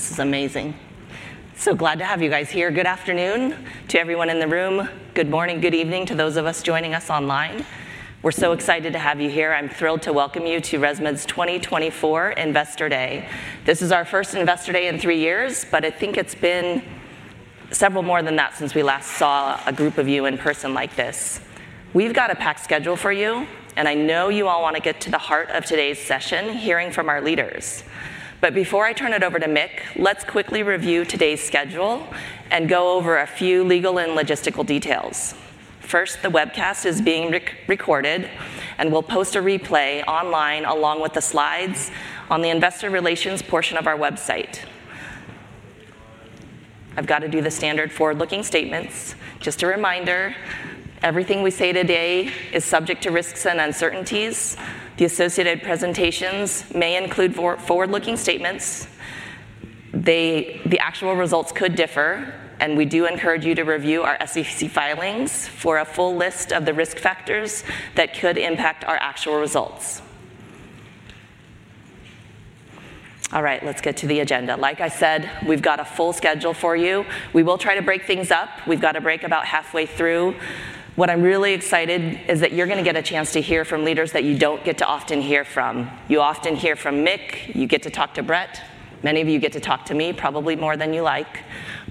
This is amazing. So glad to have you guys here. Good afternoon to everyone in the room. Good morning, good evening to those of us joining us online. We're so excited to have you here. I'm thrilled to welcome you to ResMed's 2024 Investor Day. This is our first Investor Day in three years, but I think it's been several more than that since we last saw a group of you in person like this. We've got a packed schedule for you, and I know you all wanna get to the heart of today's session, hearing from our leaders. But before I turn it over to Mick, let's quickly review today's schedule and go over a few legal and logistical details. First, the webcast is being recorded, and we'll post a replay online, along with the slides, on the investor relations portion of our website. I've got to do the standard forward-looking statements. Just a reminder, everything we say today is subject to risks and uncertainties. The associated presentations may include forward-looking statements. They, the actual results could differ, and we do encourage you to review our SEC filings for a full list of the risk factors that could impact our actual results. All right, let's get to the agenda. Like I said, we've got a full schedule for you. We will try to break things up. We've got a break about halfway through. What I'm really excited is that you're gonna get a chance to hear from leaders that you don't get to often hear from. You often hear from Mick, you get to talk to Brett. Many of you get to talk to me, probably more than you like.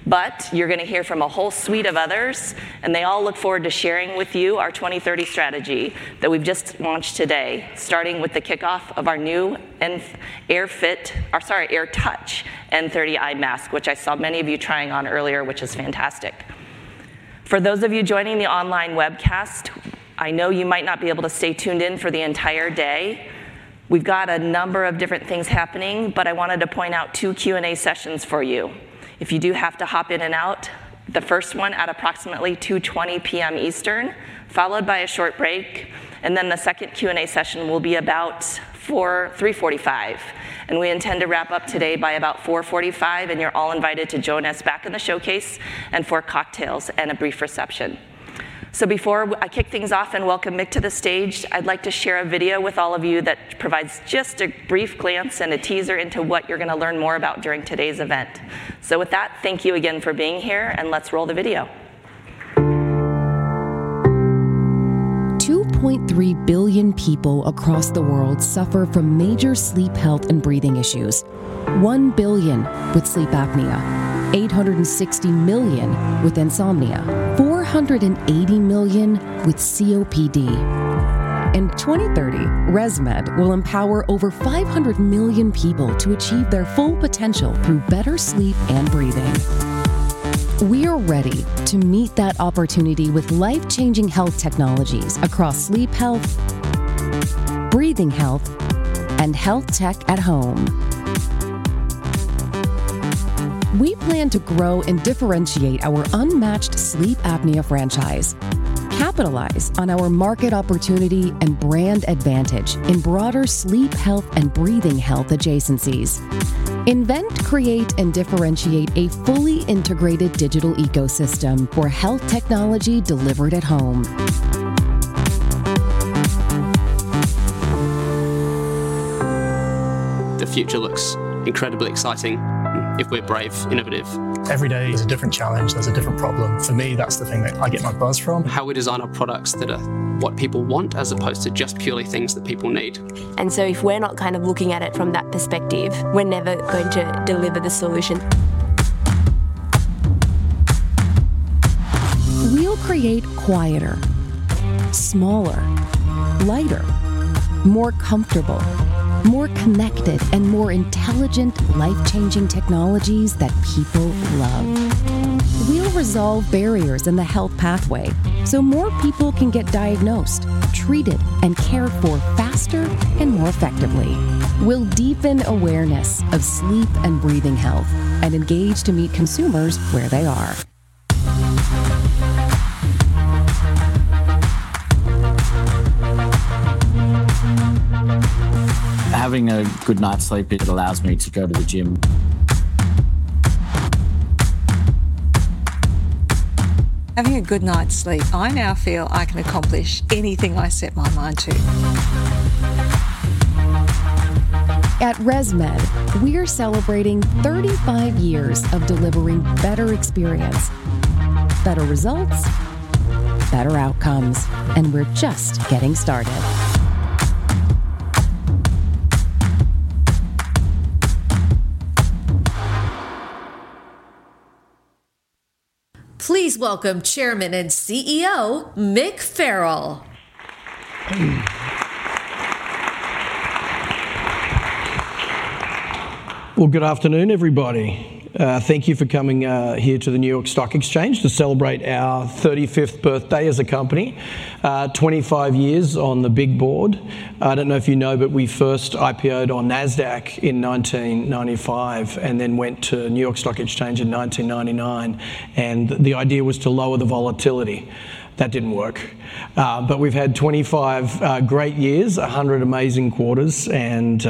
But you're gonna hear from a whole suite of others, and they all look forward to sharing with you our 2030 strategy that we've just launched today, starting with the kickoff of our new N AirFit - or sorry, AirTouch N30i mask, which I saw many of you trying on earlier, which is fantastic. For those of you joining the online webcast, I know you might not be able to stay tuned in for the entire day. We've got a number of different things happening, but I wanted to point out two Q&A sessions for you. If you do have to hop in and out, the first one at approximately 2:20 P.M. Eastern, followed by a short break, and then the second Q&A session will be about 3:45 P.M., and we intend to wrap up today by about 4:45 P.M., and you're all invited to join us back in the showcase and for cocktails and a brief reception. So before I kick things off and welcome Mick to the stage, I'd like to share a video with all of you that provides just a brief glimpse and a teaser into what you're gonna learn more about during today's event. So with that, thank you again for being here, and let's roll the video. At ResMed, we're celebrating thirty-five years of delivering better experience, better results, better outcomes, and we're just getting started. Please welcome Chairman and CEO, Mick Farrell. Good afternoon, everybody. Thank you for coming here to the New York Stock Exchange to celebrate our 35th birthday as a company, 25 years on the big board. I don't know if you know, but we first IPO'd on Nasdaq in 1995 and then went to New York Stock Exchange in 1999, and the idea was to lower the volatility. That didn't work, but we've had 25 great years, a hundred amazing quarters, and,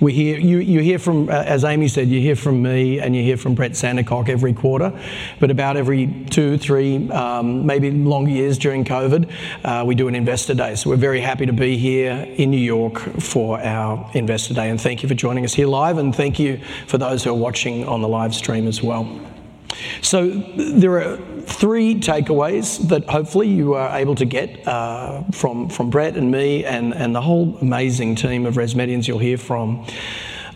as Amy said, you hear from me, and you hear from Brett Sandercock every quarter. But about every two, three, maybe longer years during COVID, we do an Investor Day. So we're very happy to be here in New York for our Investor Day, and thank you for joining us here live, and thank you for those who are watching on the live stream as well. So there are three takeaways that hopefully you are able to get from Brett and me and the whole amazing team of ResMedians you'll hear from.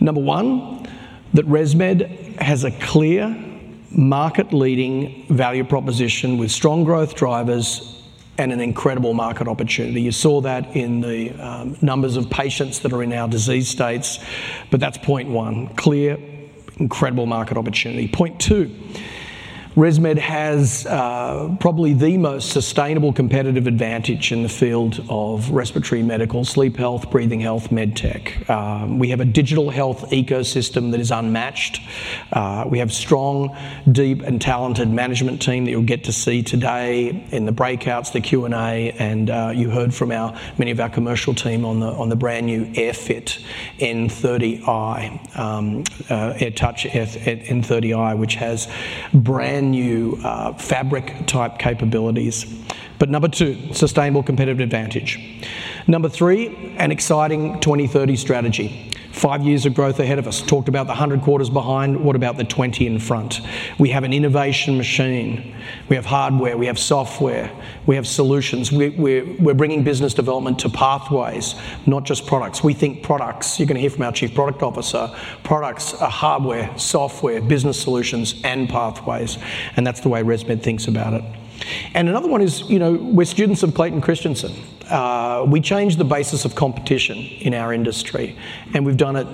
Number one, that ResMed has a clear market-leading value proposition with strong growth drivers and an incredible market opportunity. You saw that in the numbers of patients that are in our disease states, but that's point one, clear, incredible market opportunity. Point two, ResMed has probably the most sustainable competitive advantage in the field of respiratory medical, sleep health, breathing health, medtech. We have a digital health ecosystem that is unmatched. We have strong, deep, and talented management team that you'll get to see today in the breakouts, the Q&A, and you heard from our many of our commercial team on the brand new AirFit N30i, AirTouch N30i, which has brand new fabric-type capabilities. But number two, sustainable competitive advantage. Number three, an exciting 2030 strategy. Five years of growth ahead of us. Talked about the hundred quarters behind, what about the twenty in front? We have an innovation machine. We have hardware, we have software, we have solutions. We're bringing business development to pathways, not just products. We think products... You're gonna hear from our Chief Product Officer. Products are hardware, software, business solutions, and pathways, and that's the way ResMed thinks about it. And another one is, you know, we're students of Clayton Christensen. We changed the basis of competition in our industry, and we've done it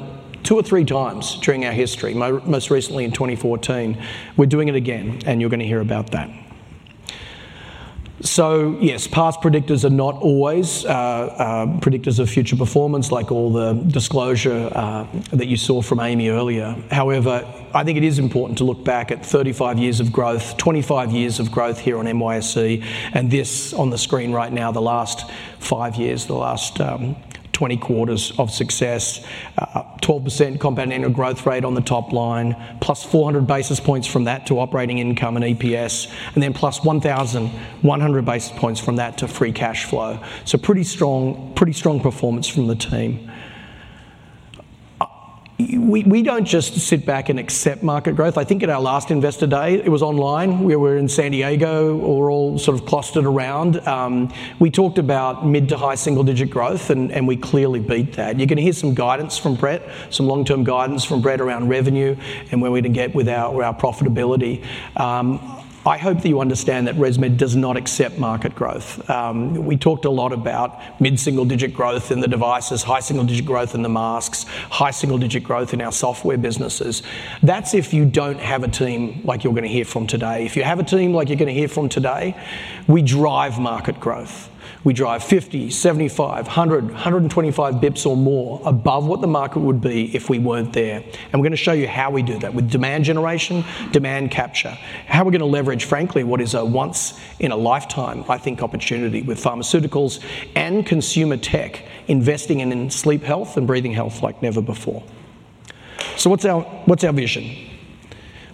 two or three times during our history, most recently in 2014. We're doing it again, and you're gonna hear about that. So yes, past predictors are not always predictors of future performance, like all the disclosure that you saw from Amy earlier. However, I think it is important to look back at 35 years of growth, 25 years of growth here on NYSE, and this on the screen right now, the last 5 years, the last 20 quarters of success, 12% compound annual growth rate on the top line, +400 basis points from that to operating income and EPS, and then +1,100 basis points from that to free cash flow. So pretty strong, pretty strong performance from the team. We don't just sit back and accept market growth. I think at our last Investor Day, it was online, where we're in San Diego, we're all sort of clustered around. We talked about mid- to high single-digit growth, and we clearly beat that. You're gonna hear some guidance from Brett, some long-term guidance from Brett around revenue and where we're to get with our profitability. I hope that you understand that ResMed does not accept market growth. We talked a lot about mid-single-digit growth in the devices, high single-digit growth in the masks, high single-digit growth in our software businesses. That's if you don't have a team like you're gonna hear from today. If you have a team like you're gonna hear from today, we drive market growth. We drive 50, 75, 100, 125 basis points or more above what the market would be if we weren't there. And we're gonna show you how we do that with demand generation, demand capture. How we're gonna leverage, frankly, what is a once in a lifetime, I think, opportunity with pharmaceuticals and consumer tech, investing in sleep health and breathing health like never before. So what's our, what's our vision?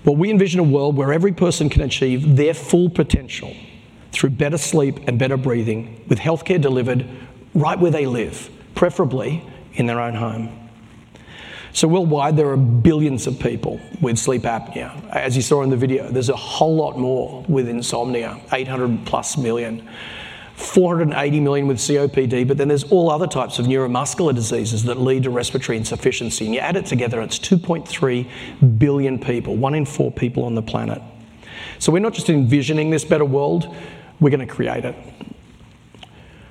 Well, we envision a world where every person can achieve their full potential through better sleep and better breathing, with healthcare delivered right where they live, preferably in their own home. So worldwide, there are billions of people with sleep apnea. As you saw in the video, there's a whole lot more with insomnia, 800+ million, 480 million with COPD, but then there's all other types of neuromuscular diseases that lead to respiratory insufficiency. And you add it together, it's 2.3 billion people, one in four people on the planet. So we're not just envisioning this better world, we're gonna create it.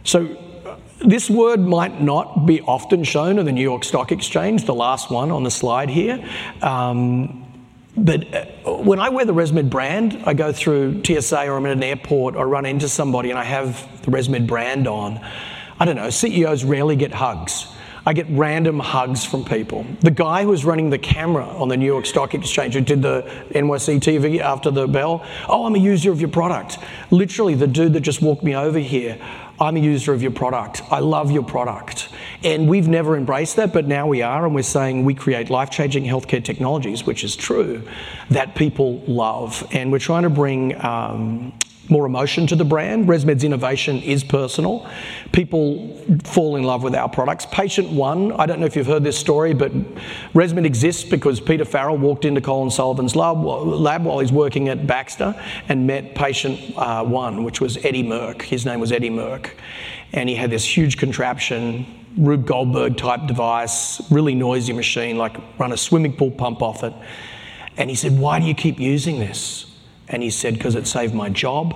So this word might not be often shown in the New York Stock Exchange, the last one on the slide here, but when I wear the ResMed brand, I go through TSA or I'm in an airport, I run into somebody, and I have the ResMed brand on, I don't know, CEOs rarely get hugs. I get random hugs from people. The guy who was running the camera on the New York Stock Exchange, who did the NYSE TV after the bell: "Oh, I'm a user of your product." Literally, the dude that just walked me over here, "I'm a user of your product. I love your product." And we've never embraced that, but now we are, and we're saying we create life-changing healthcare technologies, which is true, that people love. And we're trying to bring more emotion to the brand. ResMed's innovation is personal. People fall in love with our products. Patient one, I don't know if you've heard this story, but ResMed exists because Peter Farrell walked into Colin Sullivan's lab while he's working at Baxter and met patient one, which was Eddie Merck. His name was Eddie Merck, and he had this huge contraption, Rube Goldberg-type device, really noisy machine, like run a swimming pool pump off it. And he said, "Why do you keep using this?" And he said, "Because it saved my job,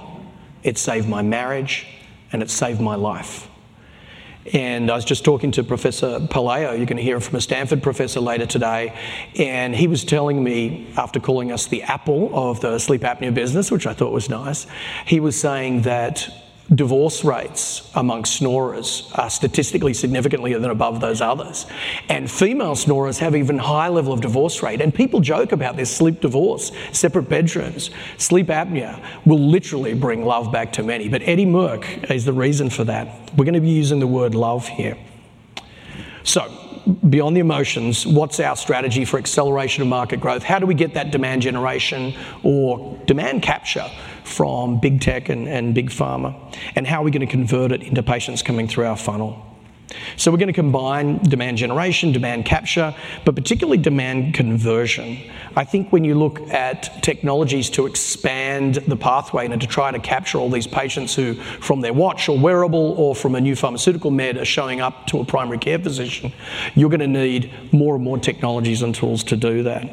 it saved my marriage, and it saved my life." And I was just talking to Professor Pelayo, you're gonna hear from a Stanford professor later today, and he was telling me, after calling us the Apple of the sleep apnea business, which I thought was nice, he was saying that divorce rates among snorers are statistically significantly above those others. And female snorers have even higher level of divorce rate, and people joke about this sleep divorce, separate bedrooms. Sleep apnea will literally bring love back to many, but Eddie Merck is the reason for that. We're gonna be using the word love here. So beyond the emotions, what's our strategy for acceleration of market growth? How do we get that demand generation or demand capture from big tech and big pharma? And how are we gonna convert it into patients coming through our funnel? So we're going to combine demand generation, demand capture, but particularly demand conversion. I think when you look at technologies to expand the pathway and to try to capture all these patients who, from their watch or wearable or from a new pharmaceutical med, are showing up to a primary care physician, you're going to need more and more technologies and tools to do that.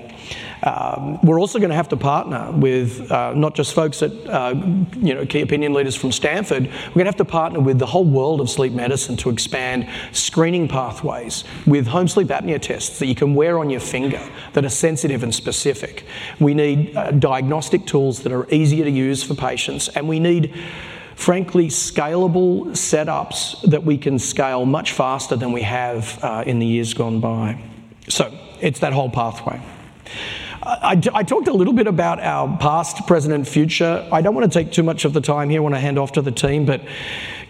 We're also going to have to partner with, not just folks at, you know, key opinion leaders from Stanford. We're going to have to partner with the whole world of sleep medicine to expand screening pathways with home sleep apnea tests that you can wear on your finger that are sensitive and specific. We need diagnostic tools that are easier to use for patients, and we need, frankly, scalable setups that we can scale much faster than we have in the years gone by. So it's that whole pathway. I talked a little bit about our past, present, and future. I don't want to take too much of the time here when I hand off to the team, but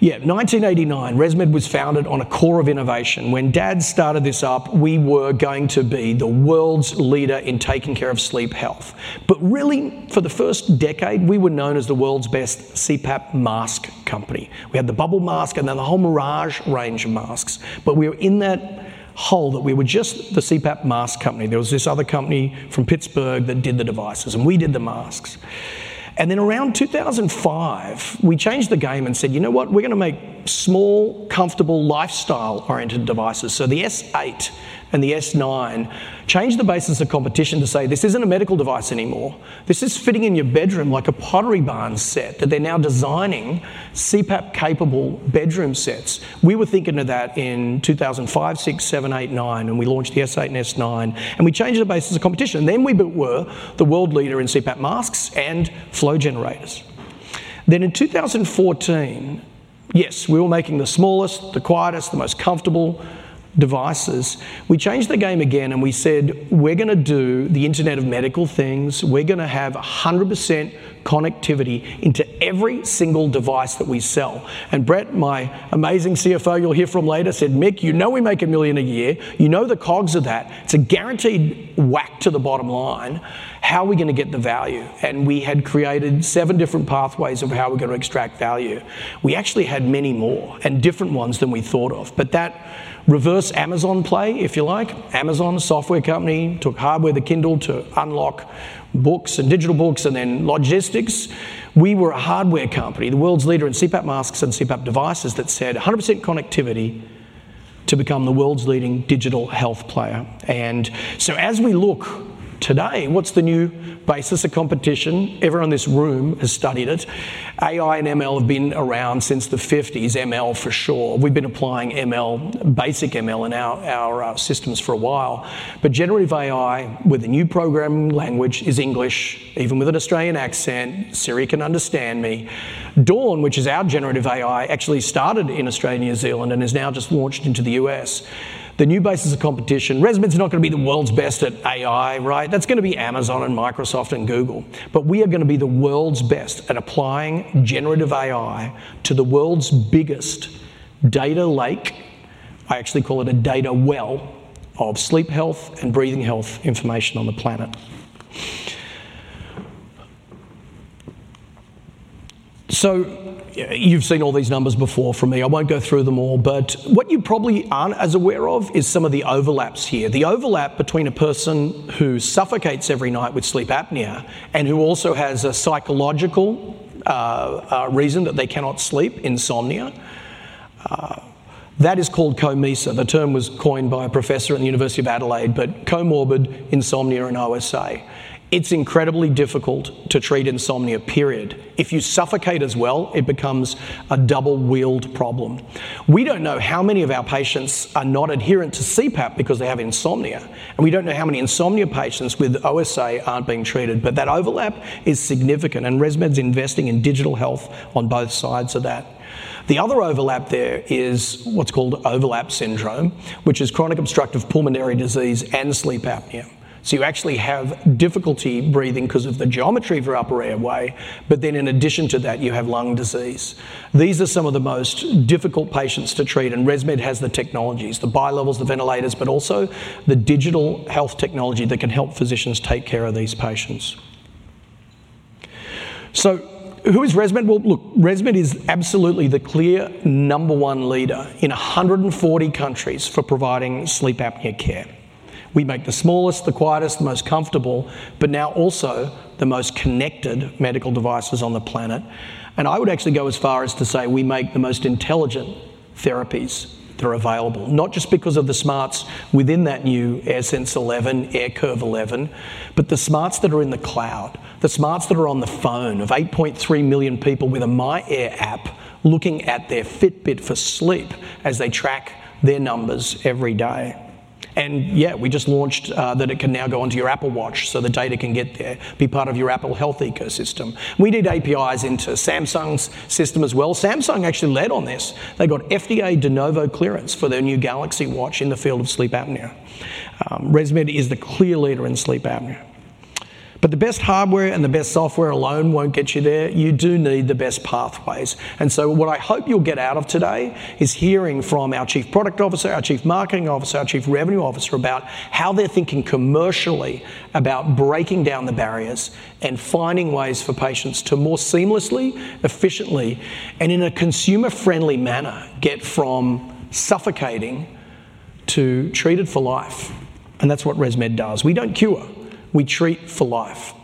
yeah, 1989, ResMed was founded on a core of innovation. When Dad started this up, we were going to be the world's leader in taking care of sleep health. But really, for the first decade, we were known as the world's best CPAP mask company. We had the Bubble mask and then the whole Mirage range of masks, but we were in that hole that we were just the CPAP mask company. There was this other company from Pittsburgh that did the devices, and we did the masks, and then around 2005, we changed the game and said, "You know what? We're going to make small, comfortable, lifestyle-oriented devices," so the S8 and the S9 changed the basis of competition to say, this isn't a medical device anymore. This is fitting in your bedroom like a Pottery Barn set, that they're now designing CPAP-capable bedroom sets. We were thinking of that in 2005, 2006, 2007, 2008, 2009, and we launched the S8 and S9, and we changed the basis of competition, then we built. We're the world leader in CPAP masks and flow generators. Then in 2014, yes, we were making the smallest, the quietest, the most comfortable devices. We changed the game again, and we said, "We're going to do the Internet of medical things. We're going to have 100% connectivity into every single device that we sell," and Brett, my amazing CFO, you'll hear from later, said, "Mick, you know we make a million a year. You know the COGS of that. It's a guaranteed whack to the bottom line. How are we going to get the value?" We had created seven different pathways of how we're going to extract value. We actually had many more and different ones than we thought of, but that reverse Amazon play, if you like, Amazon, a software company, took hardware, the Kindle, to unlock books and digital books and then logistics. We were a hardware company, the world's leader in CPAP masks and CPAP devices, that said 100% connectivity to become the world's leading digital health player, and so as we look today, what's the new basis of competition? Everyone in this room has studied it. AI and ML have been around since the '50s. ML, for sure. We've been applying ML, basic ML, in our systems for a while, but generative AI with a new programming language is English. Even with an Australian accent, Siri can understand me. Dawn, which is our generative AI, actually started in Australia and New Zealand and has now just launched into the US. The new basis of competition, ResMed's not going to be the world's best at AI, right? That's going to be Amazon and Microsoft and Google, but we are going to be the world's best at applying generative AI to the world's biggest data lake. I actually call it a data well of sleep health and breathing health information on the planet, so you've seen all these numbers before from me. I won't go through them all, but what you probably aren't as aware of is some of the overlaps here. The overlap between a person who suffocates every night with sleep apnea and who also has a psychological reason that they cannot sleep, insomnia, that is called COMISA. The term was coined by a professor at the University of Adelaide, but comorbid insomnia and OSA. It's incredibly difficult to treat insomnia, period. If you suffocate as well, it becomes a double-wheeled problem. We don't know how many of our patients are not adherent to CPAP because they have insomnia, and we don't know how many insomnia patients with OSA aren't being treated, but that overlap is significant, and ResMed's investing in digital health on both sides of that. The other overlap there is what's called overlap syndrome, which is chronic obstructive pulmonary disease and sleep apnea. So you actually have difficulty breathing 'cause of the geometry of your upper airway, but then in addition to that, you have lung disease. These are some of the most difficult patients to treat, and ResMed has the technologies, the bilevels, the ventilators, but also the digital health technology that can help physicians take care of these patients. So who is ResMed? Well, look, ResMed is absolutely the clear number one leader in a hundred and forty countries for providing sleep apnea care. We make the smallest, the quietest, the most comfortable, but now also the most connected medical devices on the planet. I would actually go as far as to say we make the most intelligent therapies that are available, not just because of the smarts within that new AirSense 11, AirCurve 11, but the smarts that are in the cloud, the smarts that are on the phone of 8.3 million people with a myAir app looking at their Fitbit for sleep as they track their numbers every day. Yeah, we just launched that it can now go onto your Apple Watch, so the data can get there, be part of your Apple Health ecosystem. We did APIs into Samsung's system as well. Samsung actually led on this. They got FDA De Novo clearance for their new Galaxy Watch in the field of sleep apnea. ResMed is the clear leader in sleep apnea. But the best hardware and the best software alone won't get you there. You do need the best pathways, and so what I hope you'll get out of today is hearing from our Chief Product Officer, our Chief Marketing Officer, our Chief Revenue Officer, about how they're thinking commercially about breaking down the barriers and finding ways for patients to more seamlessly, efficiently, and in a consumer-friendly manner, get from suffocating to treat it for life, and that's what ResMed does. We don't cure, we treat for life.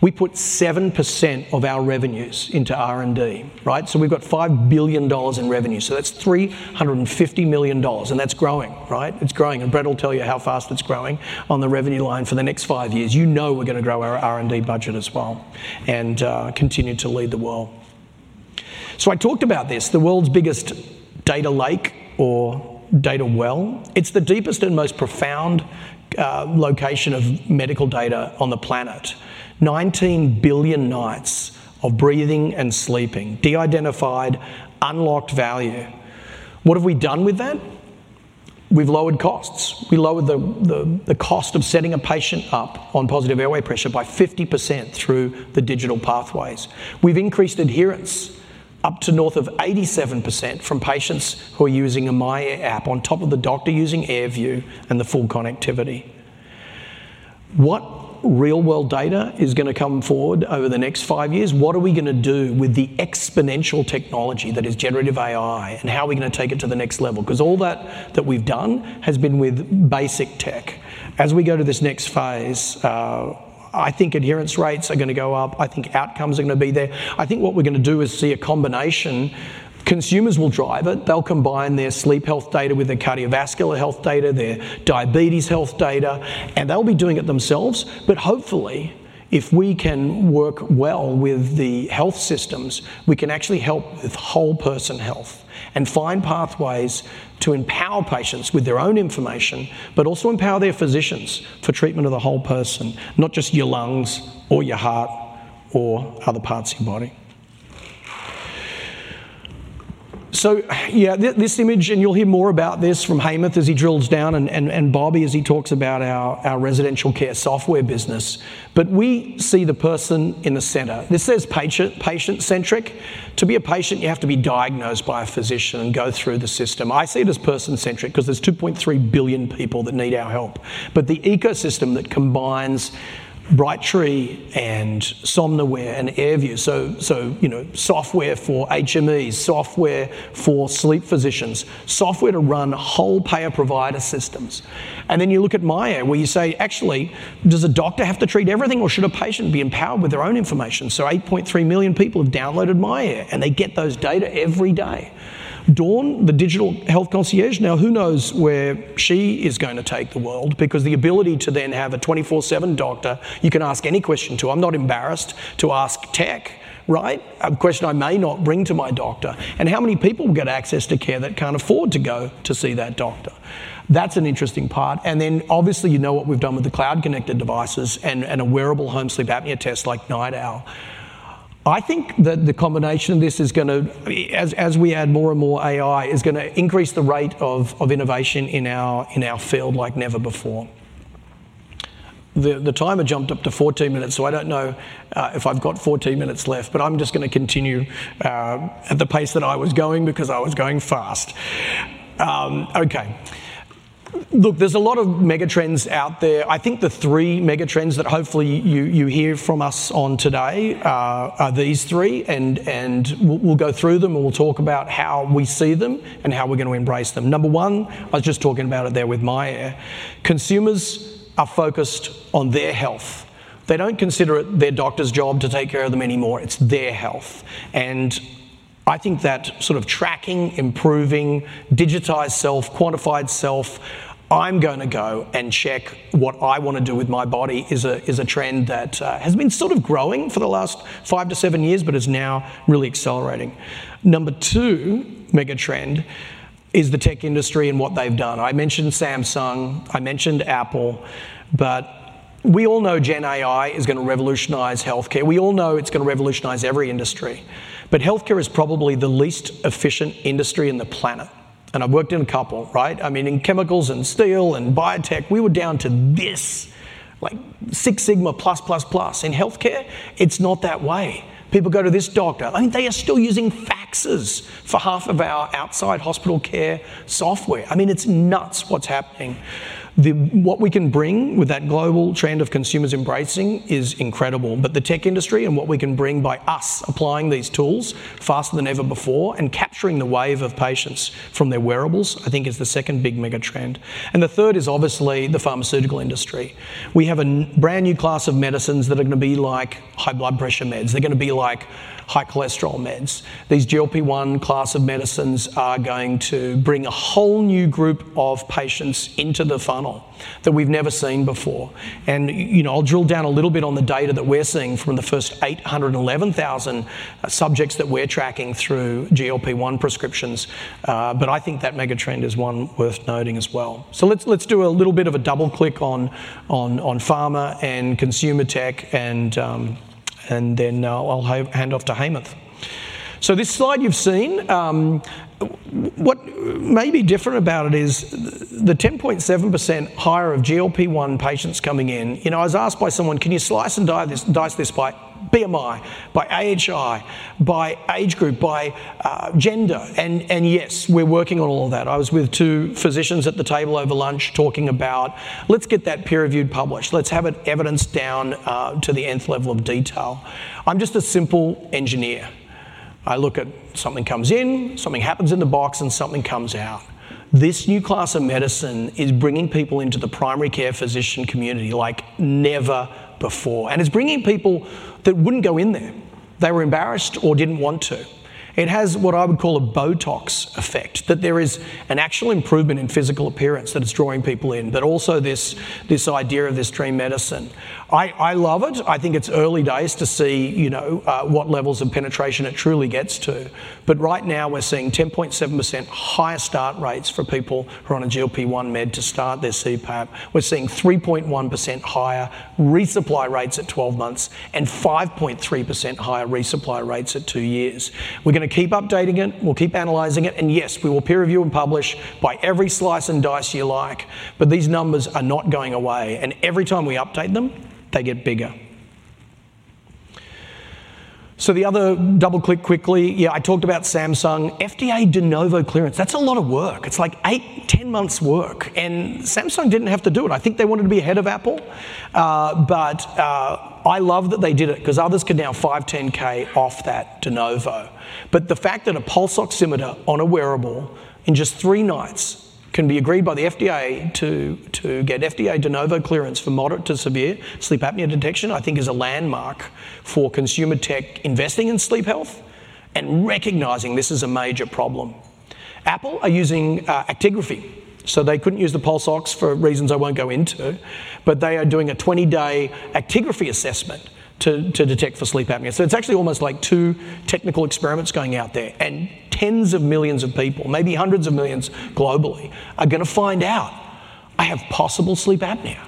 We put 7% of our revenues into R&D, right? So we've got $5 billion in revenue, so that's $350 million, and that's growing, right? It's growing, and Brett will tell you how fast it's growing on the revenue line for the next five years. You know we're gonna grow our R&D budget as well and continue to lead the world. So I talked about this, the world's biggest data lake or data well. It's the deepest and most profound location of medical data on the planet. Nineteen billion nights of breathing and sleeping, de-identified, unlocked value. What have we done with that? We've lowered costs. We lowered the cost of setting a patient up on positive airway pressure by 50% through the digital pathways. We've increased adherence up to north of 87% from patients who are using a myAir app on top of the doctor using AirView and the full connectivity. What real world data is gonna come forward over the next five years? What are we gonna do with the exponential technology that is generative AI, and how are we gonna take it to the next level? 'Cause all that we've done has been with basic tech. As we go to this next phase, I think adherence rates are gonna go up. I think outcomes are gonna be there. I think what we're gonna do is see a combination. Consumers will drive it. They'll combine their sleep health data with their cardiovascular health data, their diabetes health data, and they'll be doing it themselves. But hopefully, if we can work well with the health systems, we can actually help with whole person health and find pathways to empower patients with their own information, but also empower their physicians for treatment of the whole person, not just your lungs or your heart or other parts of your body. So, yeah, this image, and you'll hear more about this from Hemanth as he drills down and Bobby as he talks about our residential care software business, but we see the person in the center. This says patient, patient-centric. To be a patient, you have to be diagnosed by a physician and go through the system. I see it as person-centric 'cause there's 2.3 billion people that need our help. But the ecosystem that combines Brightree and Somnoware and AirView, so, so, you know, software for HMEs, software for sleep physicians, software to run whole payer-provider systems. And then you look at myAir, where you say, "Actually, does a doctor have to treat everything, or should a patient be empowered with their own information?" So 8.3 million people have downloaded myAir, and they get those data every day. Dawn, the digital health concierge, now who knows where she is gonna take the world? Because the ability to then have a 24/7 doctor, you can ask any question to. I'm not embarrassed to ask tech, right, a question I may not bring to my doctor. And how many people get access to care that can't afford to go to see that doctor? That's an interesting part. And then, obviously, you know what we've done with the cloud-connected devices and a wearable home sleep apnea test like NightOwl. I think that the combination of this is gonna, as we add more and more AI, is gonna increase the rate of innovation in our field like never before. The timer jumped up to 14 minutes, so I don't know if I've got 14 minutes left, but I'm just gonna continue at the pace that I was going because I was going fast. Okay. Look, there's a lot of mega trends out there. I think the three mega trends that hopefully you hear from us on today are these three, and we'll go through them, and we'll talk about how we see them and how we're gonna embrace them. Number one, I was just talking about it there with myAir. Consumers are focused on their health. They don't consider it their doctor's job to take care of them anymore. It's their health, and I think that sort of tracking, improving, digitized self, quantified self, I'm gonna go and check what I wanna do with my body is a trend that has been sort of growing for the last five to seven years, but is now really accelerating. Number two mega trend is the tech industry and what they've done. I mentioned Samsung, I mentioned Apple, but we all know Gen AI is gonna revolutionize healthcare. We all know it's gonna revolutionize every industry, but healthcare is probably the least efficient industry on the planet, and I've worked in a couple, right? I mean, in chemicals and steel and biotech, we were down to this, like Six Sigma plus, plus, plus. In healthcare, it's not that way. People go to this doctor. I mean, they are still using faxes for half of our outside hospital care software. I mean, it's nuts what's happening. What we can bring with that global trend of consumers embracing is incredible. But the tech industry and what we can bring by us applying these tools faster than ever before and capturing the wave of patients from their wearables, I think is the second big mega trend. And the third is obviously the pharmaceutical industry. We have a brand-new class of medicines that are gonna be like high blood pressure meds. They're gonna be like high cholesterol meds. These GLP-1 class of medicines are going to bring a whole new group of patients into the funnel that we've never seen before. And, you know, I'll drill down a little bit on the data that we're seeing from the first 811,000 subjects that we're tracking through GLP-1 prescriptions, but I think that mega trend is one worth noting as well. So let's do a little bit of a double click on pharma and consumer tech, and then I'll hand off to Hemanth. So this slide you've seen. What may be different about it is the 10.7% higher of GLP-1 patients coming in. You know, I was asked by someone, "Can you slice and dice this, dice this by BMI, by AHI, by age group, by gender?" And yes, we're working on all of that. I was with two physicians at the table over lunch talking about, let's get that peer review published. Let's have it evidenced down to the nth level of detail. I'm just a simple engineer.... I look at something comes in, something happens in the box, and something comes out. This new class of medicine is bringing people into the primary care physician community like never before, and it's bringing people that wouldn't go in there. They were embarrassed or didn't want to. It has what I would call a Botox effect, that there is an actual improvement in physical appearance that is drawing people in, but also this idea of this dream medicine. I love it. I think it's early days to see, you know, what levels of penetration it truly gets to, but right now we're seeing 10.7% higher start rates for people who are on a GLP-1 med to start their CPAP. We're seeing 3.1% higher resupply rates at 12 months and 5.3% higher resupply rates at two years. We're gonna keep updating it. We'll keep analyzing it, and yes, we will peer review and publish by every slice and dice you like, but these numbers are not going away, and every time we update them, they get bigger. So the other double click quickly. Yeah, I talked about Samsung. FDA De Novo clearance, that's a lot of work. It's like 8-10 months work, and Samsung didn't have to do it. I think they wanted to be ahead of Apple, but I love that they did it 'cause others can now 5-10K off that De Novo. But the fact that a pulse oximeter on a wearable in just three nights can be agreed by the FDA to get FDA De Novo clearance for moderate to severe sleep apnea detection, I think is a landmark for consumer tech investing in sleep health and recognizing this is a major problem. Apple are using actigraphy, so they couldn't use the pulse ox for reasons I won't go into, but they are doing a 20-day actigraphy assessment to detect for sleep apnea. So it's actually almost like two technical experiments going out there, and tens of millions of people, maybe hundreds of millions globally, are gonna find out, "I have possible sleep apnea,"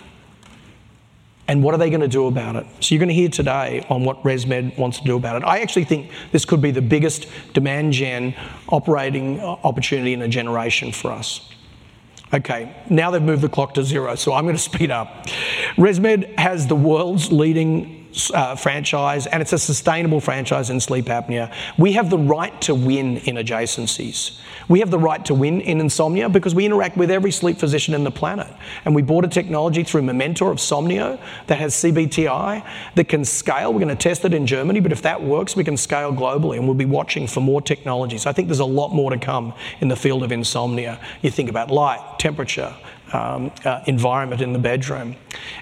and what are they gonna do about it? You're gonna hear today on what ResMed wants to do about it. I actually think this could be the biggest demand gen operating opportunity in a generation for us. Okay, now they've moved the clock to zero, so I'm gonna speed up. ResMed has the world's leading franchise, and it's a sustainable franchise in sleep apnea. We have the right to win in adjacencies. We have the right to win in insomnia because we interact with every sleep physician on the planet, and we bought a technology through Mementor of Somnio that has CBTI, that can scale. We're gonna test it in Germany, but if that works, we can scale globally, and we'll be watching for more technologies. I think there's a lot more to come in the field of insomnia. You think about light, temperature, environment in the bedroom,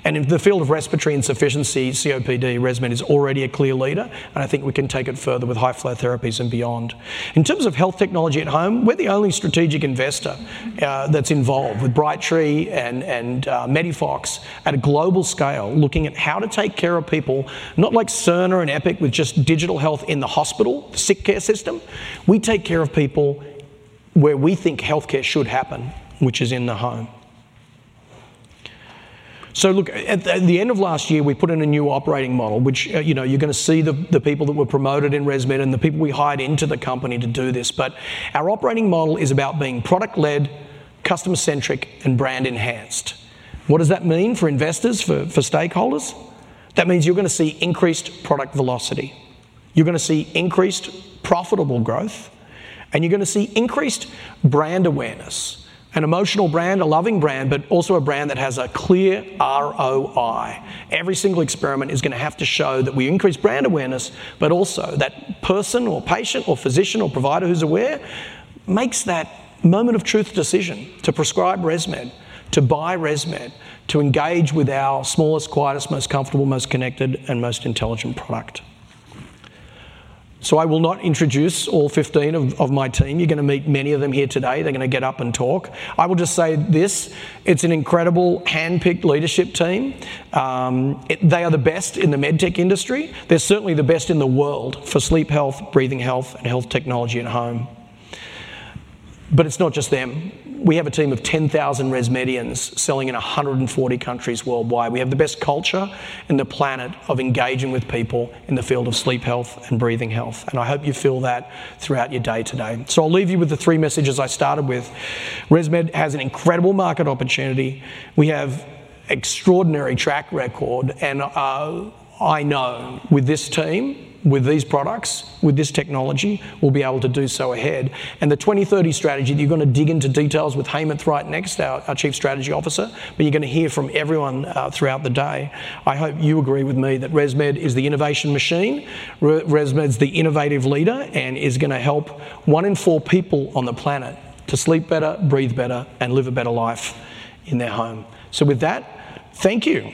and in the field of respiratory insufficiency, COPD, ResMed is already a clear leader, and I think we can take it further with high-flow therapies and beyond. In terms of health technology at home, we're the only strategic investor, that's involved with Brightree and MEDIFOX at a global scale, looking at how to take care of people, not like Cerner and Epic, with just digital health in the hospital, sick care system. We take care of people where we think healthcare should happen, which is in the home. So look, at the end of last year, we put in a new operating model, which, you know, you're gonna see the people that were promoted in ResMed and the people we hired into the company to do this. But our operating model is about being product-led, customer-centric, and brand-enhanced. What does that mean for investors, for stakeholders? That means you're gonna see increased product velocity, you're gonna see increased profitable growth, and you're gonna see increased brand awareness. An emotional brand, a loving brand, but also a brand that has a clear ROI. Every single experiment is gonna have to show that we increase brand awareness, but also that person or patient or physician or provider who's aware makes that moment of truth decision to prescribe ResMed, to buy ResMed, to engage with our smallest, quietest, most comfortable, most connected, and most intelligent product. So I will not introduce all fifteen of my team. You're gonna meet many of them here today. They're gonna get up and talk. I will just say this: It's an incredible handpicked leadership team. They are the best in the medtech industry. They're certainly the first in the world for sleep health, breathing health, and health technology at home. But it's not just them. We have a team of 10,000 ResMedians selling in 140 countries worldwide. We have the best culture on the planet of engaging with people in the field of sleep health and breathing health, and I hope you feel that throughout your day today. So I'll leave you with the three messages I started with. ResMed has an incredible market opportunity. We have extraordinary track record, and I know with this team, with these products, with this technology, we'll be able to do so ahead. And the 2030 strategy, you're gonna dig into details with Hemanth right next, our Chief Strategy Officer, but you're gonna hear from everyone throughout the day. I hope you agree with me that ResMed is the innovation machine. ResMed's the innovative leader, and is gonna help one in four people on the planet to sleep better, breathe better, and live a better life in their home. With that, thank you.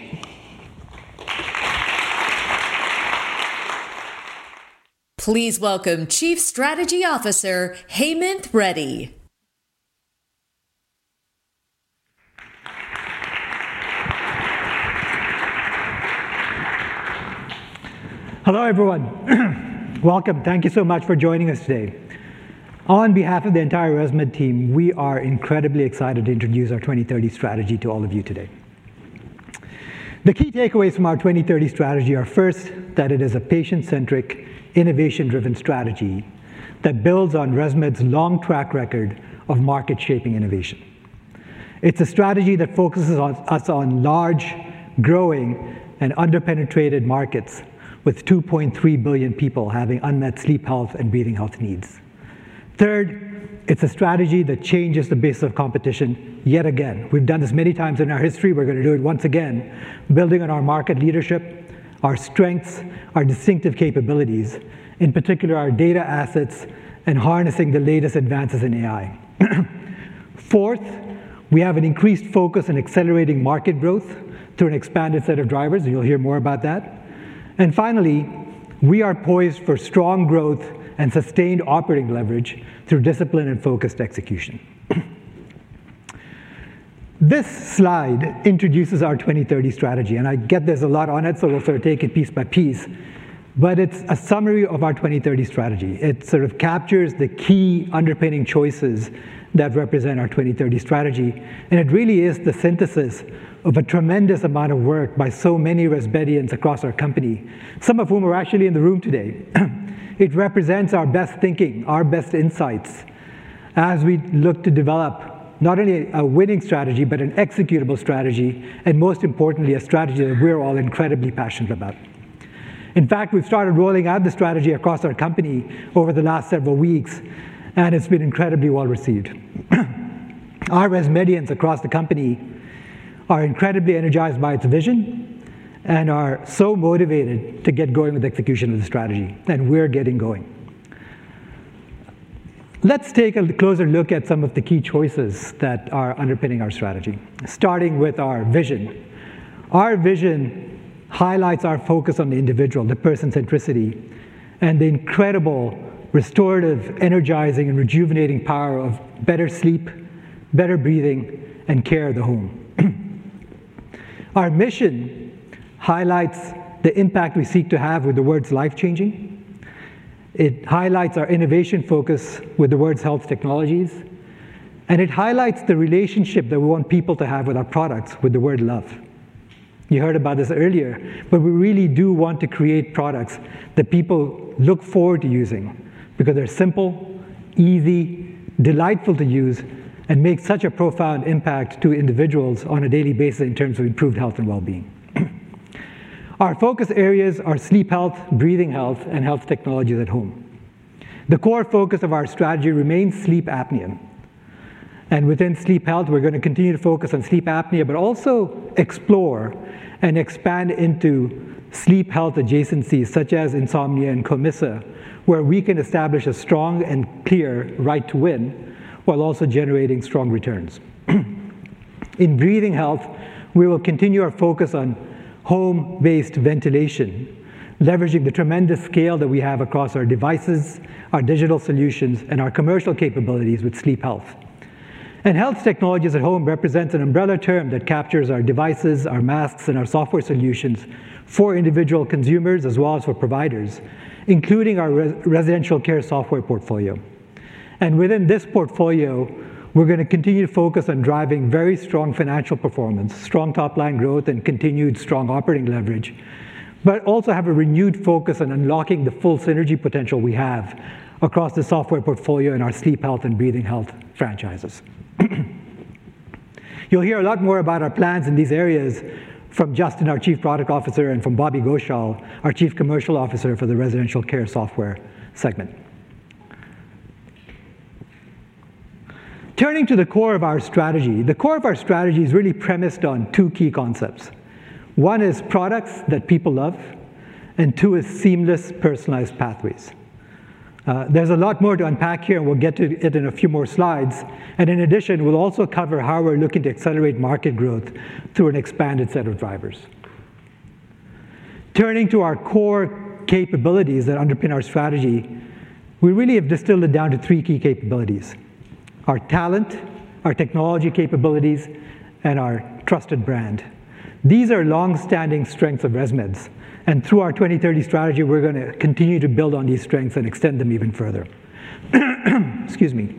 Please welcome Chief Strategy Officer, Hemanth Reddy. Hello, everyone. Welcome. Thank you so much for joining us today. On behalf of the entire ResMed team, we are incredibly excited to introduce our 2030 strategy to all of you today. The key takeaways from our 2030 strategy are, first, that it is a patient-centric, innovation-driven strategy that builds on ResMed's long track record of market-shaping innovation. It's a strategy that focuses on us on large, growing, and under-penetrated markets, with 2.3 billion people having unmet sleep health and breathing health needs. Third, it's a strategy that changes the base of competition yet again. We've done this many times in our history. We're gonna do it once again, building on our market leadership, our strengths, our distinctive capabilities, in particular, our data assets, and harnessing the latest advances in AI. Fourth, we have an increased focus on accelerating market growth through an expanded set of drivers, and you'll hear more about that. And finally, we are poised for strong growth and sustained operating leverage through discipline and focused execution. This slide introduces our 2030 strategy, and I get there's a lot on it, so we'll sort of take it piece by piece, but it's a summary of our 2030 strategy. It sort of captures the key underpinning choices that represent our 2030 strategy, and it really is the synthesis of a tremendous amount of work by so many ResMedians across our company, some of whom are actually in the room today. It represents our best thinking, our best insights, as we look to develop not only a winning strategy, but an executable strategy, and most importantly, a strategy that we're all incredibly passionate about. In fact, we've started rolling out the strategy across our company over the last several weeks, and it's been incredibly well-received. Our ResMedians across the company are incredibly energized by its vision and are so motivated to get going with the execution of the strategy, and we're getting going. Let's take a closer look at some of the key choices that are underpinning our strategy, starting with our vision. Our vision highlights our focus on the individual, the person centricity, and the incredible restorative, energizing, and rejuvenating power of better sleep, better breathing, and care at the home. Our mission highlights the impact we seek to have with the words life-changing. It highlights our innovation focus with the words health technologies, and it highlights the relationship that we want people to have with our products with the word love. You heard about this earlier, but we really do want to create products that people look forward to using because they're simple, easy, delightful to use, and make such a profound impact to individuals on a daily basis in terms of improved health and well-being. Our focus areas are sleep health, breathing health, and health technologies at home. The core focus of our strategy remains sleep apnea, and within sleep health, we're gonna continue to focus on sleep apnea, but also explore and expand into sleep health adjacencies such as insomnia and COMISA, where we can establish a strong and clear right to win, while also generating strong returns. In breathing health, we will continue our focus on home-based ventilation, leveraging the tremendous scale that we have across our devices, our digital solutions, and our commercial capabilities with sleep health. And health technologies at home represents an umbrella term that captures our devices, our masks, and our software solutions for individual consumers as well as for providers, including our residential care software portfolio. And within this portfolio, we're gonna continue to focus on driving very strong financial performance, strong top-line growth, and continued strong operating leverage, but also have a renewed focus on unlocking the full synergy potential we have across the software portfolio in our sleep health and breathing health franchises. You'll hear a lot more about our plans in these areas from Justin, our Chief Product Officer, and from Bobby Ghoshal, our Chief Commercial Officer for the residential care software segment. Turning to the core of our strategy, the core of our strategy is really premised on two key concepts. One is products that people love, and two is seamless, personalized pathways. There's a lot more to unpack here, and we'll get to it in a few more slides, and in addition, we'll also cover how we're looking to accelerate market growth through an expanded set of drivers. Turning to our core capabilities that underpin our strategy, we really have distilled it down to three key capabilities: our talent, our technology capabilities, and our trusted brand. These are long-standing strengths of ResMed's, and through our 2030 strategy, we're gonna continue to build on these strengths and extend them even further. Excuse me.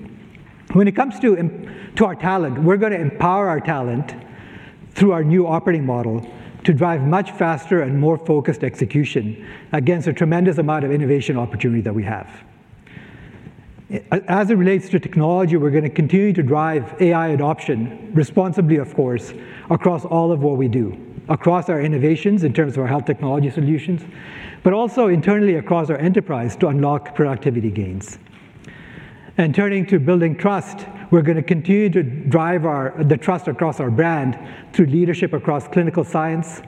When it comes to our talent, we're gonna empower our talent through our new operating model to drive much faster and more focused execution against a tremendous amount of innovation opportunity that we have. As it relates to technology, we're gonna continue to drive AI adoption, responsibly, of course, across all of what we do, across our innovations in terms of our health technology solutions, but also internally across our enterprise to unlock productivity gains. Turning to building trust, we're gonna continue to drive our trust across our brand through leadership across clinical science,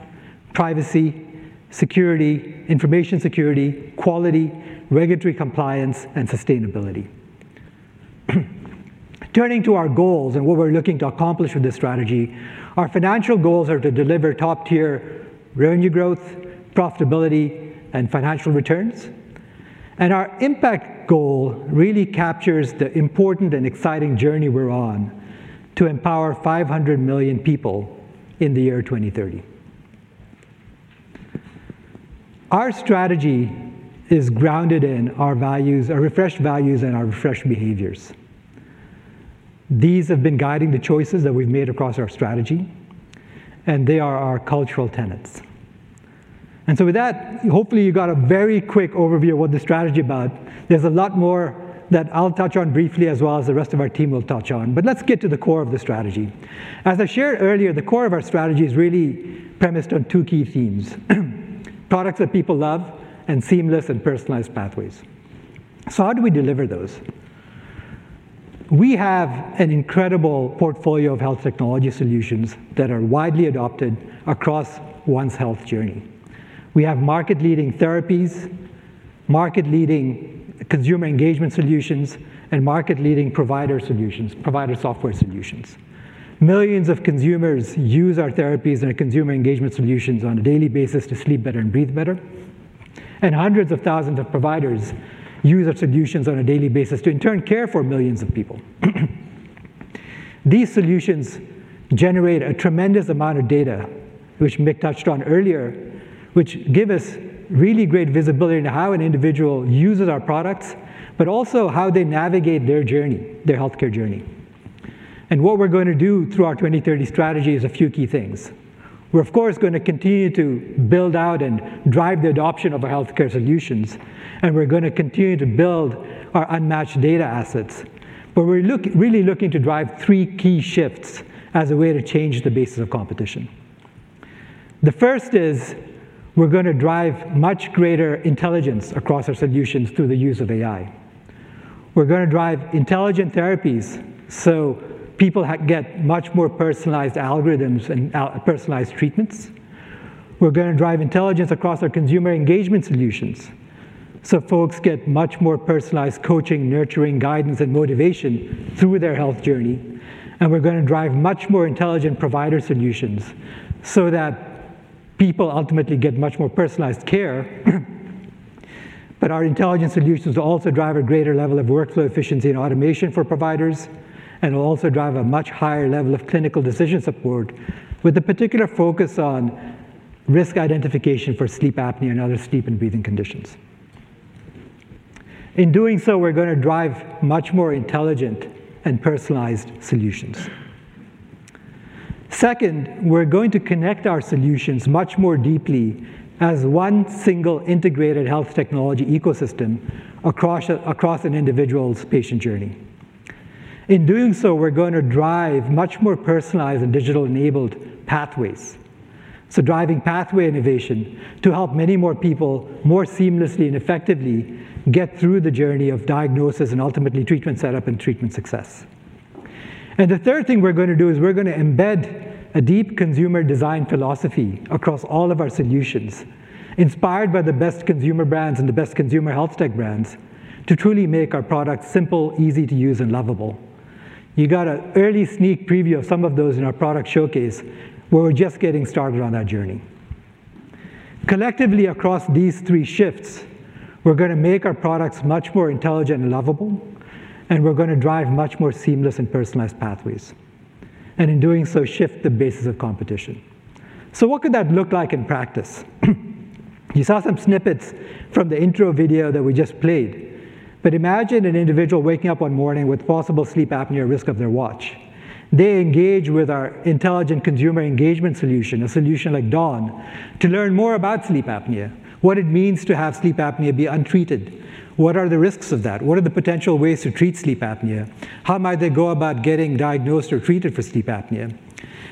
privacy, security, information security, quality, regulatory compliance, and sustainability. Turning to our goals and what we're looking to accomplish with this strategy, our financial goals are to deliver top-tier revenue growth, profitability, and financial returns. Our impact goal really captures the important and exciting journey we're on to empower 500 million people in the year 2030. Our strategy is grounded in our values, our refreshed values, and our refreshed behaviors. These have been guiding the choices that we've made across our strategy, and they are our cultural tenets. So with that, hopefully, you got a very quick overview of what the strategy is about. There's a lot more that I'll touch on briefly, as well as the rest of our team will touch on, but let's get to the core of the strategy. As I shared earlier, the core of our strategy is really premised on two key themes. ... products that people love, and seamless and personalized pathways. So how do we deliver those? We have an incredible portfolio of health technology solutions that are widely adopted across one's health journey. We have market-leading therapies, market-leading consumer engagement solutions, and market-leading provider solutions, provider software solutions. Millions of consumers use our therapies and our consumer engagement solutions on a daily basis to sleep better and breathe better, and hundreds of thousands of providers use our solutions on a daily basis to in turn care for millions of people. These solutions generate a tremendous amount of data, which Mick touched on earlier, which give us really great visibility into how an individual uses our products, but also how they navigate their journey, their healthcare journey, and what we're going to do through our 2030 strategy is a few key things. We're of course, going to continue to build out and drive the adoption of our healthcare solutions, and we're gonna continue to build our unmatched data assets, but we're really looking to drive three key shifts as a way to change the basis of competition. The first is, we're gonna drive much greater intelligence across our solutions through the use of AI. We're gonna drive intelligent therapies so people get much more personalized algorithms and personalized treatments. We're gonna drive intelligence across our consumer engagement solutions, so folks get much more personalized coaching, nurturing, guidance, and motivation through their health journey. And we're gonna drive much more intelligent provider solutions so that people ultimately get much more personalized care. But our intelligence solutions also drive a greater level of workflow efficiency and automation for providers, and will also drive a much higher level of clinical decision support, with a particular focus on risk identification for sleep apnea and other sleep and breathing conditions. In doing so, we're gonna drive much more intelligent and personalized solutions. Second, we're going to connect our solutions much more deeply as one single integrated health technology ecosystem across an individual's patient journey. In doing so, we're gonna drive much more personalized and digital-enabled pathways. So, driving pathway innovation to help many more people, more seamlessly and effectively get through the journey of diagnosis and ultimately treatment setup and treatment success. And the third thing we're gonna do is we're gonna embed a deep consumer design philosophy across all of our solutions, inspired by the best consumer brands and the best consumer health tech brands, to truly make our products simple, easy to use, and lovable. You got an early sneak preview of some of those in our product showcase. We're just getting started on that journey. Collectively, across these three shifts, we're gonna make our products much more intelligent and lovable, and we're gonna drive much more seamless and personalized pathways, and in doing so, shift the basis of competition. So what could that look like in practice? You saw some snippets from the intro video that we just played, but imagine an individual waking up one morning with possible sleep apnea risk of their watch. They engage with our intelligent consumer engagement solution, a solution like Dawn, to learn more about sleep apnea, what it means to have sleep apnea be untreated. What are the risks of that? What are the potential ways to treat sleep apnea? How might they go about getting diagnosed or treated for sleep apnea?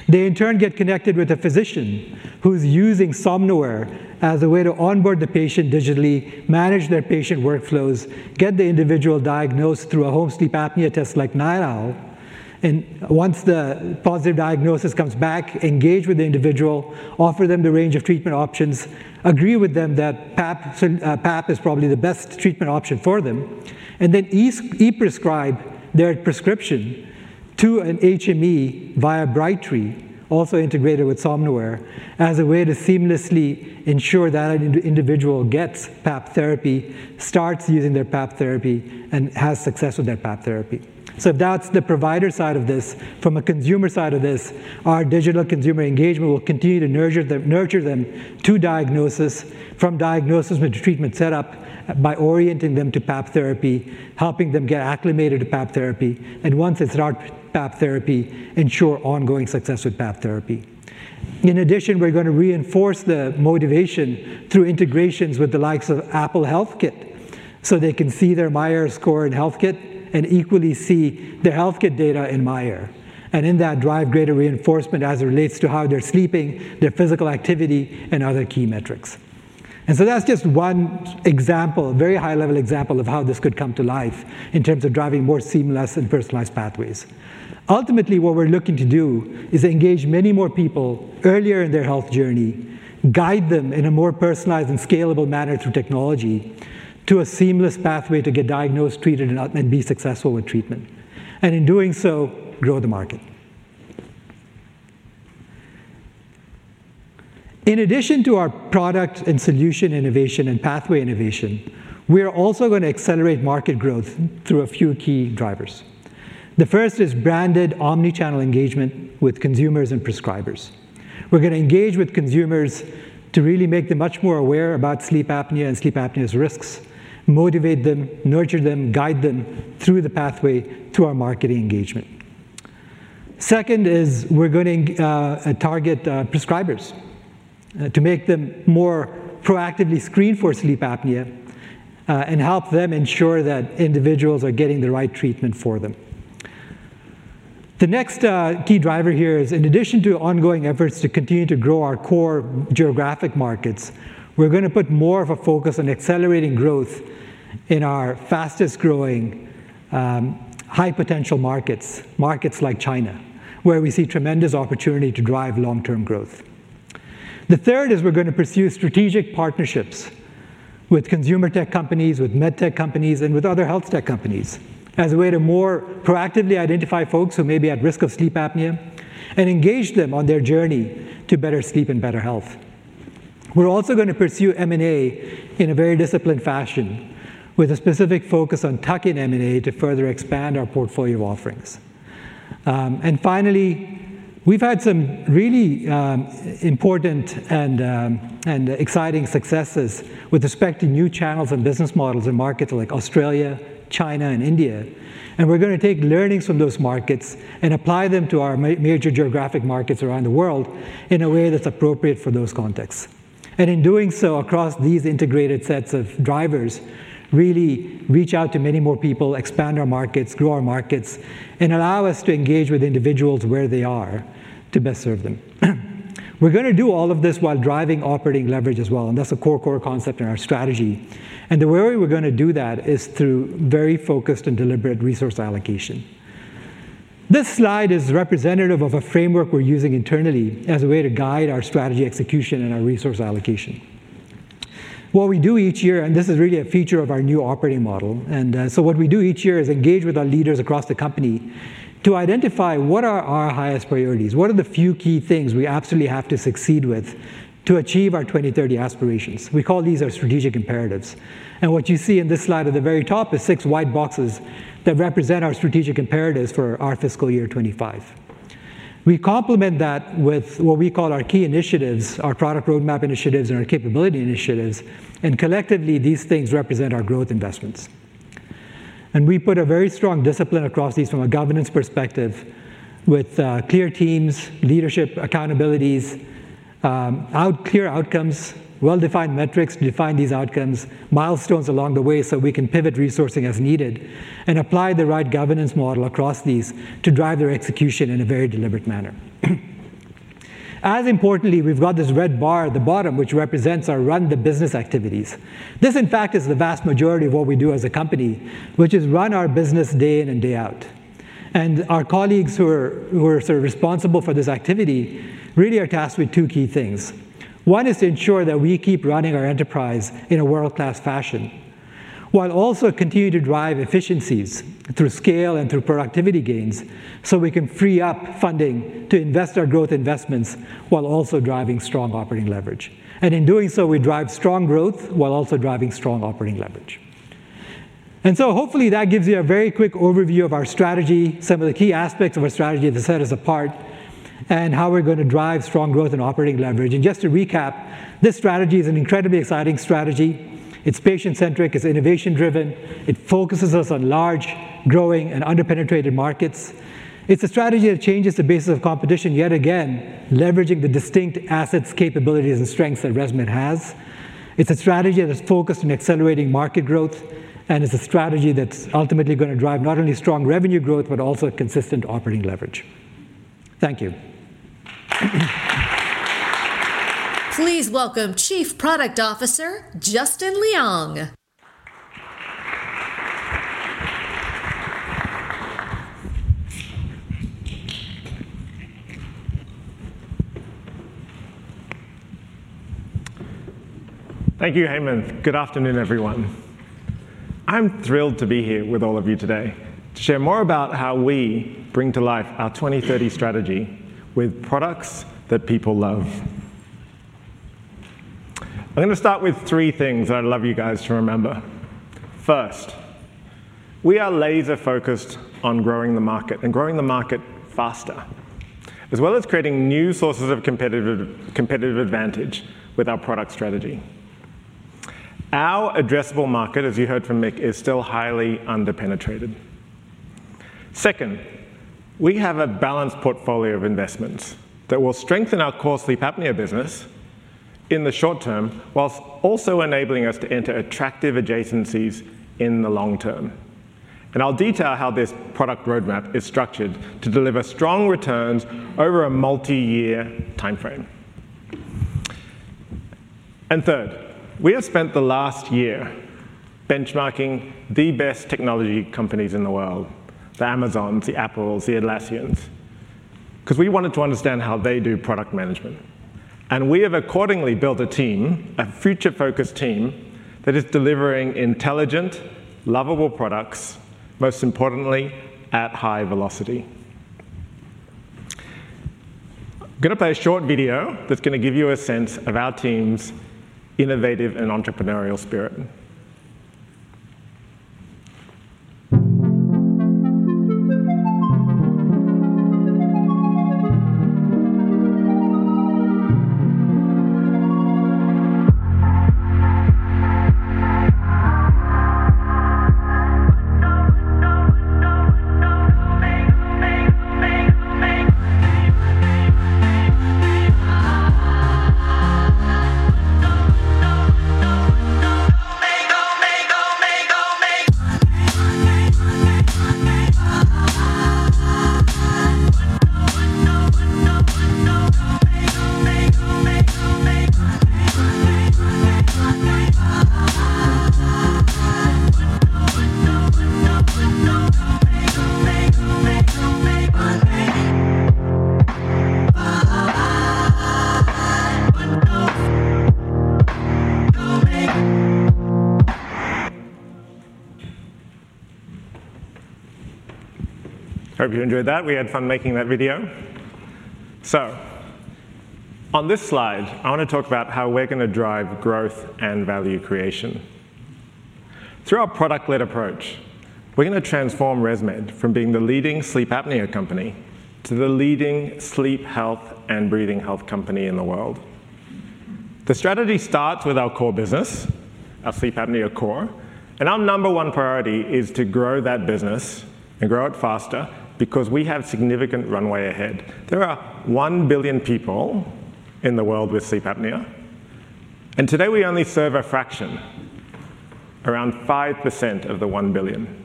They, in turn, get connected with a physician who's using Somnoware as a way to onboard the patient digitally, manage their patient workflows, get the individual diagnosed through a home sleep apnea test like NightOwl, and once the positive diagnosis comes back, engage with the individual, offer them the range of treatment options, agree with them that PAP, PAP is probably the best treatment option for them, and then e-prescribe their prescription to an HME via Brightree, also integrated with Somnoware, as a way to seamlessly ensure that an individual gets PAP therapy, starts using their PAP therapy, and has success with their PAP therapy. So that's the provider side of this. From a consumer side of this, our digital consumer engagement will continue to nurture them, nurture them to diagnosis, from diagnosis into treatment setup by orienting them to PAP therapy, helping them get acclimated to PAP therapy, and once they start PAP therapy, ensure ongoing success with PAP therapy. In addition, we're gonna reinforce the motivation through integrations with the likes of Apple HealthKit, so they can see their myAir score in HealthKit and equally see their HealthKit data in myAir, and in that, drive greater reinforcement as it relates to how they're sleeping, their physical activity, and other key metrics. And so that's just one example, a very high-level example of how this could come to life in terms of driving more seamless and personalized pathways. Ultimately, what we're looking to do is engage many more people earlier in their health journey, guide them in a more personalized and scalable manner through technology, to a seamless pathway to get diagnosed, treated, and be successful with treatment. In doing so, grow the market. In addition to our product and solution innovation and pathway innovation, we are also gonna accelerate market growth through a few key drivers. The first is branded omni-channel engagement with consumers and prescribers. We're gonna engage with consumers to really make them much more aware about sleep apnea and sleep apnea's risks, motivate them, nurture them, guide them through the pathway to our marketing engagement. Second is, we're gonna target prescribers to make them more proactively screen for sleep apnea and help them ensure that individuals are getting the right treatment for them. The next key driver here is in addition to ongoing efforts to continue to grow our core geographic markets, we're gonna put more of a focus on accelerating growth in our fastest growing high potential markets. Markets like China, where we see tremendous opportunity to drive long-term growth. The third is we're gonna pursue strategic partnerships with consumer tech companies, with medtech companies, and with other health tech companies, as a way to more proactively identify folks who may be at risk of sleep apnea, and engage them on their journey to better sleep and better health. We're also gonna pursue M&A in a very disciplined fashion, with a specific focus on tuck-in M&A to further expand our portfolio of offerings. And finally, we've had some really important and exciting successes with respect to new channels and business models in markets like Australia, China, and India, and we're gonna take learnings from those markets and apply them to our major geographic markets around the world in a way that's appropriate for those contexts. And in doing so, across these integrated sets of drivers, really reach out to many more people, expand our markets, grow our markets, and allow us to engage with individuals where they are to best serve them. We're gonna do all of this while driving operating leverage as well, and that's a core concept in our strategy. And the way we're gonna do that is through very focused and deliberate resource allocation. This slide is representative of a framework we're using internally as a way to guide our strategy execution and our resource allocation. What we do each year, and this is really a feature of our new operating model, and, so what we do each year is engage with our leaders across the company to identify what are our highest priorities? What are the few key things we absolutely have to succeed with to achieve our 2030 aspirations? We call these our strategic imperatives. And what you see in this slide at the very top is six white boxes that represent our strategic imperatives for our fiscal year 2025. We complement that with what we call our key initiatives, our product roadmap initiatives, and our capability initiatives, and collectively, these things represent our growth investments. We put a very strong discipline across these from a governance perspective with clear teams, leadership, accountabilities, our clear outcomes, well-defined metrics to define these outcomes, milestones along the way so we can pivot resourcing as needed, and apply the right governance model across these to drive their execution in a very deliberate manner. As importantly, we've got this red bar at the bottom, which represents our run the business activities. This, in fact, is the vast majority of what we do as a company, which is run our business day in and day out. Our colleagues who are sort of responsible for this activity really are tasked with two key things. One is to ensure that we keep running our enterprise in a world-class fashion, while also continuing to drive efficiencies through scale and through productivity gains, so we can free up funding to invest our growth investments while also driving strong operating leverage. And in doing so, we drive strong growth while also driving strong operating leverage. And so hopefully that gives you a very quick overview of our strategy, some of the key aspects of our strategy that set us apart, and how we're gonna drive strong growth and operating leverage. And just to recap, this strategy is an incredibly exciting strategy. It's patient-centric, it's innovation-driven, it focuses us on large, growing, and under-penetrated markets. It's a strategy that changes the basis of competition, yet again, leveraging the distinct assets, capabilities, and strengths that ResMed has. It's a strategy that is focused on accelerating market growth, and it's a strategy that's ultimately gonna drive not only strong revenue growth, but also consistent operating leverage. Thank you. Please welcome Chief Product Officer, Justin Leong. Thank you, Hemanth. Good afternoon, everyone. I'm thrilled to be here with all of you today to share more about how we bring to life our 2030 strategy with products that people love. I'm gonna start with three things that I'd love you guys to remember. First, we are laser-focused on growing the market and growing the market faster, as well as creating new sources of competitive advantage with our product strategy. Our addressable market, as you heard from Mick, is still highly under-penetrated. Second, we have a balanced portfolio of investments that will strengthen our core sleep apnea business in the short term, while also enabling us to enter attractive adjacencies in the long term. I'll detail how this product roadmap is structured to deliver strong returns over a multi-year timeframe. And third, we have spent the last year benchmarking the best technology companies in the world, the Amazons, the Apples, the Atlassians, because we wanted to understand how they do product management. And we have accordingly built a team, a future-focused team, that is delivering intelligent, lovable products, most importantly, at high velocity. I'm gonna play a short video that's gonna give you a sense of our team's innovative and entrepreneurial spirit. I hope you enjoyed that. We had fun making that video. So, on this slide, I want to talk about how we're gonna drive growth and value creation. Through our product-led approach, we're gonna transform ResMed from being the leading sleep apnea company to the leading sleep health and breathing health company in the world. The strategy starts with our core business, our sleep apnea core, and our number one priority is to grow that business and grow it faster because we have significant runway ahead. There are one billion people in the world with sleep apnea, and today we only serve a fraction, around 5% of the one billion.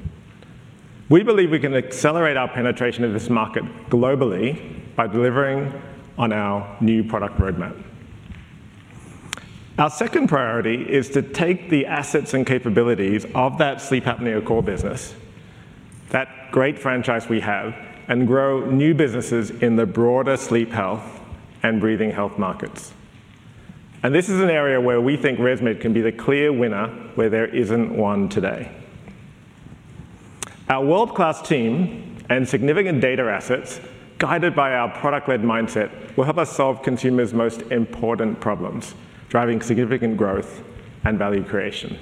We believe we can accelerate our penetration of this market globally by delivering on our new product roadmap. Our second priority is to take the assets and capabilities of that sleep apnea core business, that great franchise we have, and grow new businesses in the broader sleep health and breathing health markets. And this is an area where we think ResMed can be the clear winner where there isn't one today. Our world-class team and significant data assets, guided by our product-led mindset, will help us solve consumers' most important problems, driving significant growth and value creation.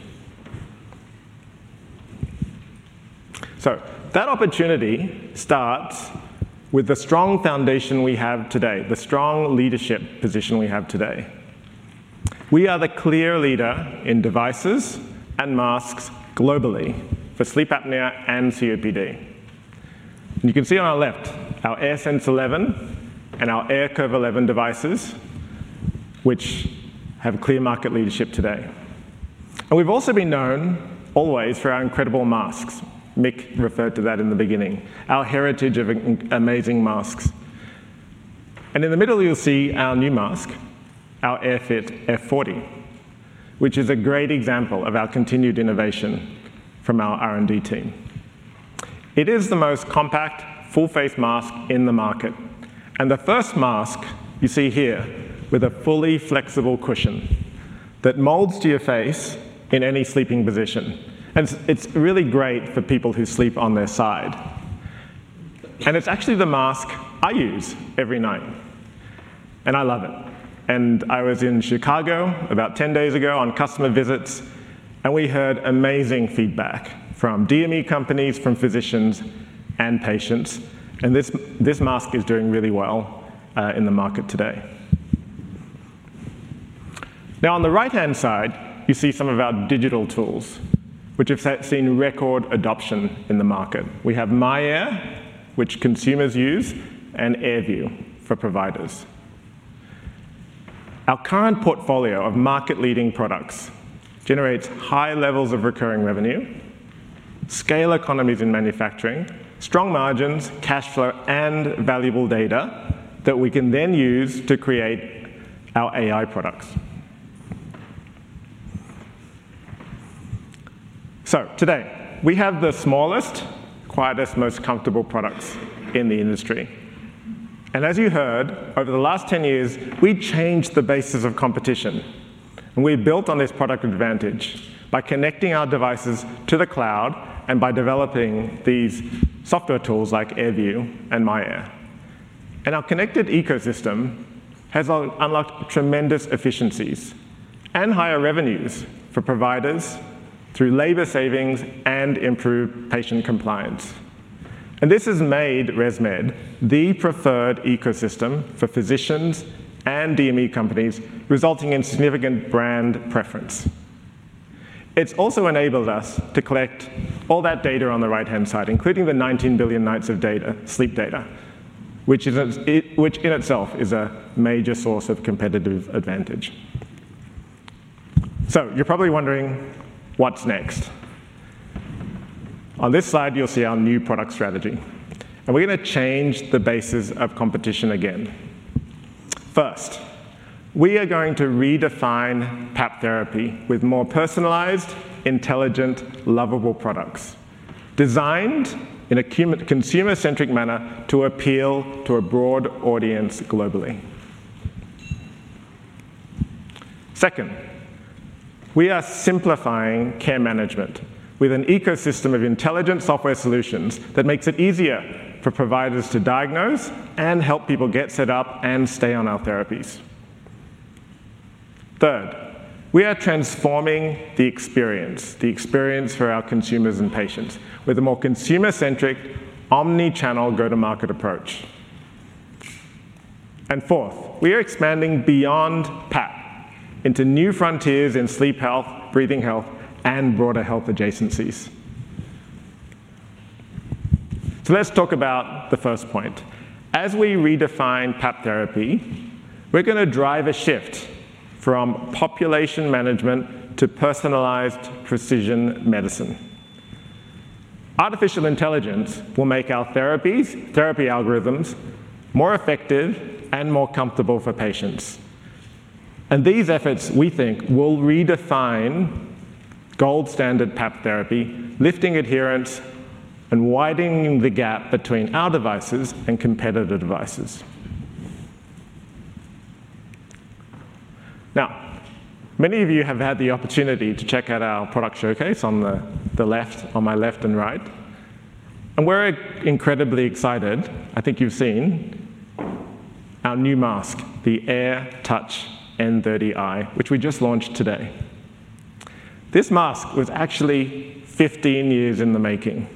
So that opportunity starts with the strong foundation we have today, the strong leadership position we have today. We are the clear leader in devices and masks globally for sleep apnea and COPD. And you can see on our left, our AirSense 11 and our AirCurve 11 devices, which have clear market leadership today. And we've also been known always for our incredible masks. Mick referred to that in the beginning, our heritage of amazing masks. And in the middle, you'll see our new mask, our AirFit F40, which is a great example of our continued innovation from our R&D team. It is the most compact, full-face mask in the market, and the first mask you see here with a fully flexible cushion that molds to your face in any sleeping position, and it's really great for people who sleep on their side, and it's actually the mask I use every night, and I love it, and I was in Chicago about ten days ago on customer visits, and we heard amazing feedback from DME companies, from physicians and patients, and this mask is doing really well in the market today. Now, on the right-hand side, you see some of our digital tools, which have seen record adoption in the market. We have myAir, which consumers use, and AirView for providers. Our current portfolio of market-leading products generates high levels of recurring revenue, scale economies in manufacturing, strong margins, cash flow, and valuable data that we can then use to create our AI products. So today, we have the smallest, quietest, most comfortable products in the industry. And as you heard, over the last ten years, we've changed the basis of competition, and we've built on this product advantage by connecting our devices to the cloud and by developing these software tools like AirView and myAir. And our connected ecosystem has unlocked tremendous efficiencies and higher revenues for providers through labor savings and improved patient compliance. And this has made ResMed the preferred ecosystem for physicians and DME companies, resulting in significant brand preference. It's also enabled us to collect all that data on the right-hand side, including the 19 billion nights of data, sleep data, which in itself is a major source of competitive advantage. So you're probably wondering, what's next? On this slide, you'll see our new product strategy, and we're gonna change the basis of competition again. First, we are going to redefine PAP therapy with more personalized, intelligent, lovable products, designed in a consumer-centric manner to appeal to a broad audience globally. Second, we are simplifying care management with an ecosystem of intelligent software solutions that makes it easier for providers to diagnose and help people get set up and stay on our therapies. Third, we are transforming the experience for our consumers and patients, with a more consumer-centric, omni-channel go-to-market approach. And fourth, we are expanding beyond PAP into new frontiers in sleep health, breathing health, and broader health adjacencies. So let's talk about the first point. As we redefine PAP therapy, we're gonna drive a shift from population management to personalized precision medicine. Artificial intelligence will make our therapies, therapy algorithms, more effective and more comfortable for patients. And these efforts, we think, will redefine gold standard PAP therapy, lifting adherence and widening the gap between our devices and competitor devices. Now, many of you have had the opportunity to check out our product showcase on the left, on my left and right, and we're incredibly excited. I think you've seen our new mask, the AirTouch N30i, which we just launched today. This mask was actually 15 years in the making,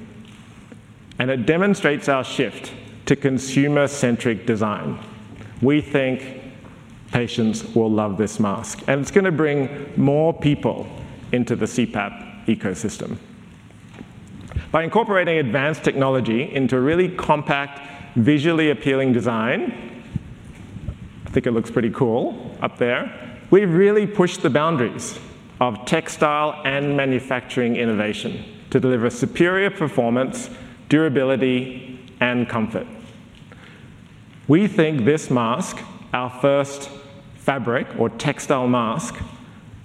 and it demonstrates our shift to consumer-centric design. We think patients will love this mask, and it's gonna bring more people into the CPAP ecosystem. By incorporating advanced technology into a really compact, visually appealing design, I think it looks pretty cool up there. We've really pushed the boundaries of textile and manufacturing innovation to deliver superior performance, durability, and comfort. We think this mask, our first fabric or textile mask,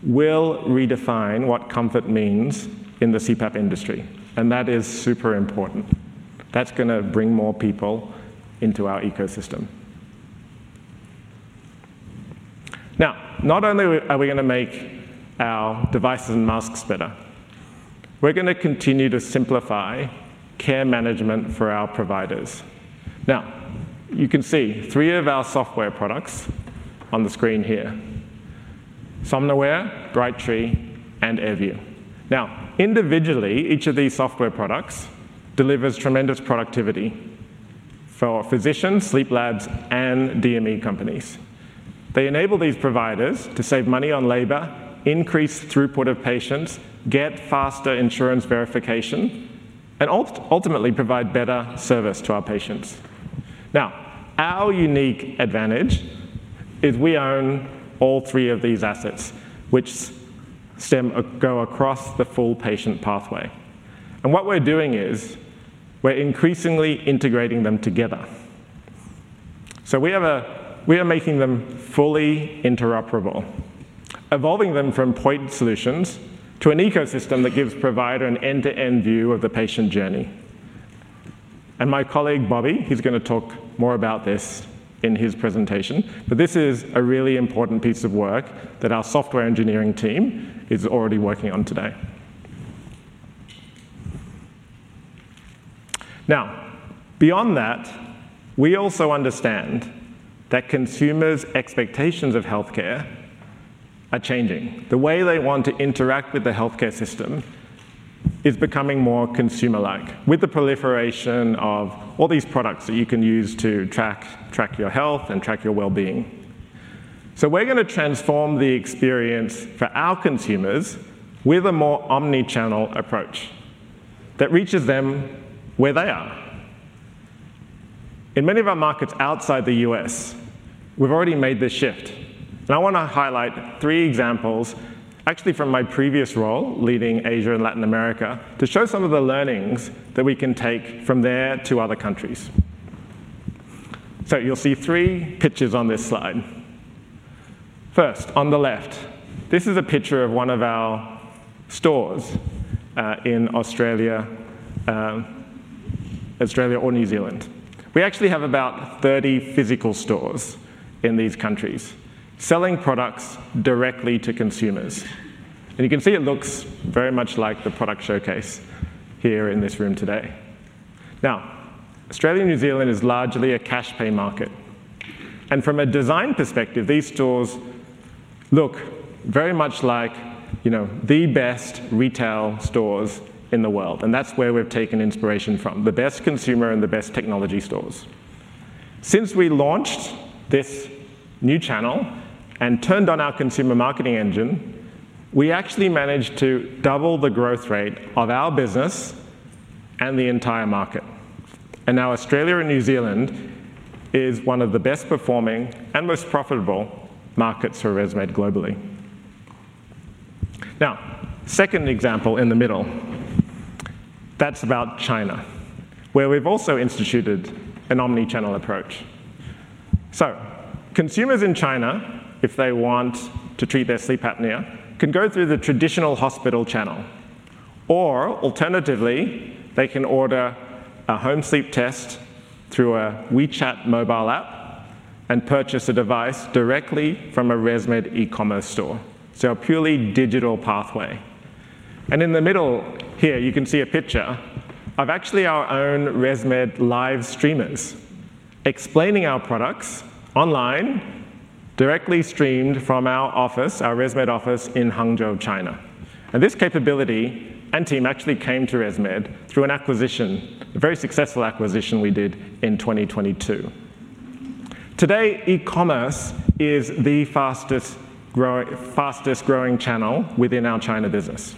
will redefine what comfort means in the CPAP industry, and that is super important. That's gonna bring more people into our ecosystem. Now, not only are we gonna make our devices and masks better, we're gonna continue to simplify care management for our providers. Now, you can see three of our software products on the screen here: Somnoware, Brightree, and AirView. Now, individually, each of these software products delivers tremendous productivity for physicians, sleep labs, and DME companies. They enable these providers to save money on labor, increase throughput of patients, get faster insurance verification, and ultimately provide better service to our patients. Now, our unique advantage is we own all three of these assets, which go across the full patient pathway. And what we're doing is, we're increasingly integrating them together. So we are making them fully interoperable, evolving them from point solutions to an ecosystem that gives provider an end-to-end view of the patient journey. And my colleague, Bobby, he's gonna talk more about this in his presentation, but this is a really important piece of work that our software engineering team is already working on today. Now, beyond that, we also understand that consumers' expectations of healthcare are changing. The way they want to interact with the healthcare system is becoming more consumer-like, with the proliferation of all these products that you can use to track your health and track your well-being. So we're gonna transform the experience for our consumers with a more omni-channel approach that reaches them where they are. In many of our markets outside the U.S., we've already made this shift, and I wanna highlight three examples, actually from my previous role, leading Asia and Latin America, to show some of the learnings that we can take from there to other countries. So you'll see three pictures on this slide. First, on the left, this is a picture of one of our stores in Australia or New Zealand. We actually have about thirty physical stores in these countries, selling products directly to consumers. And you can see it looks very much like the product showcase here in this room today. Now, Australia and New Zealand is largely a cash pay market. And from a design perspective, these stores look very much like, you know, the best retail stores in the world, and that's where we've taken inspiration from, the best consumer and the best technology stores. Since we launched this new channel and turned on our consumer marketing engine, we actually managed to double the growth rate of our business and the entire market. And now Australia and New Zealand is one of the best performing and most profitable markets for ResMed globally. Now, second example in the middle, that's about China, where we've also instituted an omni-channel approach. So consumers in China, if they want to treat their sleep apnea, can go through the traditional hospital channel, or alternatively, they can order a home sleep test through a WeChat mobile app and purchase a device directly from a ResMed e-commerce store, so a purely digital pathway. And in the middle here, you can see a picture of actually our own ResMed live streamers explaining our products online, directly streamed from our office, our ResMed office in Hangzhou, China. And this capability and team actually came to ResMed through an acquisition, a very successful acquisition we did in 2022. Today, e-commerce is the fastest growing channel within our China business.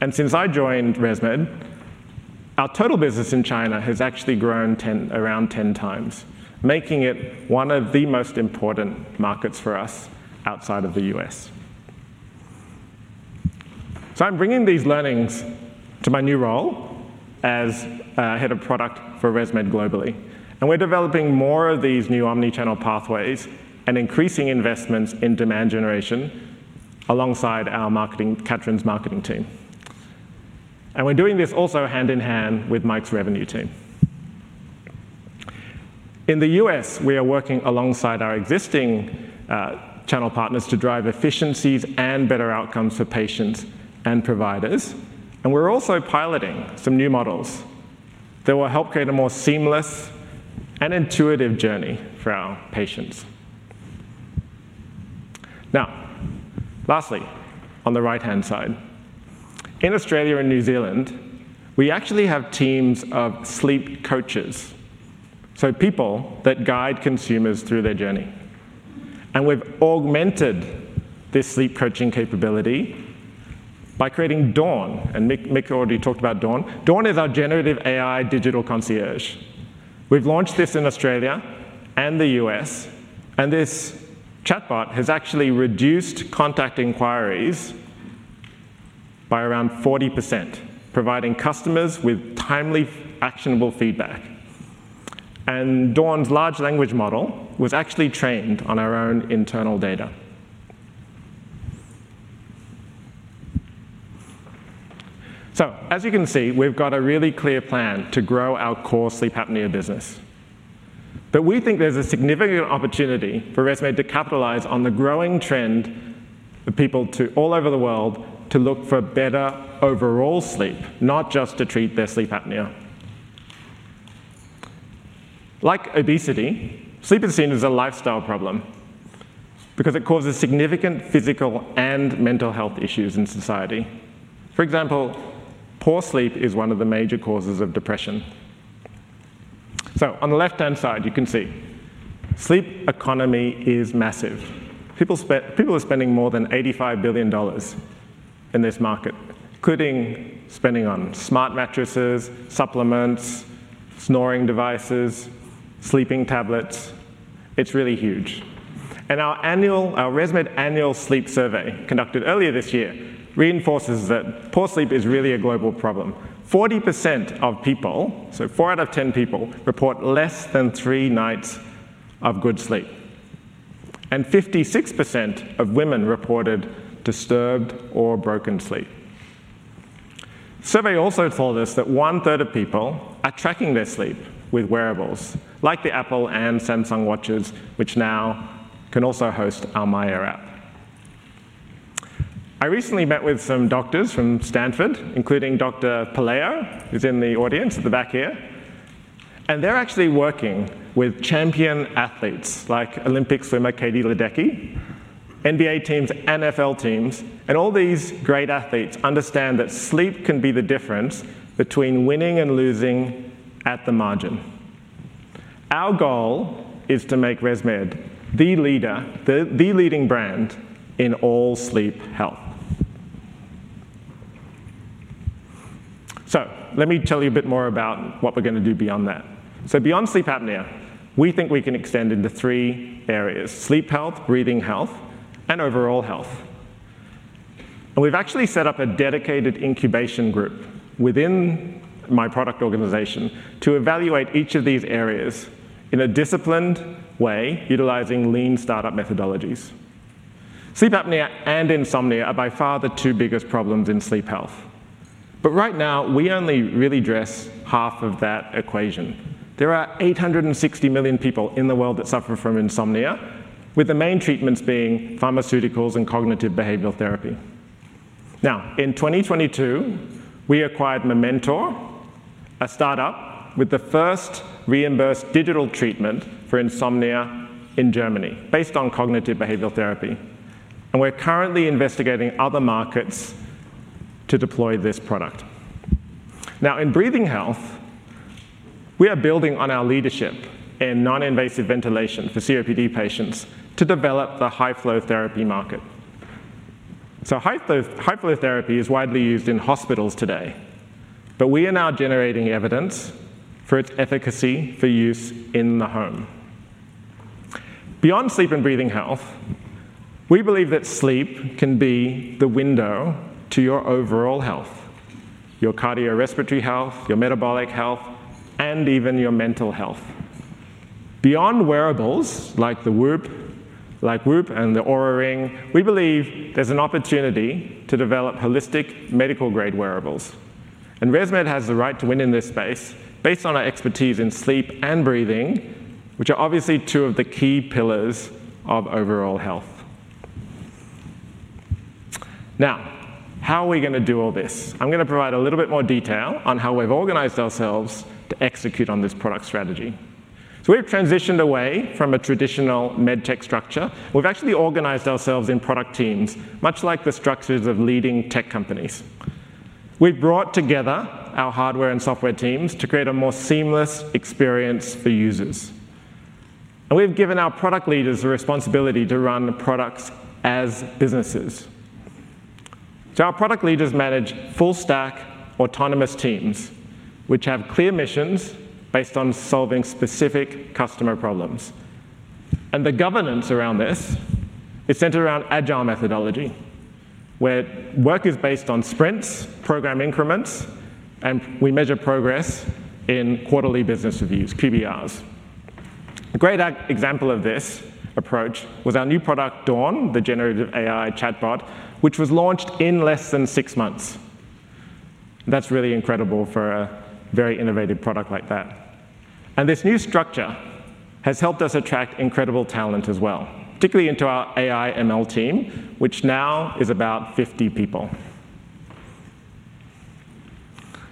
And since I joined ResMed, our total business in China has actually grown 10, around 10 times, making it one of the most important markets for us outside of the U.S. I'm bringing these learnings to my new role as Head of Product for ResMed globally, and we're developing more of these new omni-channel pathways and increasing investments in demand generation alongside our marketing, Katrin's marketing team. And we're doing this also hand in hand with Mike's revenue team. In the US, we are working alongside our existing channel partners to drive efficiencies and better outcomes for patients and providers, and we're also piloting some new models that will help create a more seamless and intuitive journey for our patients. Now, lastly, on the right-hand side, in Australia and New Zealand, we actually have teams of sleep coaches, so people that guide consumers through their journey, and we've augmented this sleep coaching capability by creating Dawn, and Mick, Mick already talked about Dawn. Dawn is our generative AI digital concierge. We've launched this in Australia and the US, and this chatbot has actually reduced contact inquiries by around 40%, providing customers with timely, actionable feedback, and Dawn's large language model was actually trained on our own internal data. So as you can see, we've got a really clear plan to grow our core sleep apnea business. But we think there's a significant opportunity for ResMed to capitalize on the growing trend for people to all over the world to look for better overall sleep, not just to treat their sleep apnea. Like obesity, sleep is seen as a lifestyle problem because it causes significant physical and mental health issues in society. For example, poor sleep is one of the major causes of depression. So on the left-hand side, you can see sleep economy is massive. People are spending more than $85 billion in this market, including spending on smart mattresses, supplements, snoring devices, sleeping tablets. It's really huge. Our annual, our ResMed Annual Sleep Survey, conducted earlier this year, reinforces that poor sleep is really a global problem. 40% of people, so four out of ten people, report less than three nights of good sleep, and 56% of women reported disturbed or broken sleep. Survey also told us that one-third of people are tracking their sleep with wearables, like the Apple and Samsung watches, which now can also host our myAir app. I recently met with some doctors from Stanford, including Dr. Pelayo, who's in the audience at the back here, and they're actually working with champion athletes like Olympic swimmer Katie Ledecky, NBA teams, NFL teams, and all these great athletes understand that sleep can be the difference between winning and losing at the margin. Our goal is to make ResMed the leading brand in all sleep health. Let me tell you a bit more about what we're going to do beyond that. Beyond sleep apnea, we think we can extend into three areas: sleep health, breathing health, and overall health. We've actually set up a dedicated incubation group within my product organization to evaluate each of these areas in a disciplined way, utilizing lean startup methodologies. Sleep apnea and insomnia are by far the two biggest problems in sleep health, but right now, we only really address half of that equation. There are 860 million people in the world that suffer from insomnia, with the main treatments being pharmaceuticals and cognitive behavioral therapy. Now, in 2022, we acquired Mementor, a startup with the first reimbursed digital treatment for insomnia in Germany, based on cognitive behavioral therapy, and we're currently investigating other markets to deploy this product. Now, in breathing health, we are building on our leadership in non-invasive ventilation for COPD patients to develop the high-flow therapy market. So high flow, high-flow therapy is widely used in hospitals today, but we are now generating evidence for its efficacy for use in the home. Beyond sleep and breathing health, we believe that sleep can be the window to your overall health, your cardiorespiratory health, your metabolic health, and even your mental health. Beyond wearables, like the Whoop and the Oura Ring, we believe there's an opportunity to develop holistic medical-grade wearables, and ResMed has the right to win in this space based on our expertise in sleep and breathing, which are obviously two of the key pillars of overall health. Now, how are we gonna do all this? I'm gonna provide a little bit more detail on how we've organized ourselves to execute on this product strategy. So we've transitioned away from a traditional medtech structure. We've actually organized ourselves in product teams, much like the structures of leading tech companies. We've brought together our hardware and software teams to create a more seamless experience for users. And we've given our product leaders the responsibility to run the products as businesses. Our product leaders manage full stack autonomous teams, which have clear missions based on solving specific customer problems. The governance around this is centered around agile methodology, where work is based on sprints, program increments, and we measure progress in quarterly business reviews, QBRs. A great example of this approach was our new product, Dawn, the generative AI chatbot, which was launched in less than six months. That's really incredible for a very innovative product like that. This new structure has helped us attract incredible talent as well, particularly into our AI ML team, which now is about 50 people.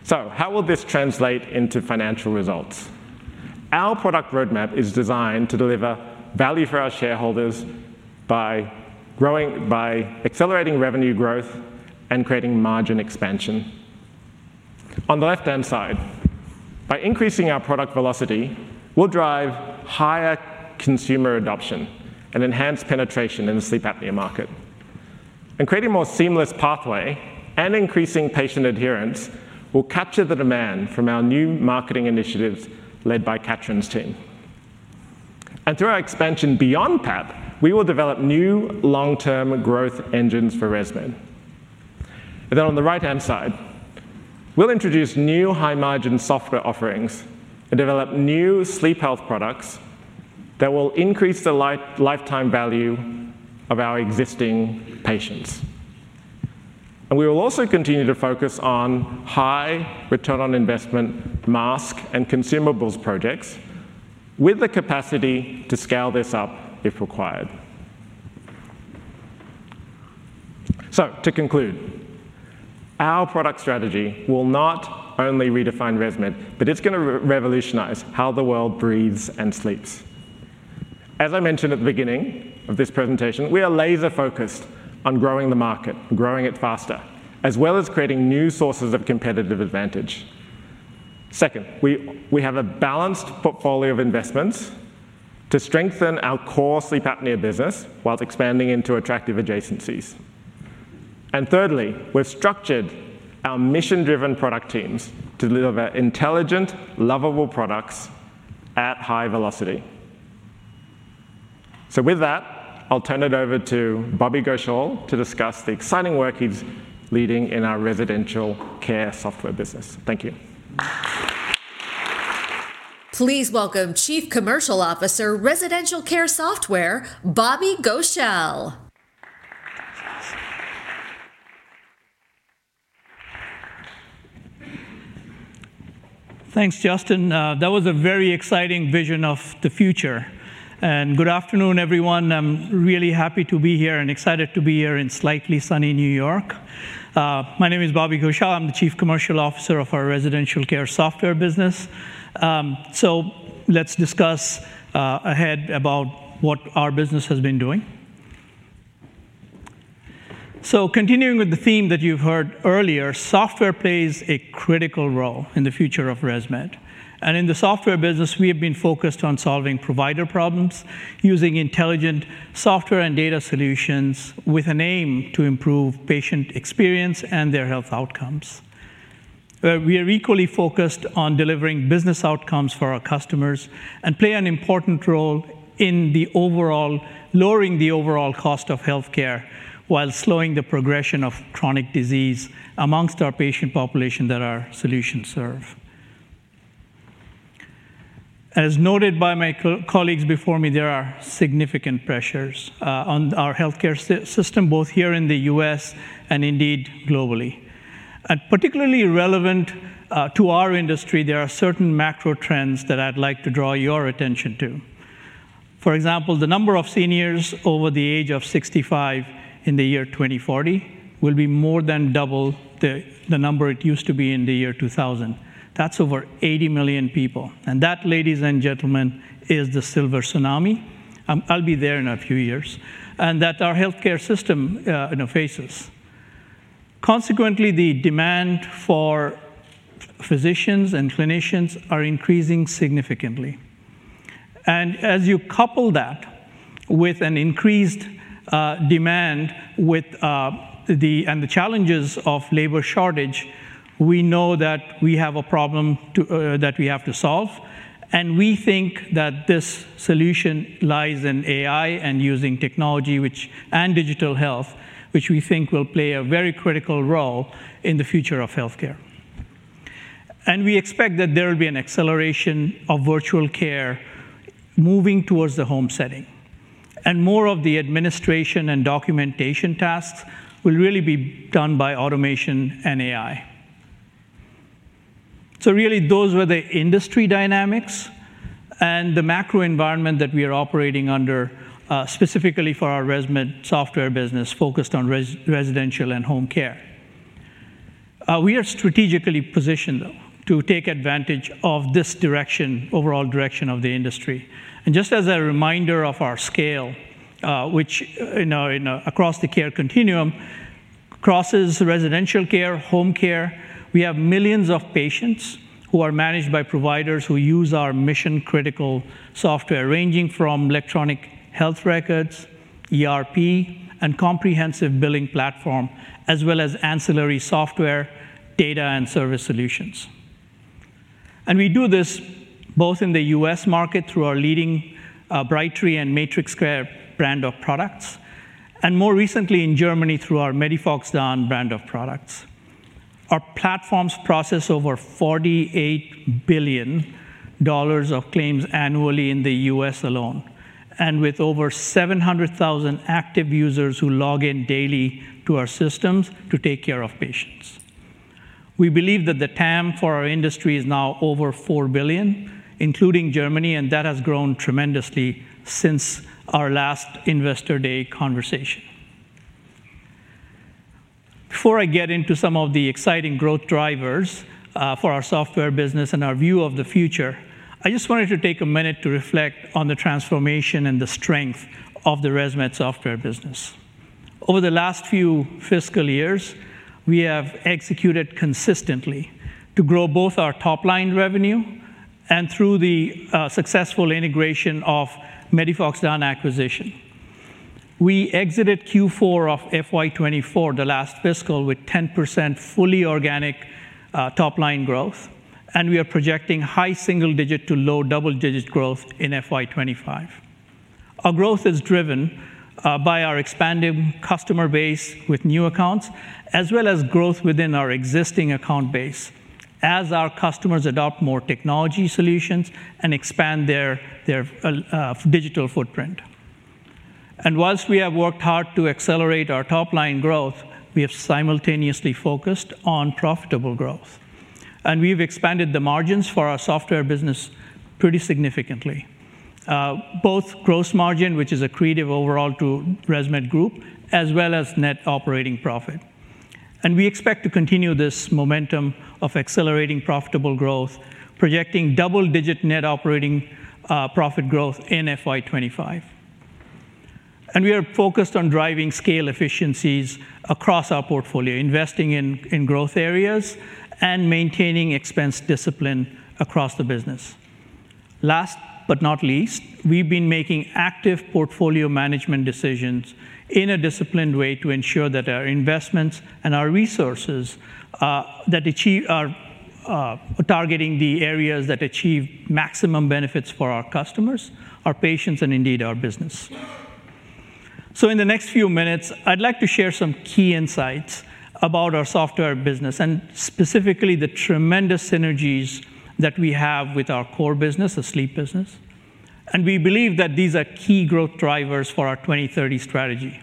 How will this translate into financial results? Our product roadmap is designed to deliver value for our shareholders by growing by accelerating revenue growth and creating margin expansion. On the left-hand side, by increasing our product velocity, we'll drive higher consumer adoption and enhance penetration in the sleep apnea market. Creating more seamless pathway and increasing patient adherence will capture the demand from our new marketing initiatives led by Katrin's team. Through our expansion beyond PAP, we will develop new long-term growth engines for ResMed. Then on the right-hand side, we'll introduce new high-margin software offerings and develop new sleep health products that will increase the lifetime value of our existing patients. We will also continue to focus on high return on investment mask and consumables projects, with the capacity to scale this up if required. To conclude, our product strategy will not only redefine ResMed, but it's gonna revolutionize how the world breathes and sleeps. As I mentioned at the beginning of this presentation, we are laser-focused on growing the market, growing it faster, as well as creating new sources of competitive advantage. Second, we have a balanced portfolio of investments to strengthen our core sleep apnea business while expanding into attractive adjacencies. And thirdly, we've structured our mission-driven product teams to deliver intelligent, lovable products at high velocity. So with that, I'll turn it over to Bobby Ghoshal to discuss the exciting work he's leading in our residential care software business. Thank you. Please welcome Chief Commercial Officer, Residential Care Software, Bobby Ghoshal. Thanks, Justin. That was a very exciting vision of the future. Good afternoon, everyone. I'm really happy to be here and excited to be here in slightly sunny New York. My name is Bobby Ghoshal. I'm the Chief Commercial Officer of our Residential Care Software business. Let's discuss ahead about what our business has been doing. Continuing with the theme that you've heard earlier, software plays a critical role in the future of ResMed. In the software business, we have been focused on solving provider problems, using intelligent software and data solutions, with an aim to improve patient experience and their health outcomes. We are equally focused on delivering business outcomes for our customers and play an important role in the overall, lowering the overall cost of healthcare, while slowing the progression of chronic disease among our patient population that our solutions serve. As noted by my colleagues before me, there are significant pressures on our healthcare system, both here in the US and indeed globally, and particularly relevant to our industry, there are certain macro trends that I'd like to draw your attention to. For example, the number of seniors over the age of 65 in the year 2040 will be more than double the number it used to be in the year 2000. That's over 80 million people. And that, ladies and gentlemen, is the silver tsunami. I'll be there in a few years, and that our healthcare system, you know, faces. Consequently, the demand for physicians and clinicians are increasing significantly. And as you couple that with an increased demand with the challenges of labor shortage, we know that we have a problem that we have to solve, and we think that this solution lies in AI and using technology and digital health, which we think will play a very critical role in the future of healthcare. And we expect that there will be an acceleration of virtual care moving towards the home setting, and more of the administration and documentation tasks will really be done by automation and AI. So really, those were the industry dynamics and the macro environment that we are operating under, specifically for our ResMed software business, focused on residential and home care. We are strategically positioned, though, to take advantage of this direction, overall direction of the industry. And just as a reminder of our scale, which, you know, across the care continuum, crosses residential care, home care. We have millions of patients who are managed by providers who use our mission-critical software, ranging from electronic health records, ERP, and comprehensive billing platform, as well as ancillary software, data, and service solutions. And we do this both in the U.S. market through our leading Brightree and MatrixCare brand of products, and more recently in Germany through our MEDIFOX DAN brand of products. Our platforms process over $48 billion of claims annually in the U.S. alone, and with over 700,000 active users who log in daily to our systems to take care of patients. We believe that the TAM for our industry is now over four billion, including Germany, and that has grown tremendously since our last Investor Day conversation. Before I get into some of the exciting growth drivers for our software business and our view of the future, I just wanted to take a minute to reflect on the transformation and the strength of the ResMed software business. Over the last few fiscal years, we have executed consistently to grow both our top-line revenue and through the successful integration of MEDIFOX DAN acquisition. We exited Q4 of FY 2024, the last fiscal, with 10% fully organic top-line growth, and we are projecting high single-digit to low double-digit growth in FY 2025. Our growth is driven by our expanding customer base with new accounts, as well as growth within our existing account base as our customers adopt more technology solutions and expand their digital footprint. While we have worked hard to accelerate our top-line growth, we have simultaneously focused on profitable growth, and we've expanded the margins for our software business pretty significantly. Both gross margin, which is accretive overall to ResMed Group, as well as net operating profit. We expect to continue this momentum of accelerating profitable growth, projecting double-digit net operating profit growth in FY 2025. We are focused on driving scale efficiencies across our portfolio, investing in growth areas, and maintaining expense discipline across the business. Last but not least, we've been making active portfolio management decisions in a disciplined way to ensure that our investments and our resources that are targeting the areas that achieve maximum benefits for our customers, our patients, and indeed, our business. So in the next few minutes, I'd like to share some key insights about our software business, and specifically the tremendous synergies that we have with our core business, the sleep business. And we believe that these are key growth drivers for our 2030 strategy.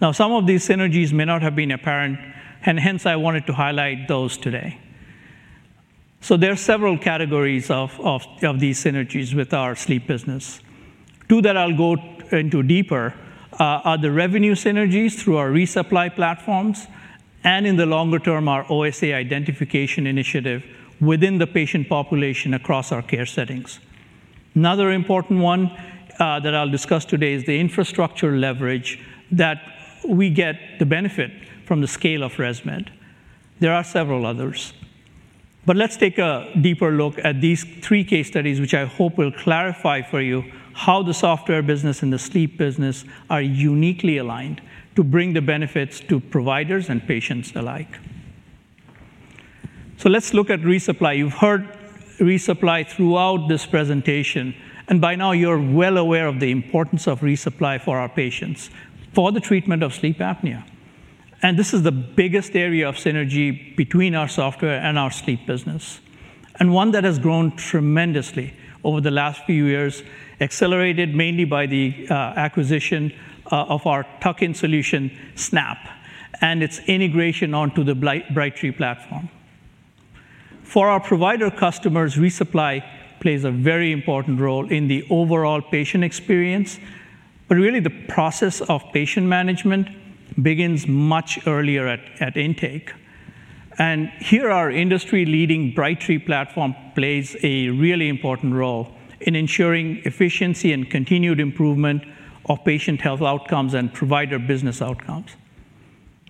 Now, some of these synergies may not have been apparent, and hence, I wanted to highlight those today. So there are several categories of these synergies with our sleep business. Two that I'll go into deeper, are the revenue synergies through our resupply platforms, and in the longer term, our OSA identification initiative within the patient population across our care settings. Another important one, that I'll discuss today is the infrastructure leverage that we get the benefit from the scale of ResMed. There are several others, but let's take a deeper look at these three case studies, which I hope will clarify for you how the software business and the sleep business are uniquely aligned to bring the benefits to providers and patients alike. So let's look at resupply. You've heard resupply throughout this presentation, and by now you're well aware of the importance of resupply for our patients for the treatment of sleep apnea. This is the biggest area of synergy between our software and our sleep business, and one that has grown tremendously over the last few years, accelerated mainly by the acquisition of our tuck-in solution, Snap, and its integration onto the Brightree platform. For our provider customers, resupply plays a very important role in the overall patient experience. But really, the process of patient management begins much earlier at intake. Here, our industry-leading Brightree platform plays a really important role in ensuring efficiency and continued improvement of patient health outcomes and provider business outcomes.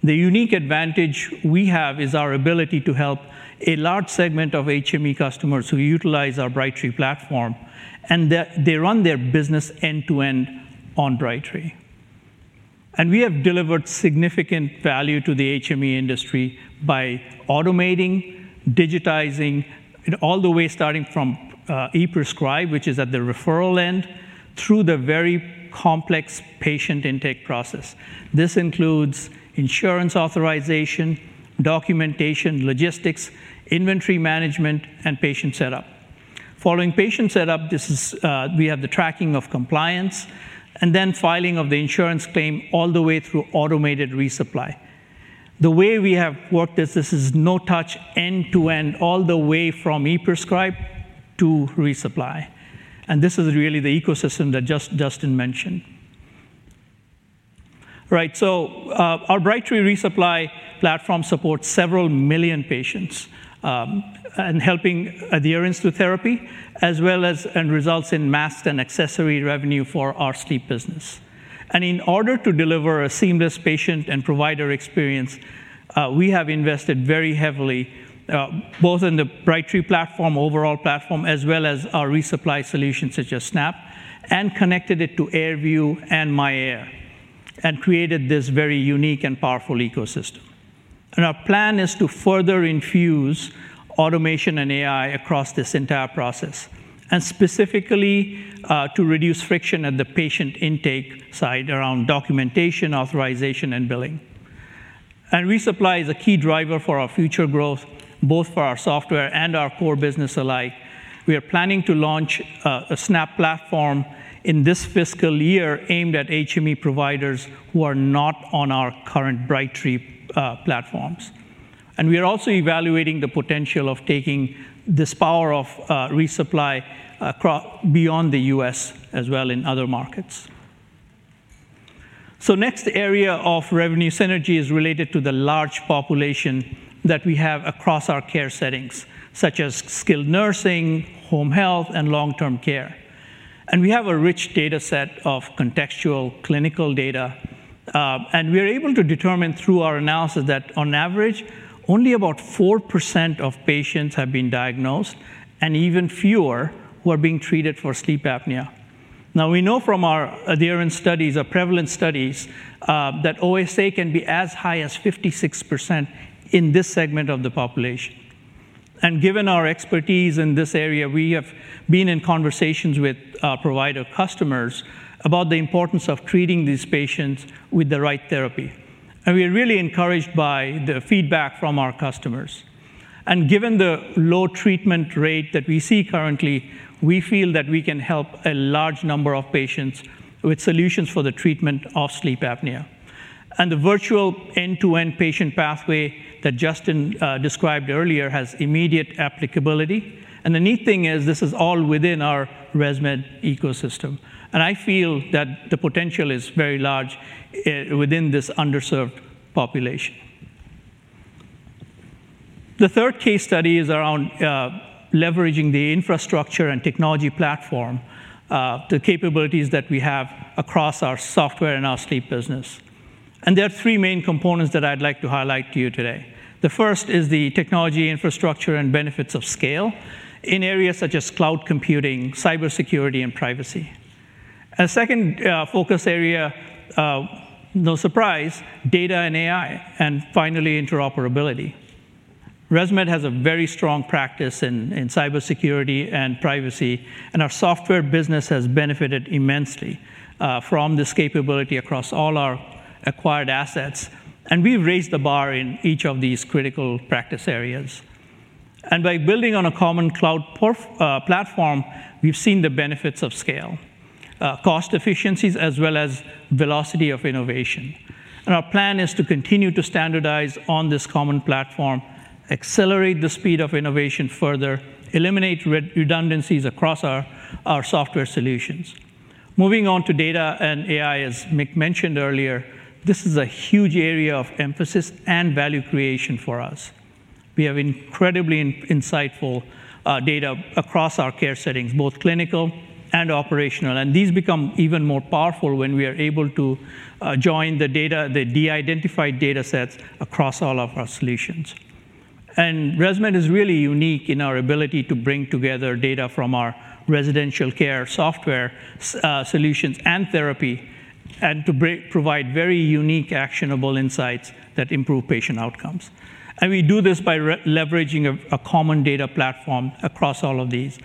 The unique advantage we have is our ability to help a large segment of HME customers who utilize our Brightree platform, and that they run their business end-to-end on Brightree. We have delivered significant value to the HME industry by automating, digitizing, and all the way starting from e-prescribe, which is at the referral end, through the very complex patient intake process. This includes insurance authorization, documentation, logistics, inventory management, and patient setup. Following patient setup, this is, we have the tracking of compliance and then filing of the insurance claim all the way through automated resupply. The way we have worked this, this is no touch, end-to-end, all the way from e-prescribe to resupply, and this is really the ecosystem that just Justin mentioned. Right. So, our Brightree resupply platform supports several million patients, and helping adherence to therapy, as well as, and results in masks and accessory revenue for our sleep business. In order to deliver a seamless patient and provider experience, we have invested very heavily, both in the Brightree platform, overall platform, as well as our resupply solutions, such as Snap, and connected it to AirView and MyAir, and created this very unique and powerful ecosystem. Our plan is to further infuse automation and AI across this entire process, and specifically, to reduce friction at the patient intake side around documentation, authorization, and billing. Resupply is a key driver for our future growth, both for our software and our core business alike. We are planning to launch a Snap platform in this fiscal year aimed at HME providers who are not on our current Brightree platforms. We are also evaluating the potential of taking this power of resupply across, beyond the US as well in other markets. Next area of revenue synergy is related to the large population that we have across our care settings, such as skilled nursing, home health, and long-term care. We have a rich data set of contextual clinical data, and we are able to determine through our analysis that on average, only about 4% of patients have been diagnosed, and even fewer who are being treated for sleep apnea. Now, we know from our adherence studies or prevalence studies that OSA can be as high as 56% in this segment of the population. Given our expertise in this area, we have been in conversations with provider customers about the importance of treating these patients with the right therapy. We are really encouraged by the feedback from our customers. And given the low treatment rate that we see currently, we feel that we can help a large number of patients with solutions for the treatment of sleep apnea. And the virtual end-to-end patient pathway that Justin described earlier has immediate applicability. And the neat thing is this is all within our ResMed ecosystem, and I feel that the potential is very large within this underserved population. The third case study is around leveraging the infrastructure and technology platform the capabilities that we have across our software and our sleep business. And there are three main components that I'd like to highlight to you today. The first is the technology infrastructure and benefits of scale in areas such as cloud computing, cybersecurity, and privacy. And second focus area, no surprise, data and AI, and finally, interoperability. ResMed has a very strong practice in cybersecurity and privacy, and our software business has benefited immensely from this capability across all our acquired assets, and we've raised the bar in each of these critical practice areas. By building on a common cloud platform, we've seen the benefits of scale, cost efficiencies, as well as velocity of innovation. Our plan is to continue to standardize on this common platform, accelerate the speed of innovation further, eliminate redundancies across our software solutions. Moving on to data and AI, as Mick mentioned earlier, this is a huge area of emphasis and value creation for us. We have incredibly insightful data across our care settings, both clinical and operational, and these become even more powerful when we are able to join the data, the de-identified data sets across all of our solutions. And ResMed is really unique in our ability to bring together data from our residential care software solutions and therapy, and to provide very unique, actionable insights that improve patient outcomes. And we do this by leveraging a common data platform across all of these.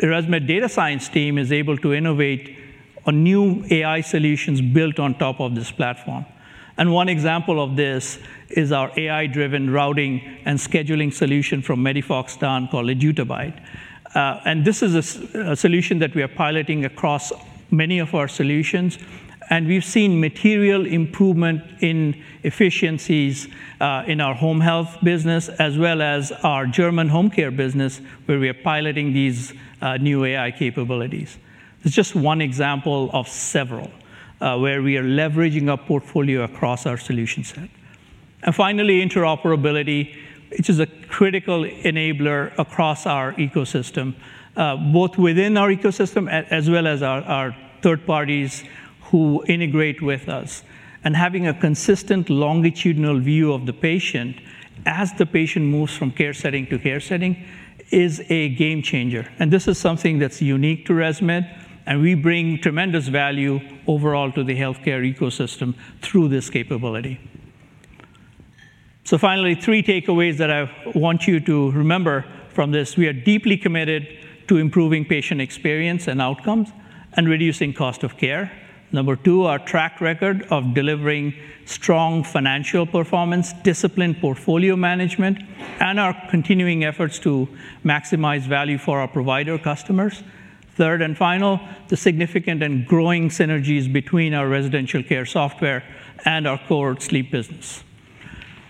Our ResMed data science team is able to innovate on new AI solutions built on top of this platform. And one example of this is our AI-driven routing and scheduling solution from MEDIFOX DAN called AdiutaByte. And this is a solution that we are piloting across many of our solutions, and we've seen material improvement in efficiencies in our home health business, as well as our German home care business, where we are piloting these new AI capabilities. That's just one example of several where we are leveraging our portfolio across our solution set. And finally, interoperability, which is a critical enabler across our ecosystem, both within our ecosystem as well as our third parties who integrate with us. And having a consistent longitudinal view of the patient as the patient moves from care setting to care setting is a game changer, and this is something that's unique to ResMed, and we bring tremendous value overall to the healthcare ecosystem through this capability. So finally, three takeaways that I want you to remember from this: We are deeply committed to improving patient experience and outcomes and reducing cost of care. Number two, our track record of delivering strong financial performance, disciplined portfolio management, and our continuing efforts to maximize value for our provider customers. Third and final, the significant and growing synergies between our residential care software and our core sleep business.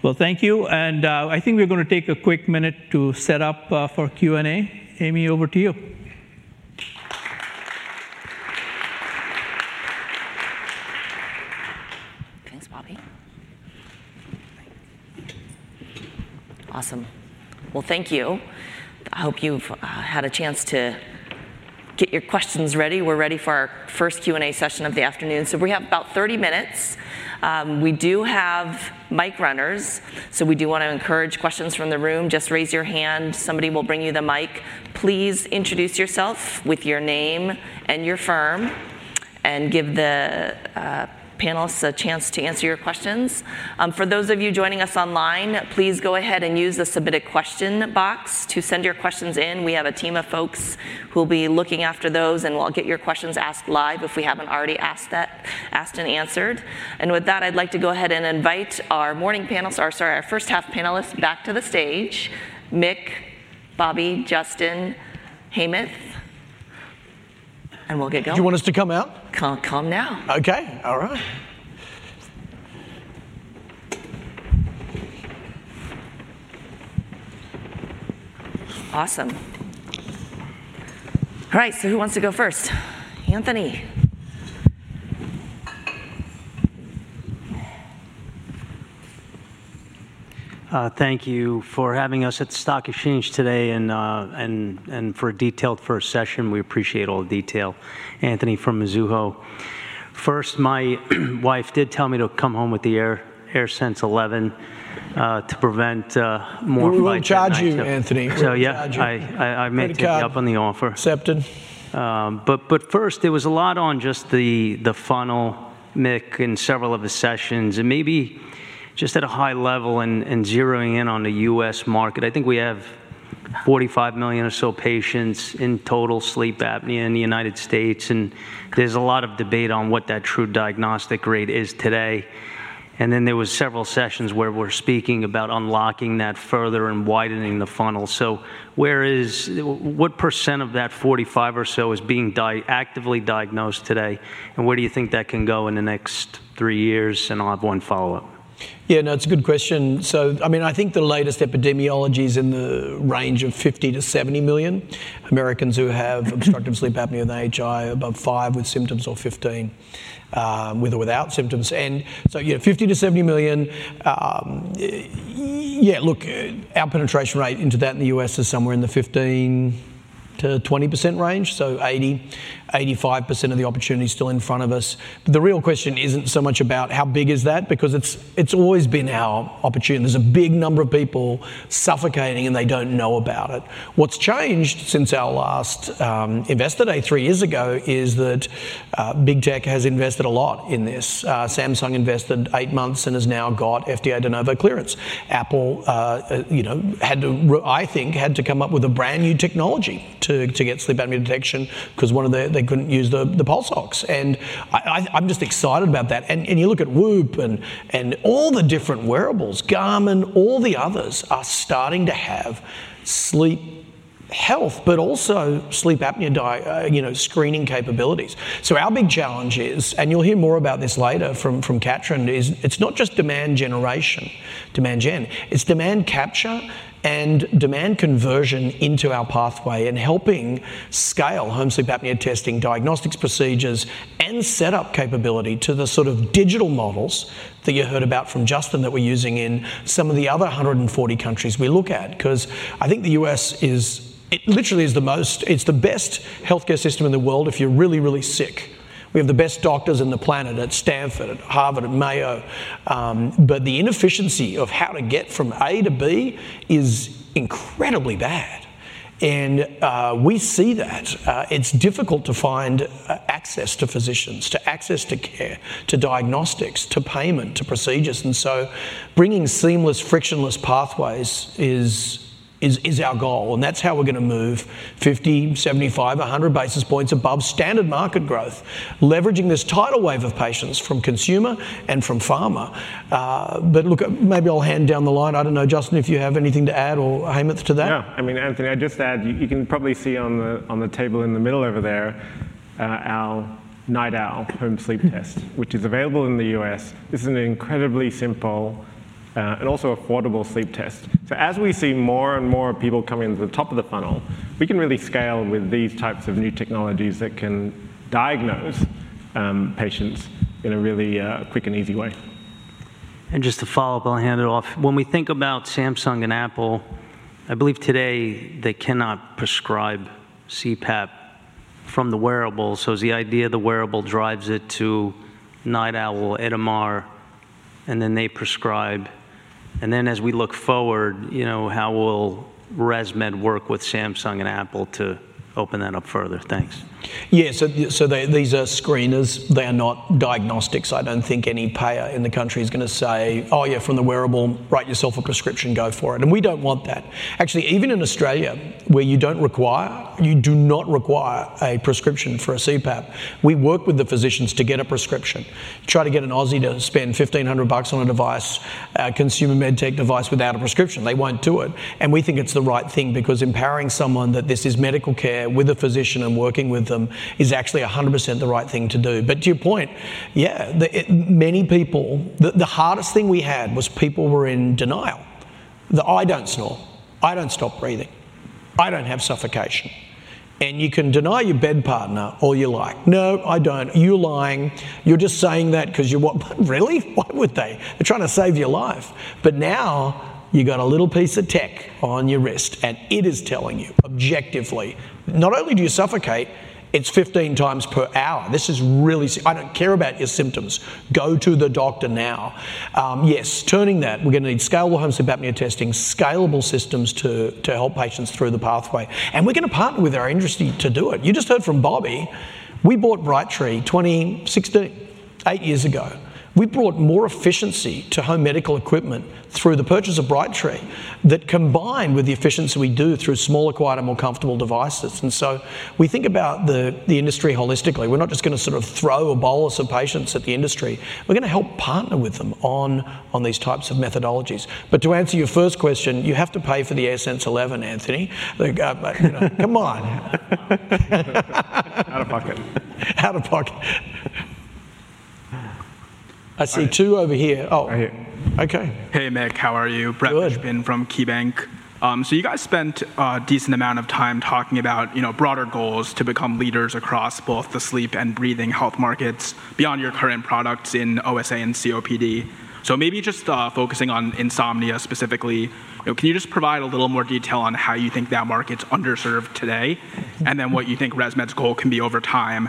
Well, thank you, and I think we're gonna take a quick minute to set up for Q&A. Amy, over to you. Thanks, Bobby. Awesome. Well, thank you. I hope you've had a chance to get your questions ready. We're ready for our first Q&A session of the afternoon. So we have about thirty minutes. We do have mic runners, so we do wanna encourage questions from the room. Just raise your hand, somebody will bring you the mic. Please introduce yourself with your name and your firm, and give the panelists a chance to answer your questions. For those of you joining us online, please go ahead and use the submitted question box to send your questions in. We have a team of folks who'll be looking after those, and we'll get your questions asked live if we haven't already asked and answered. And with that, I'd like to go ahead and invite our morning panelists, or sorry, our first half panelists back to the stage. Mick, Bobby, Justin, Hemanth, and we'll get going. Do you want us to come out? Come now. Okay. All right. Awesome. All right, so who wants to go first? Anthony. Thank you for having us at the Stock Exchange today, and for a detailed first session. We appreciate all the detail. Anthony from Mizuho. First, my wife did tell me to come home with the AirSense 11, to prevent more- We will charge you, Anthony. Yeah, I- We're gonna charge you. I may take up on the offer. Accepted. But first, there was a lot on just the funnel, Mick, in several of the sessions, and maybe just at a high level and zeroing in on the U.S. market. I think we have 45 million or so patients in total sleep apnea in the United States, and there's a lot of debate on what that true diagnostic rate is today. And then there were several sessions where we're speaking about unlocking that further and widening the funnel. So what percent of that 45 or so is being actively diagnosed today, and where do you think that can go in the next three years? And I'll have one follow-up. Yeah, no, it's a good question. So I mean, I think the latest epidemiology is in the range of 50 to 70 million Americans who have obstructive sleep apnea, and their AHI above five with symptoms or 15, with or without symptoms. And so, yeah, 50 to 70 million. Yeah, look, our penetration rate into that in the U.S. is somewhere in the 15%-20% range, so 80%-85% of the opportunity is still in front of us. But the real question isn't so much about how big is that? Because it's, it's always been our opportunity. There's a big number of people suffocating, and they don't know about it. What's changed since our last Investor Day three years ago is that Big Tech has invested a lot in this. Samsung invested eight months and has now got FDA De Novo clearance. Apple had to come up with a brand-new technology to get sleep apnea detection because they couldn't use the pulse ox. And I'm just excited about that. You look at Whoop and all the different wearables, Garmin, all the others are starting to have sleep health, but also sleep apnea screening capabilities. Our big challenge is, and you'll hear more about this later from Katrin, is it's not just demand generation, demand gen, it's demand capture and demand conversion into our pathway and helping scale home sleep apnea testing, diagnostics procedures, and set up capability to the sort of digital models that you heard about from Justin that we're using in some of the other 140 countries we look at. Because I think the U.S. is. It literally is the most. It's the best healthcare system in the world if you're really, really sick. We have the best doctors in the planet, at Stanford, at Harvard, at Mayo, but the inefficiency of how to get from A to B is incredibly bad. We see that. It's difficult to find access to physicians, access to care, to diagnostics, to payment, to procedures, and so bringing seamless, frictionless pathways is our goal, and that's how we're gonna move 50, 75, 100 basis points above standard market growth, leveraging this tidal wave of patients from consumer and from pharma. But look, maybe I'll hand down the line. I don't know, Justin, if you have anything to add or Hemanth to that? Yeah. I mean, Anthony, I'd just add, you can probably see on the table in the middle over there, our NightOwl home sleep test, which is available in the US. This is an incredibly simple, and also affordable sleep test. So as we see more and more people coming to the top of the funnel, we can really scale with these types of new technologies that can diagnose patients in a really quick and easy way. And just to follow up, I'll hand it off. When we think about Samsung and Apple, I believe today they cannot prescribe CPAP from the wearable. So is the idea the wearable drives it to NightOwl, Itamar, and then they prescribe? And then as we look forward, you know, how will ResMed work with Samsung and Apple to open that up further? Thanks. Yeah, these are screeners. They are not diagnostics. I don't think any payer in the country is gonna say: "Oh, yeah, from the wearable, write yourself a prescription, go for it." And we don't want that. Actually, even in Australia, where you don't require, you do not require a prescription for a CPAP. We work with the physicians to get a prescription. Try to get an Aussie to spend $1,500 on a device, a consumer medtech device without a prescription. They won't do it. And we think it's the right thing because empowering someone that this is medical care with a physician and working with them is actually 100% the right thing to do. But to your point, yeah, many people. The hardest thing we had was people were in denial. I don't snore. I don't stop breathing. I don't have suffocation. And you can deny your bed partner all you like. "No, I don't. You're lying. You're just saying that 'cause you want..." Really? Why would they? They're trying to save your life. But now, you've got a little piece of tech on your wrist, and it is telling you objectively, "Not only do you suffocate, it's 15 times per hour. This is really. I don't care about your symptoms. Go to the doctor now." Yes, turning that, we're gonna need scalable home sleep apnea testing, scalable systems to help patients through the pathway, and we're gonna partner with our industry to do it. You just heard from Bobby. We bought Brightree 2016, eight years ago. We brought more efficiency to home medical equipment through the purchase of Brightree that combined with the efficiency we do through smaller, quieter, more comfortable devices. So we think about the industry holistically. We're not just gonna sort of throw a bolus of patients at the industry. We're gonna help partner with them on these types of methodologies. But to answer your first question, you have to pay for the AirSense 11, Anthony. Like, but, you know, come on. Out of pocket. Out of pocket. I see two over here. Right here. Okay. Hey, Mick. How are you? Good. Brett Fishbin from KeyBanc Capital Markets. So you guys spent a decent amount of time talking about, you know, broader goals to become leaders across both the sleep and breathing health markets beyond your current products in OSA and COPD. So maybe just, focusing on insomnia specifically, you know, can you just provide a little more detail on how you think that market's underserved today? What you think ResMed's goal can be over time?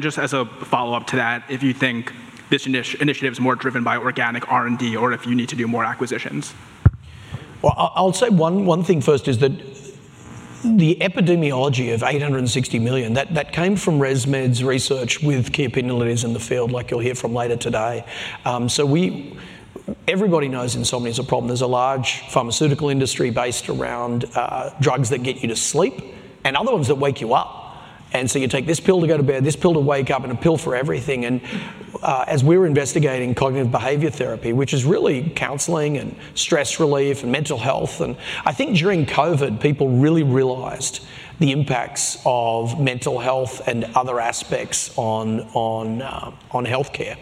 Just as a follow-up to that, if you think this initiative is more driven by organic R&D or if you need to do more acquisitions? I'll say one thing first is that the epidemiology of 860 million, that came from ResMed's research with key opinion leaders in the field, like you'll hear from later today. Everybody knows insomnia is a problem. There's a large pharmaceutical industry based around drugs that get you to sleep and other ones that wake you up. And so you take this pill to go to bed, this pill to wake up, and a pill for everything. And as we were investigating cognitive behavior therapy, which is really counseling and stress relief and mental health, and I think during COVID, people really realized the impacts of mental health and other aspects on healthcare,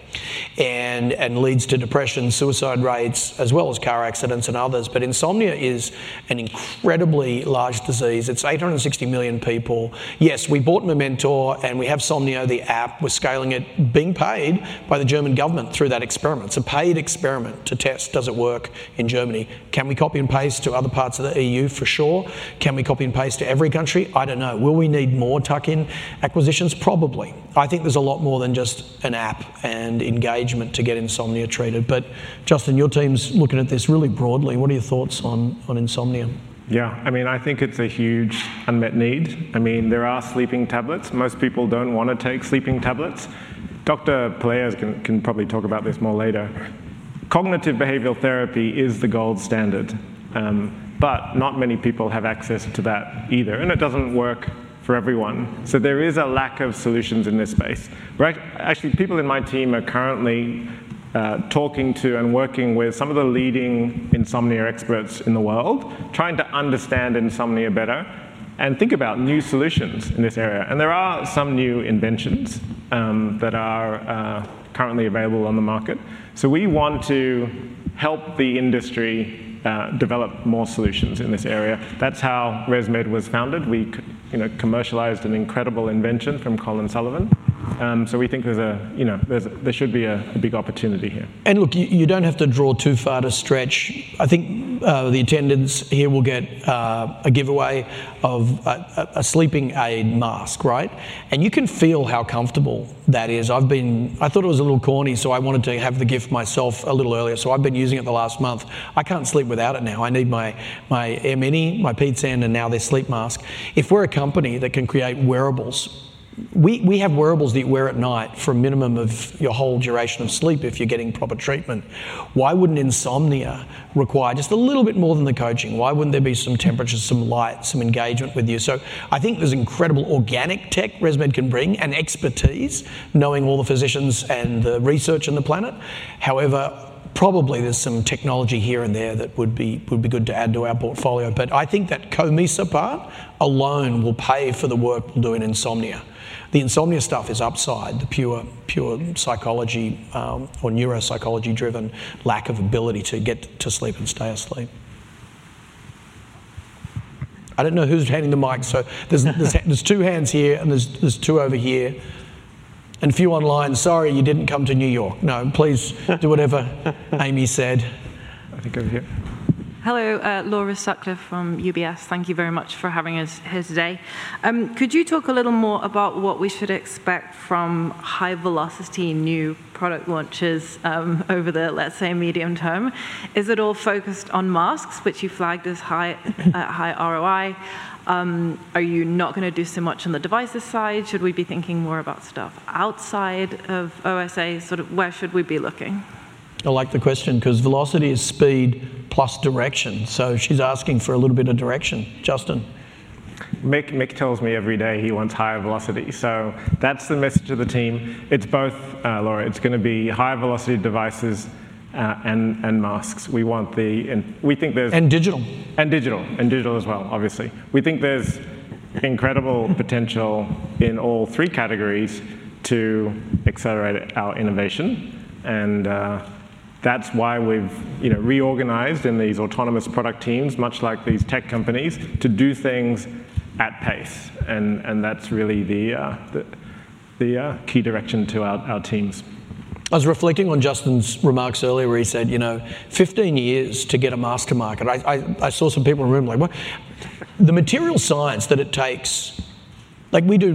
and leads to depression, suicide rates, as well as car accidents and others. But insomnia is an incredibly large disease. It's eight hundred and sixty million people. Yes, we bought Mementor, and we have Somnio, the app. We're scaling it, being paid by the German government through that experiment. It's a paid experiment to test, does it work in Germany? Can we copy and paste to other parts of the EU? For sure. Can we copy and paste to every country? I don't know. Will we need more tuck-in acquisitions? Probably. I think there's a lot more than just an app and engagement to get insomnia treated, but Justin, your team's looking at this really broadly. What are your thoughts on, on insomnia? Yeah, I mean, I think it's a huge unmet need. I mean, there are sleeping tablets. Most people don't wanna take sleeping tablets. Dr. Pelayo can probably talk about this more later. Cognitive behavioral therapy is the gold standard, but not many people have access to that either, and it doesn't work for everyone, so there is a lack of solutions in this space, right? Actually, people in my team are currently talking to and working with some of the leading insomnia experts in the world, trying to understand insomnia better and think about new solutions in this area, and there are some new inventions that are currently available on the market, so we want to help the industry develop more solutions in this area. That's how ResMed was founded. We, you know, commercialized an incredible invention from Colin Sullivan. So we think there's a big opportunity here. Look, you don't have to draw too far to stretch. I think the attendees here will get a giveaway of a sleeping aid mask, right? You can feel how comfortable that is. I've been. I thought it was a little corny, so I wanted to have the gift myself a little earlier. So I've been using it the last month. I can't sleep without it now. I need my AirMini, my AirSense, and now this sleep mask. If we're a company that can create wearables, we have wearables that you wear at night for a minimum of your whole duration of sleep, if you're getting proper treatment. Why wouldn't insomnia require just a little bit more than the coaching? Why wouldn't there be some temperature, some light, some engagement with you? So I think there's incredible organic tech ResMed can bring, and expertise, knowing all the physicians and the research on the planet. However, probably there's some technology here and there that would be good to add to our portfolio. But I think that COMISA part alone will pay for the work we'll do in insomnia. The insomnia stuff is upside, the pure psychology, or neuropsychology-driven lack of ability to get to sleep and stay asleep. I don't know who's handing the mic, so there's two hands here, and there's two over here, and a few online. Sorry, you didn't come to New York. No, please do whatever Amy said. I think over here. Hello, Laura Sutcliffe from UBS. Thank you very much for having us here today. Could you talk a little more about what we should expect from high-velocity new product launches, over the, let's say, medium term? Is it all focused on masks, which you flagged as high ROI? Are you not gonna do so much on the devices side? Should we be thinking more about stuff outside of OSA? Sort of, where should we be looking? I like the question 'cause velocity is speed plus direction, so she's asking for a little bit of direction. Justin? Mick, Mick tells me every day he wants higher velocity, so that's the message of the team. It's both, Laura. It's gonna be higher velocity devices, and, and masks. We want the... And we think there's- And digital. And digital. And digital as well, obviously. We think there's incredible potential in all three categories to accelerate our innovation. And that's why we've, you know, reorganized in these autonomous product teams, much like these tech companies, to do things at pace. And that's really the key direction to our teams. I was reflecting on Justin's remarks earlier where he said, you know, 15 years to get a mask to market. I saw some people in the room like, "What?" The materials science that it takes, like we do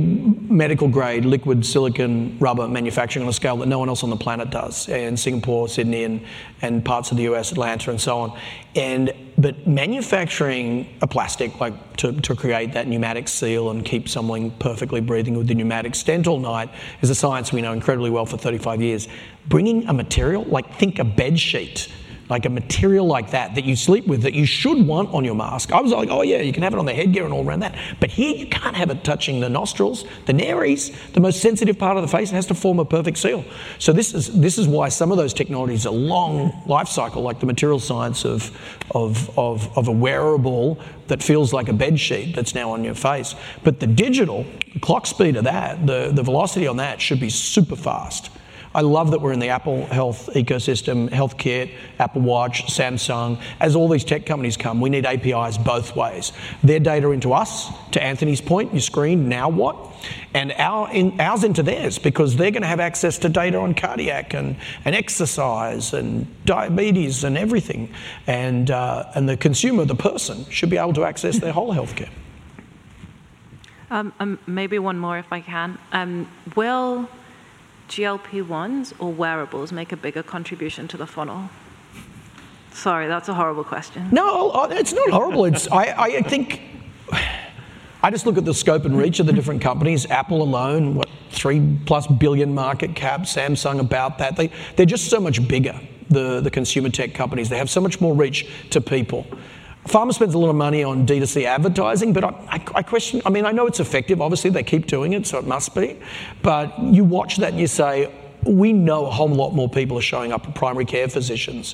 medical grade liquid silicone rubber manufacturing on a scale that no one else on the planet does, in Singapore, Sydney, and parts of the US, Atlanta, and so on. But manufacturing a plastic, like, to create that pneumatic seal and keep someone perfectly breathing with the pneumatic stent all night, is a science we know incredibly well for 35 years. Bringing a material, like think a bedsheet, like a material like that, that you sleep with, that you should want on your mask. I was like, "Oh, yeah, you can have it on the headgear and all around that," but here you can't have it touching the nostrils, the nares, the most sensitive part of the face, and has to form a perfect seal. So this is why some of those technologies are long lifecycle, like the material science of a wearable that feels like a bedsheet that's now on your face. But the digital clock speed of that, the velocity on that should be super fast. I love that we're in the Apple Health ecosystem, healthcare, Apple Watch, Samsung. As all these tech companies come, we need APIs both ways. Their data into us, to Anthony's point, you screen, now what? Our insights into theirs, because they're gonna have access to data on cardiac, and exercise, and diabetes, and everything, and the consumer, the person, should be able to access their whole healthcare. Maybe one more, if I can. Will GLP-1s or wearables make a bigger contribution to the funnel? Sorry, that's a horrible question. No, it's not horrible. It's I think, I just look at the scope and reach of the different companies. Apple alone, what? $3+ billion market cap, Samsung, about that. They, they're just so much bigger, the consumer tech companies. They have so much more reach to people. Pharma spends a lot of money on D2C advertising, but I question, I mean, I know it's effective. Obviously, they keep doing it, so it must be. But you watch that, and you say, we know a whole lot more people are showing up at primary care physicians,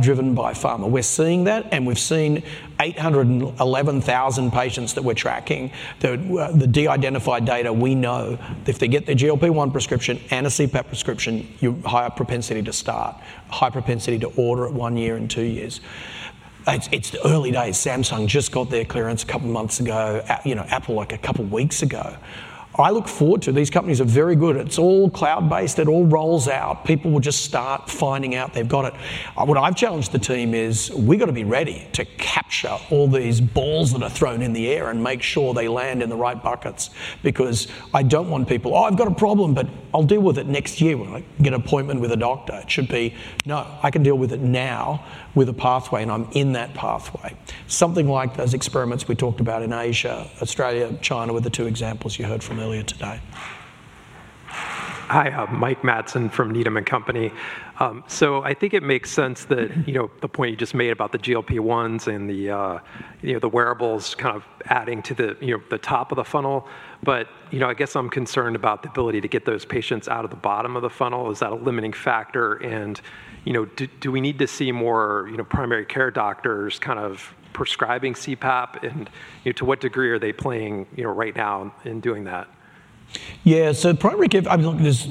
driven by pharma. We're seeing that, and we've seen 811,000 patients that we're tracking, that, the deidentified data we know that if they get their GLP-1 prescription and a CPAP prescription, you've higher propensity to start, a high propensity to order it one year and two years. It's the early days. Samsung just got their clearance a couple of months ago, you know, Apple, like a couple of weeks ago. I look forward to... These companies are very good. It's all cloud-based. It all rolls out. People will just start finding out they've got it. What I've challenged the team is, we've got to be ready to capture all these balls that are thrown in the air and make sure they land in the right buckets because I don't want people, "Oh, I've got a problem, but I'll deal with it next year when I get an appointment with a doctor." It should be, "No, I can deal with it now with a pathway, and I'm in that pathway." Something like those experiments we talked about in Asia, Australia, and China were the two examples you heard from earlier today. Hi, I'm Mike Matson from Needham & Company. So I think it makes sense that, you know, the point you just made about the GLP-1s and the, you know, the wearables kind of adding to the, you know, the top of the funnel. But, you know, I guess I'm concerned about the ability to get those patients out of the bottom of the funnel. Is that a limiting factor? And, you know, do we need to see more, you know, primary care doctors kind of prescribing CPAP? And, you know, to what degree are they playing, you know, right now in doing that? Yeah, so primary care, I mean, look, there's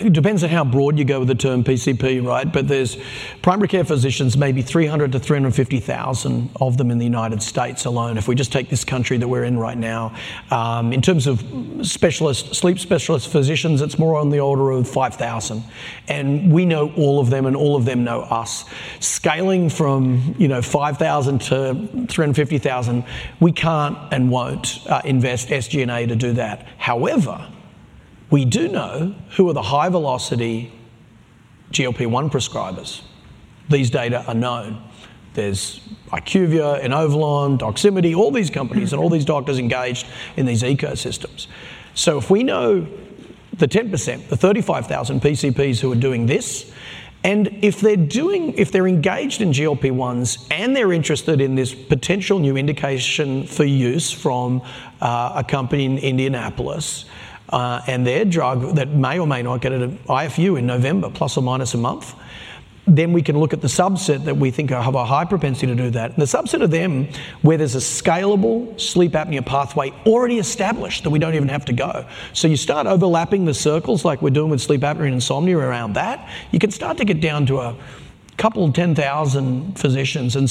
it depends on how broad you go with the term PCP, right? But there's primary care physicians, maybe 300-350 thousand of them in the United States alone, if we just take this country that we're in right now. In terms of specialist, sleep specialist physicians, it's more on the order of 5,000, and we know all of them, and all of them know us. Scaling from, you know, 5,000 to 350,000, we can't and won't invest SG&A to do that. However, we do know who are the high-velocity GLP-1 prescribers. These data are known. There's IQVIA, Inovalon, Doximity, all these companies and all these doctors engaged in these ecosystems. So if we know the 10%, the 35,000 PCPs who are doing this, and if they're engaged in GLP-1s and they're interested in this potential new indication for use from a company in Indianapolis, and their drug that may or may not get an IFU in November, plus or minus a month, then we can look at the subset that we think have a high propensity to do that, and the subset of them where there's a scalable sleep apnea pathway already established that we don't even have to go. So you start overlapping the circles like we're doing with sleep apnea and insomnia around that, you can start to get down to a couple of 10,000 physicians. And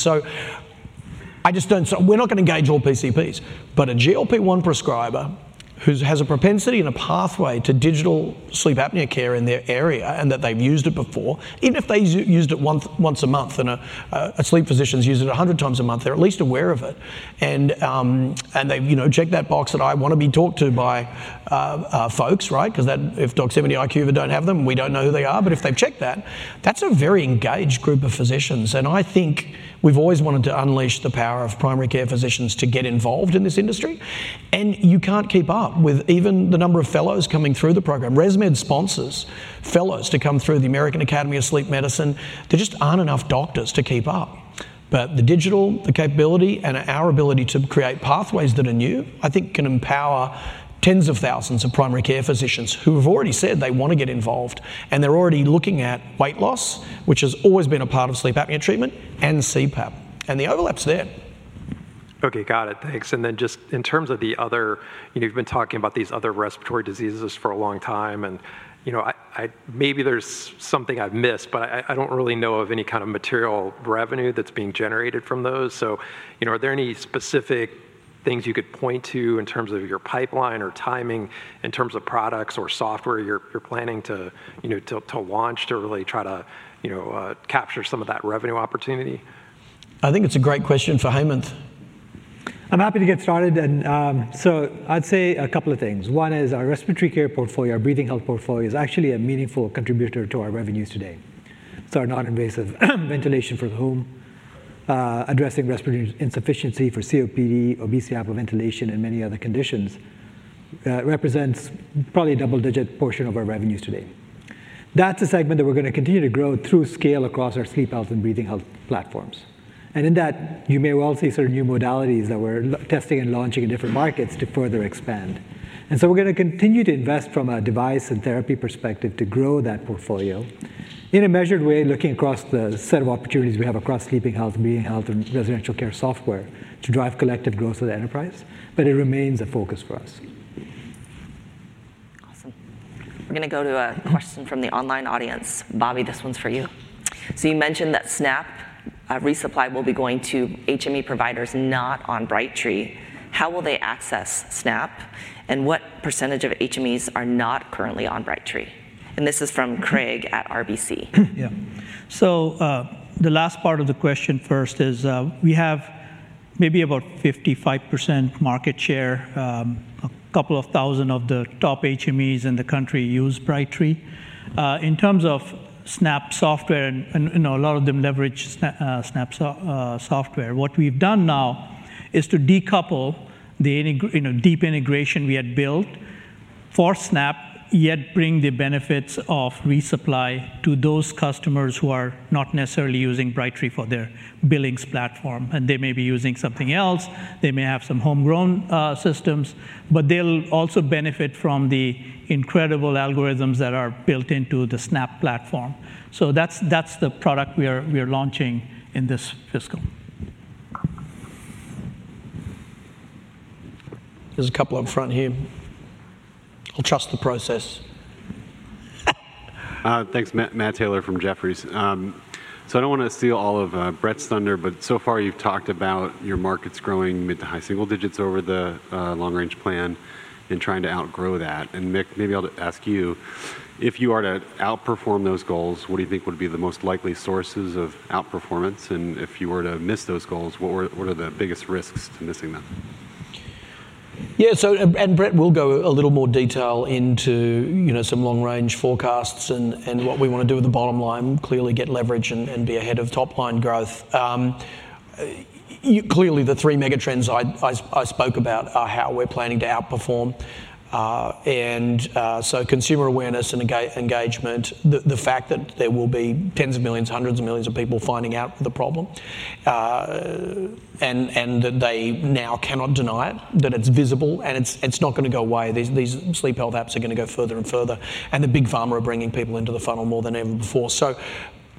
I just don't so we're not gonna engage all PCPs. But a GLP-1 prescriber who has a propensity and a pathway to digital sleep apnea care in their area, and that they've used it before, even if they used it once, once a month, and a sleep physician's used it 100 times a month, they're at least aware of it. And they've, you know, checked that box that I want to be talked to by folks, right? 'Cause then, if Doximity or IQVIA don't have them, we don't know who they are. But if they've checked that, that's a very engaged group of physicians, and I think we've always wanted to unleash the power of primary care physicians to get involved in this industry. And you can't keep up with even the number of fellows coming through the program. ResMed sponsors fellows to come through the American Academy of Sleep Medicine. There just aren't enough doctors to keep up, but the digital, the capability, and our ability to create pathways that are new, I think can empower tens of thousands of primary care physicians who have already said they want to get involved, and they're already looking at weight loss, which has always been a part of sleep apnea treatment, and CPAP, and the overlap's there. Okay, got it. Thanks. And then just in terms of the other, you know, you've been talking about these other respiratory diseases for a long time, and, you know, I maybe there's something I've missed, but I don't really know of any kind of material revenue that's being generated from those. So, you know, are there any specific things you could point to in terms of your pipeline or timing, in terms of products or software you're planning to, you know, to launch, to really try to, you know, capture some of that revenue opportunity? I think it's a great question for Hemanth. I'm happy to get started, and so I'd say a couple of things. One is our respiratory care portfolio, our breathing health portfolio, is actually a meaningful contributor to our revenues today. So our non-invasive ventilation for the home, addressing respiratory insufficiency for COPD, obesity, hypoventilation, and many other conditions, represents probably a double-digit portion of our revenues today. That's a segment that we're gonna continue to grow through scale across our sleep health and breathing health platforms. And in that, you may well see sort of new modalities that we're testing and launching in different markets to further expand. And so we're gonna continue to invest from a device and therapy perspective to grow that portfolio in a measured way, looking across the set of opportunities we have across sleeping health and breathing health and residential care software to drive collective growth of the enterprise, but it remains a focus for us. Awesome. We're gonna go to a question from the online audience. Bobby, this one's for you. So you mentioned that Snap Resupply will be going to HME providers not on Brightree. How will they access Snap, and what percentage of HMEs are not currently on Brightree? And this is from Craig at RBC. Yeah. So, the last part of the question first is, we have maybe about 55% market share. A couple of thousand of the top HMEs in the country use Brightree. In terms of Snap software, and, you know, a lot of them leverage Snap software. What we've done now is to decouple the integration you know, deep integration we had built for Snap, yet bring the benefits of resupply to those customers who are not necessarily using Brightree for their billings platform, and they may be using something else, they may have some homegrown systems, but they'll also benefit from the incredible algorithms that are built into the Snap platform. So that's the product we are launching in this fiscal. There's a couple up front here. I'll trust the process. Thanks. Matt Taylor from Jefferies. So I don't wanna steal all of Brett's thunder, but so far you've talked about your markets growing mid- to high-single digits over the long range plan and trying to outgrow that. And Mick, maybe I'll ask you, if you are to outperform those goals, what do you think would be the most likely sources of outperformance? And if you were to miss those goals, what were, what are the biggest risks to missing them? Yeah, so and Brett will go a little more detail into, you know, some long range forecasts and what we wanna do with the bottom line, clearly get leverage and be ahead of top line growth. Clearly, the three mega trends I spoke about are how we're planning to outperform. And so consumer awareness and engagement, the fact that there will be tens of millions, hundreds of millions of people finding out the problem, and that they now cannot deny it, that it's visible and it's not gonna go away. These sleep health apps are gonna go further and further, and the big pharma are bringing people into the funnel more than ever before. So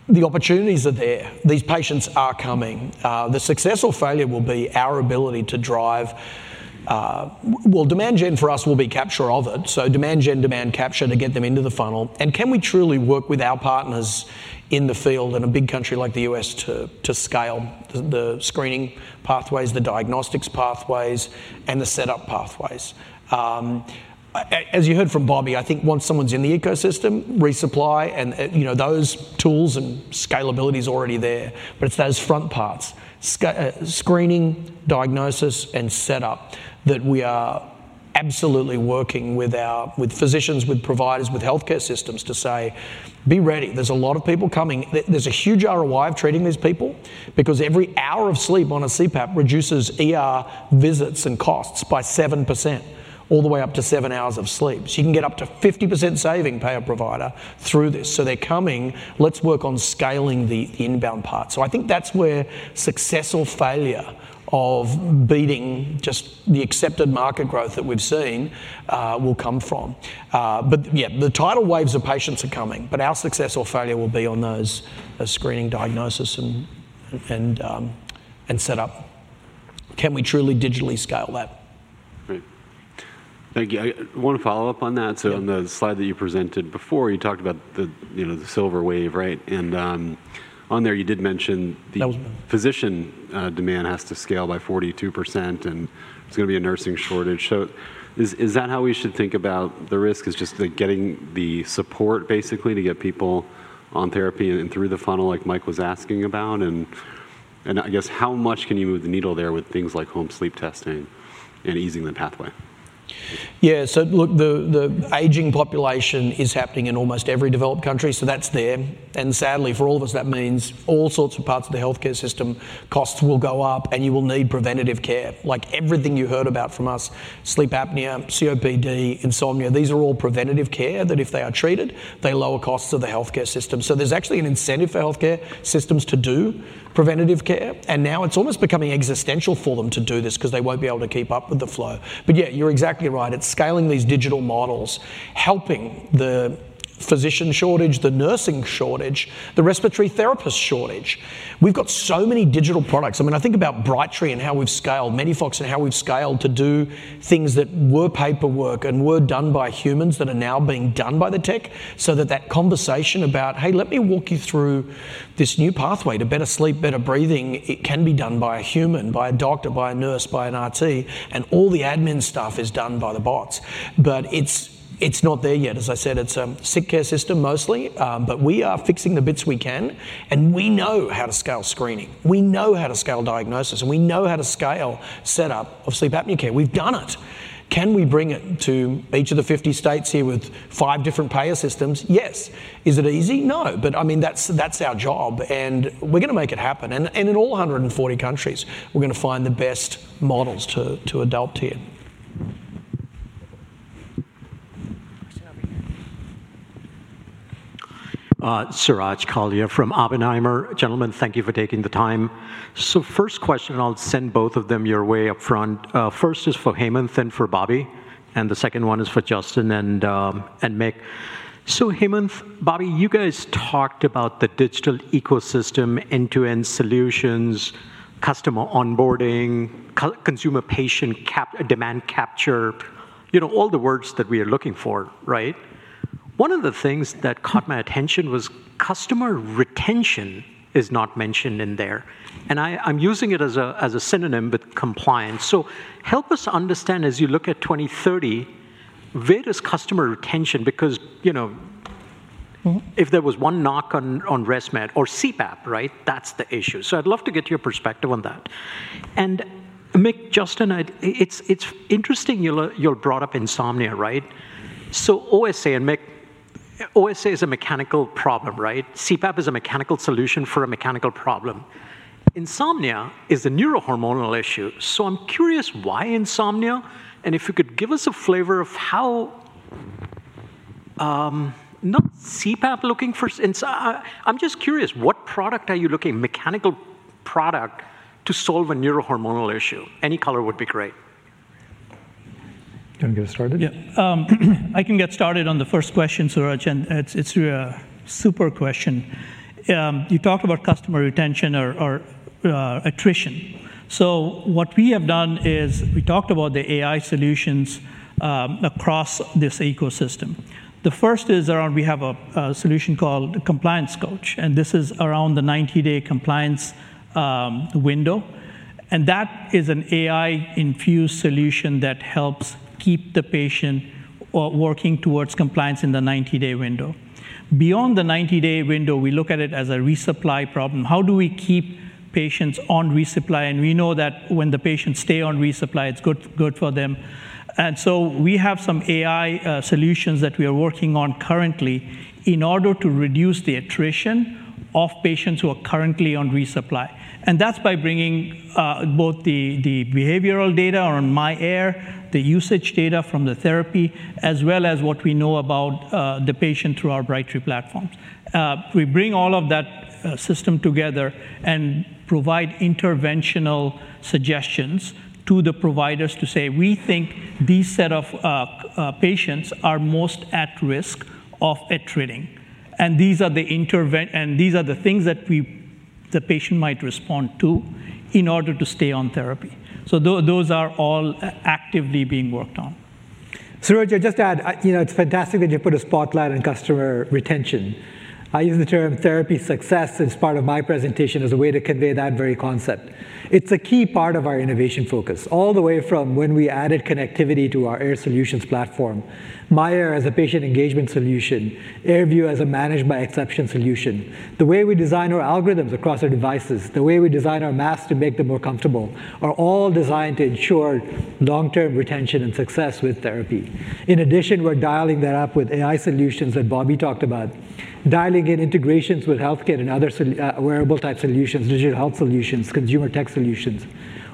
the opportunities are there. These patients are coming. The success or failure will be our ability to drive. Well, demand gen for us will be capture of it, so demand gen, demand capture to get them into the funnel, and can we truly work with our partners in the field in a big country like the U.S. to scale the screening pathways, the diagnostics pathways, and the setup pathways? As you heard from Bobby, I think once someone's in the ecosystem, resupply and you know those tools and scalability is already there, but it's those front parts, screening, diagnosis, and setup, that we are absolutely working with our physicians, with providers, with healthcare systems to say, "Be ready. There's a lot of people coming." There's a huge ROI of treating these people because every hour of sleep on a CPAP reduces ER visits and costs by 7%, all the way up to seven hours of sleep. So you can get up to 50% saving payer provider through this. So they're coming, let's work on scaling the inbound part. So I think that's where success or failure of beating just the accepted market growth that we've seen will come from. But yeah, the tidal waves of patients are coming, but our success or failure will be on those, the screening, diagnosis, and setup. Can we truly digitally scale that? Great. Thank you. I want to follow up on that. Yeah. So on the slide that you presented before, you talked about the, you know, the silver wave, right? And on there, you did mention the physician, demand has to scale by 42%, and there's gonna be a nursing shortage. So is that how we should think about the risk, is just the getting the support, basically, to get people on therapy and through the funnel, like Mike was asking about? And I guess, how much can you move the needle there with things like home sleep testing and easing the pathway? Yeah, so look, the aging population is happening in almost every developed country, so that's there, and sadly, for all of us, that means all sorts of parts of the healthcare system, costs will go up, and you will need preventative care. Like everything you heard about from us, sleep apnea, COPD, insomnia, these are all preventative care that if they are treated, they lower costs of the healthcare system, so there's actually an incentive for healthcare systems to do preventative care, and now it's almost becoming existential for them to do this 'cause they won't be able to keep up with the flow, but yeah, you're exactly right. It's scaling these digital models, helping the physician shortage, the nursing shortage, the respiratory therapist shortage. We've got so many digital products. I mean, I think about Brightree and how we've scaled MEDIFOX and how we've scaled to do things that were paperwork and were done by humans that are now being done by the tech. So that conversation about, "Hey, let me walk you through this new pathway to better sleep, better breathing," it can be done by a human, by a doctor, by a nurse, by an RT, and all the admin stuff is done by the bots. But it's not there yet. As I said, it's a sick care system mostly, but we are fixing the bits we can, and we know how to scale screening. We know how to scale diagnosis, and we know how to scale setup of sleep apnea care. We've done it! Can we bring it to each of the fifty states here with five different payer systems? Yes. Is it easy? No. But, I mean, that's, that's our job, and we're gonna make it happen. And in all hundred and forty countries, we're gonna find the best models to adopt here. Suraj Kalia from Oppenheimer. Gentlemen, thank you for taking the time. So first question, I'll send both of them your way upfront. First is for Hemanth and for Bobby, and the second one is for Justin and Mick. So Hemanth, Bobby, you guys talked about the digital ecosystem, end-to-end solutions, customer onboarding, consumer patient capture, demand capture, you know, all the words that we are looking for, right? One of the things that caught my attention was customer retention is not mentioned in there, and I'm using it as a synonym, but compliance. So help us understand, as you look at 2030, where does customer retention? Because, you know, if there was one knock on ResMed or CPAP, right? That's the issue. So I'd love to get your perspective on that. Mick, Justin, it's interesting you brought up insomnia, right? So OSA and Mick, OSA is a mechanical problem, right? CPAP is a mechanical solution for a mechanical problem. Insomnia is a neurohormonal issue, so I'm curious why insomnia, and if you could give us a flavor of how, not CPAP looking for insomnia. I'm just curious, what product are you looking, mechanical product, to solve a neurohormonal issue? Any color would be great. Do you want me to get started? Yeah. I can get started on the first question, Suraj, and it's a super question. You talked about customer retention or attrition. So what we have done is we talked about the AI solutions across this ecosystem. The first is around we have a solution called Compliance Coach, and this is around the ninety-day compliance window. And that is an AI-infused solution that helps keep the patient working towards compliance in the ninety-day window. Beyond the ninety-day window, we look at it as a resupply problem. How do we keep patients on resupply? And we know that when the patients stay on resupply, it's good for them. And so we have some AI solutions that we are working on currently in order to reduce the attrition of patients who are currently on resupply. That's by bringing both the behavioral data on myAir, the usage data from the therapy, as well as what we know about the patient through our Brightree platforms. We bring all of that system together and provide interventional suggestions to the providers to say: We think these set of patients are most at risk of attriting, and these are the things that the patient might respond to in order to stay on therapy. Those are all actively being worked on. Suraj, just to add, you know, it's fantastic that you put a spotlight on customer retention. I use the term therapy success as part of my presentation as a way to convey that very concept. It's a key part of our innovation focus, all the way from when we added connectivity to our Air Solutions platform. myAir as a patient engagement solution, AirView as a managed by exception solution. The way we design our algorithms across our devices, the way we design our masks to make them more comfortable, are all designed to ensure long-term retention and success with therapy. In addition, we're dialing that up with AI solutions that Bobby talked about, dialing in integrations with healthcare and other wearable-type solutions, digital health solutions, consumer tech solutions,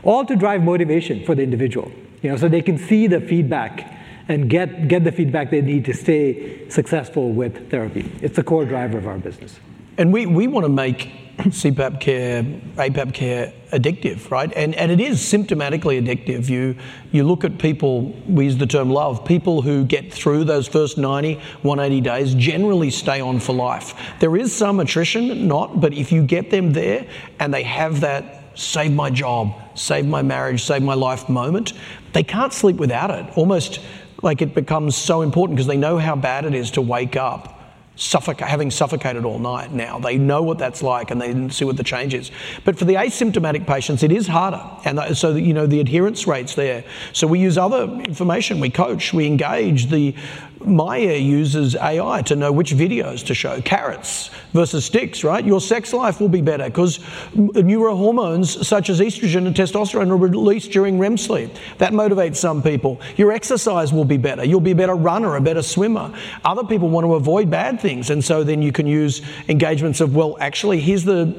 all to drive motivation for the individual, you know, so they can see the feedback and get the feedback they need to stay successful with therapy. It's a core driver of our business. And we wanna make CPAP care, APAP care addictive, right? And it is symptomatically addictive. You look at people, we use the term love, people who get through those first 90, 180 days generally stay on for life. There is some attrition, but if you get them there and they have that, "Save my job, save my marriage, save my life" moment, they can't sleep without it. Almost like it becomes so important 'cause they know how bad it is to wake up having suffocated all night. Now, they know what that's like, and they see what the change is. But for the asymptomatic patients, it is harder, and so, you know, the adherence rates there. So we use other information. We coach, we engage. The myAir uses AI to know which videos to show. Carrots versus sticks, right? Your sex life will be better 'cause neurohormones, such as estrogen and testosterone, are released during REM sleep. That motivates some people. Your exercise will be better. You'll be a better runner, a better swimmer. Other people want to avoid bad things, and so then you can use engagements of: Well, actually, here's the,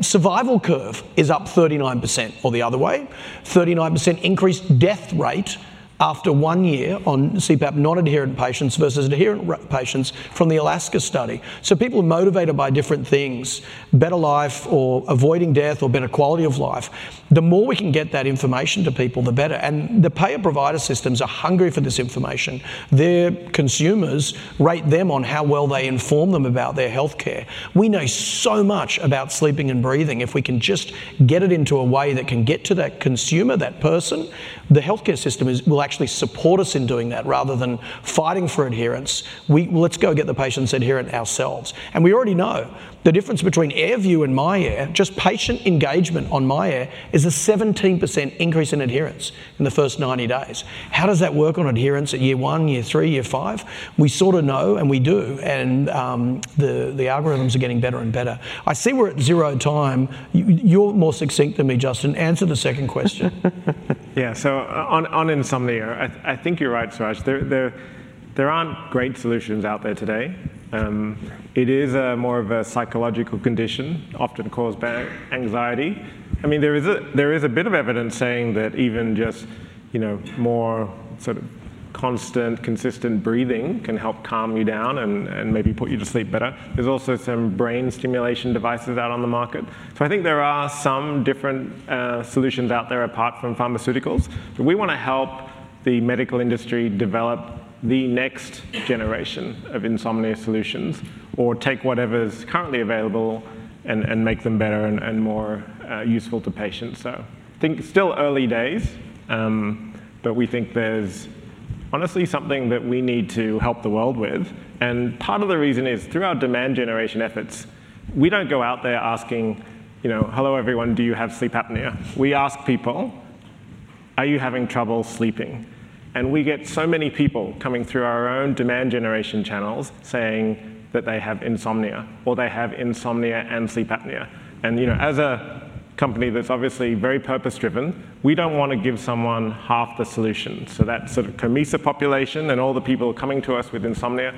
survival curve is up 39% or the other way. 39% increased death rate after one year on CPAP, non-adherent patients versus adherent patients from ALASKA study. So people are motivated by different things, better life or avoiding death or better quality of life. The more we can get that information to people, the better, and the payer-provider systems are hungry for this information. Their consumers rate them on how well they inform them about their healthcare. We know so much about sleeping and breathing. If we can just get it into a way that can get to that consumer, that person, the healthcare system is, will actually support us in doing that rather than fighting for adherence. Let's go get the patients adherent ourselves. And we already know the difference between AirView and myAir, just patient engagement on myAir is a 17% increase in adherence in the first 90 days. How does that work on adherence at year one, year three, year five? We sort of know, and we do, and the algorithms are getting better and better. I see we're at zero time. You're more succinct than me, Justin. Answer the second question. Yeah. So on insomnia, I think you're right, Suraj. There aren't great solutions out there today. It is more of a psychological condition, often caused by anxiety. I mean, there is a bit of evidence saying that even just, you know, more sort of constant, consistent breathing can help calm you down and maybe put you to sleep better. There's also some brain stimulation devices out on the market. So I think there are some different solutions out there apart from pharmaceuticals. But we want to help the medical industry develop the next generation of insomnia solutions or take whatever's currently available and make them better and more useful to patients. So I think still early days, but we think there's honestly something that we need to help the world with. And part of the reason is, through our demand generation efforts, we don't go out there asking, you know, "Hello, everyone, do you have sleep apnea?" We ask people, "Are you having trouble sleeping?" And we get so many people coming through our own demand generation channels saying that they have insomnia or they have insomnia and sleep apnea. And, you know, as a company that's obviously very purpose-driven, we don't wanna give someone half the solution. So that sort of COMISA population and all the people coming to us with insomnia,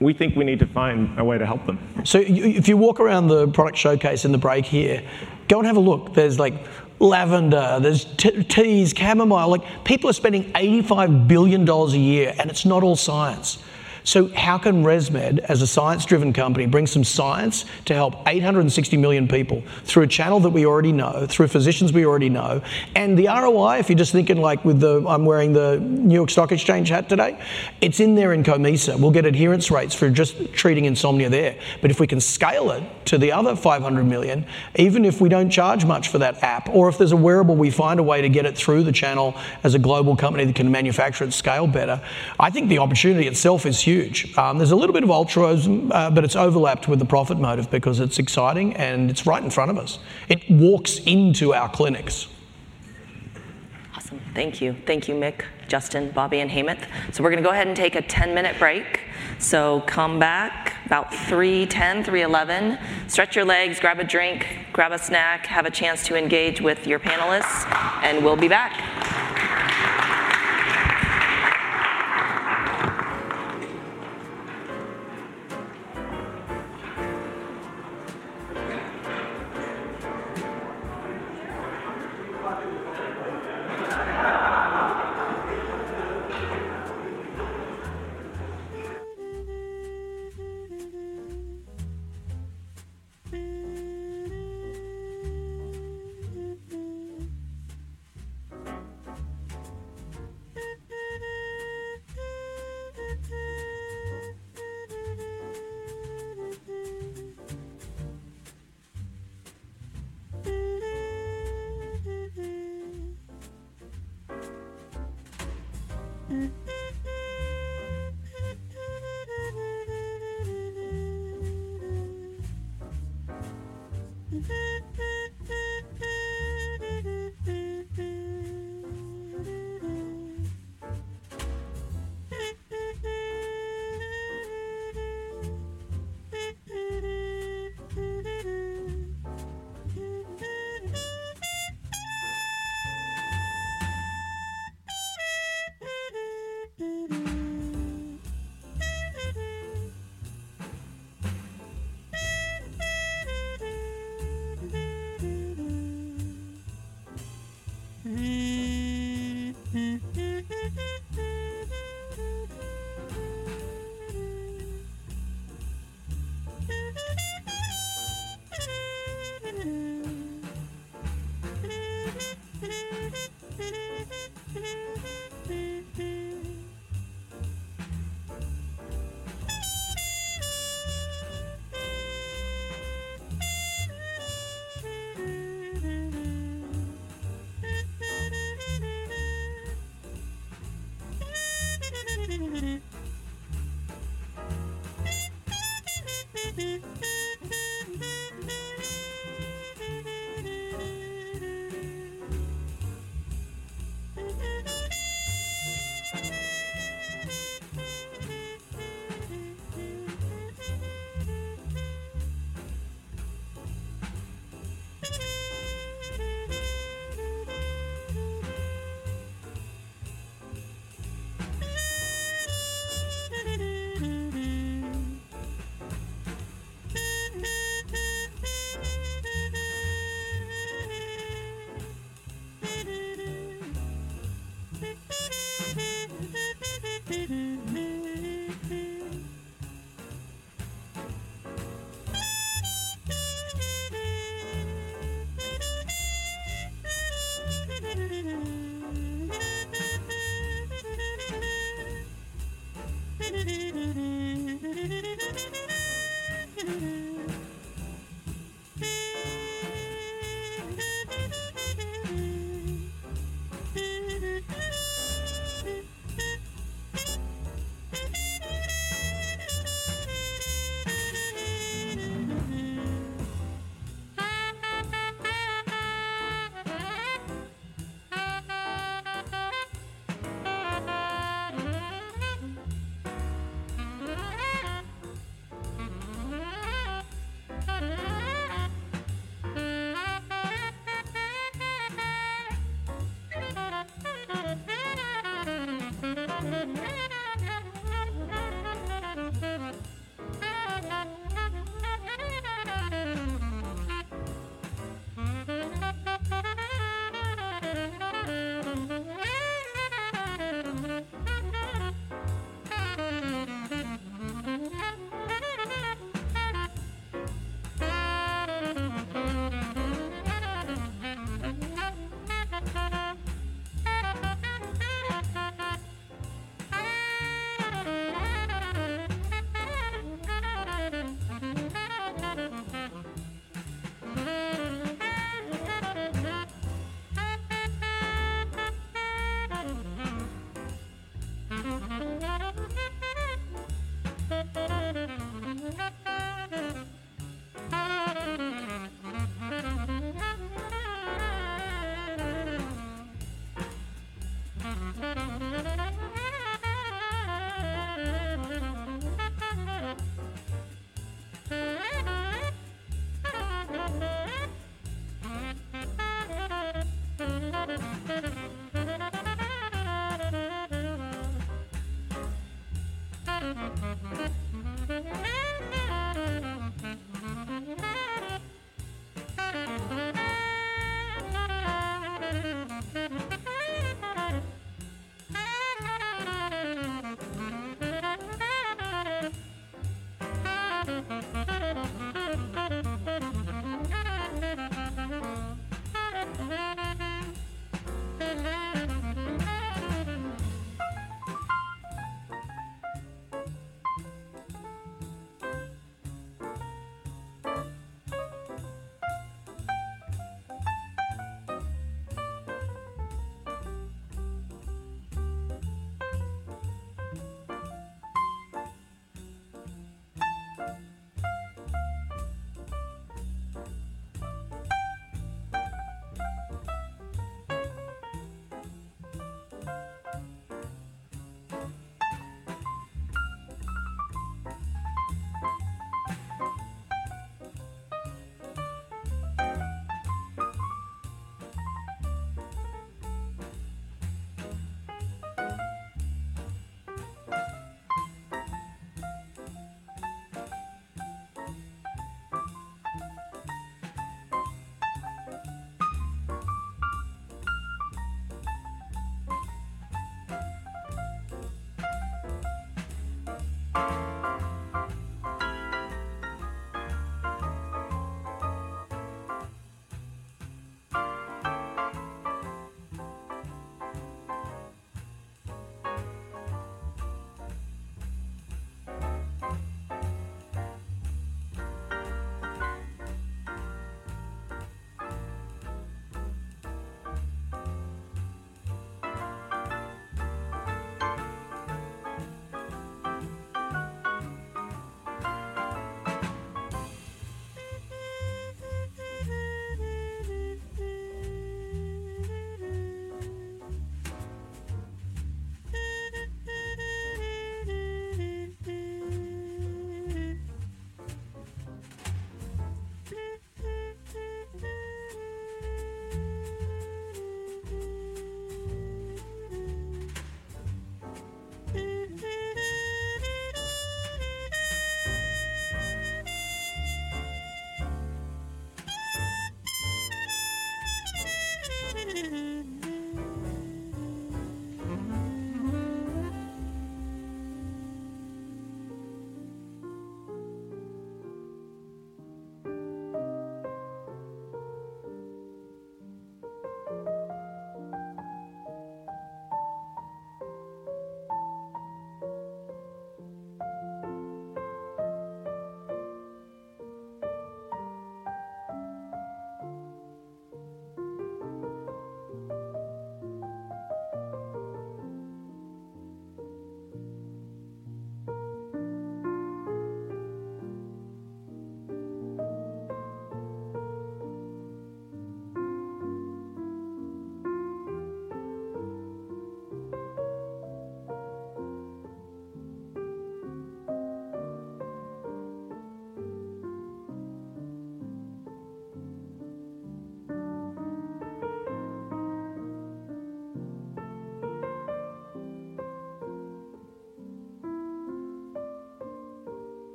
we think we need to find a way to help them. So if you walk around the product showcase in the break here, go and have a look. There's like lavender, there's teas, chamomile. Like, people are spending $85 billion a year, and it's not all science. So how can ResMed, as a science-driven company, bring some science to help 860 million people through a channel that we already know, through physicians we already know? And the ROI, if you're just thinking like with the... I'm wearing the New York Stock Exchange hat today, it's in there in COMISA. We'll get adherence rates for just treating insomnia there. But if we can scale it to the other five hundred million, even if we don't charge much for that app, or if there's a wearable, we find a way to get it through the channel as a global company that can manufacture at scale better, I think the opportunity itself is huge. There's a little bit of altruism, but it's overlapped with the profit motive because it's exciting and it's right in front of us. It walks into our clinics. Awesome. Thank you. Thank you, Mick, Justin, Bobby, and Hemanth. So we're gonna go ahead and take a ten-minute break. So come back about 3:10 P.M., 3:11 P.M. Stretch your legs, grab a drink, grab a snack, have a chance to engage with your panelists, and we'll be back.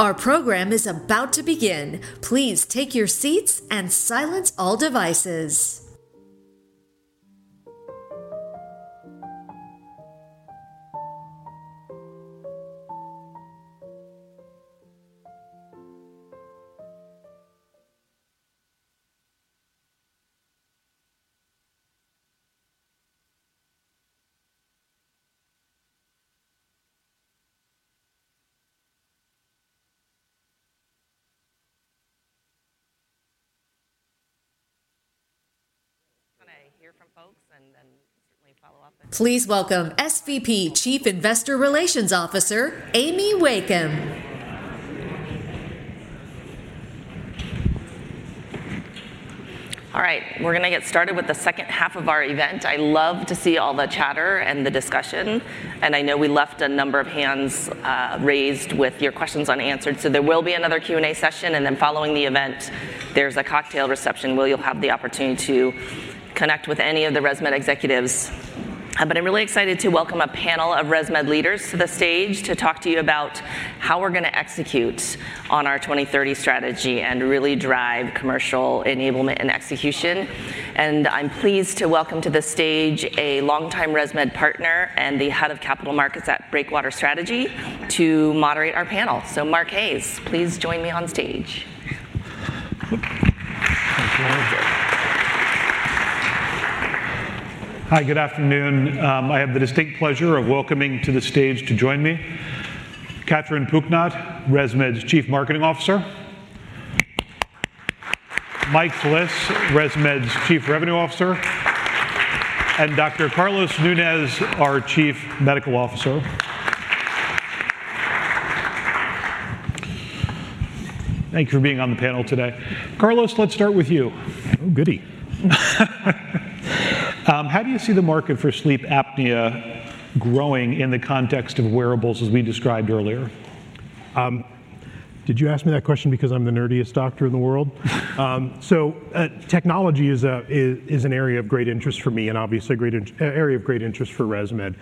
Our program is about to begin. Please take your seats and silence all devices. Please welcome SVP, Chief Investor Relations Officer, Amy Wakeham. All right, we're gonna get started with the second half of our event. I love to see all the chatter and the discussion, and I know we left a number of hands raised with your questions unanswered. So there will be another Q&A session, and then following the event, there's a cocktail reception where you'll have the opportunity to connect with any of the ResMed executives. But I'm really excited to welcome a panel of ResMed leaders to the stage to talk to you about how we're gonna execute on our 2030 strategy and really drive commercial enablement and execution. And I'm pleased to welcome to the stage a longtime ResMed partner and the head of Capital Markets at Breakwater Strategy to moderate our panel. So Mark Hayes, please join me on stage. Hi, good afternoon. I have the distinct pleasure of welcoming to the stage to join me, Katrin Pucknat, ResMed's Chief Marketing Officer. Mike Flis, ResMed's Chief Revenue Officer, and Dr. Carlos Nunez, our Chief Medical Officer. Thank you for being on the panel today. Carlos, let's start with you. Oh, goody! How do you see the market for sleep apnea growing in the context of wearables, as we described earlier? Did you ask me that question because I'm the nerdiest doctor in the world? Technology is an area of great interest for me, and obviously a great area of great interest for ResMed.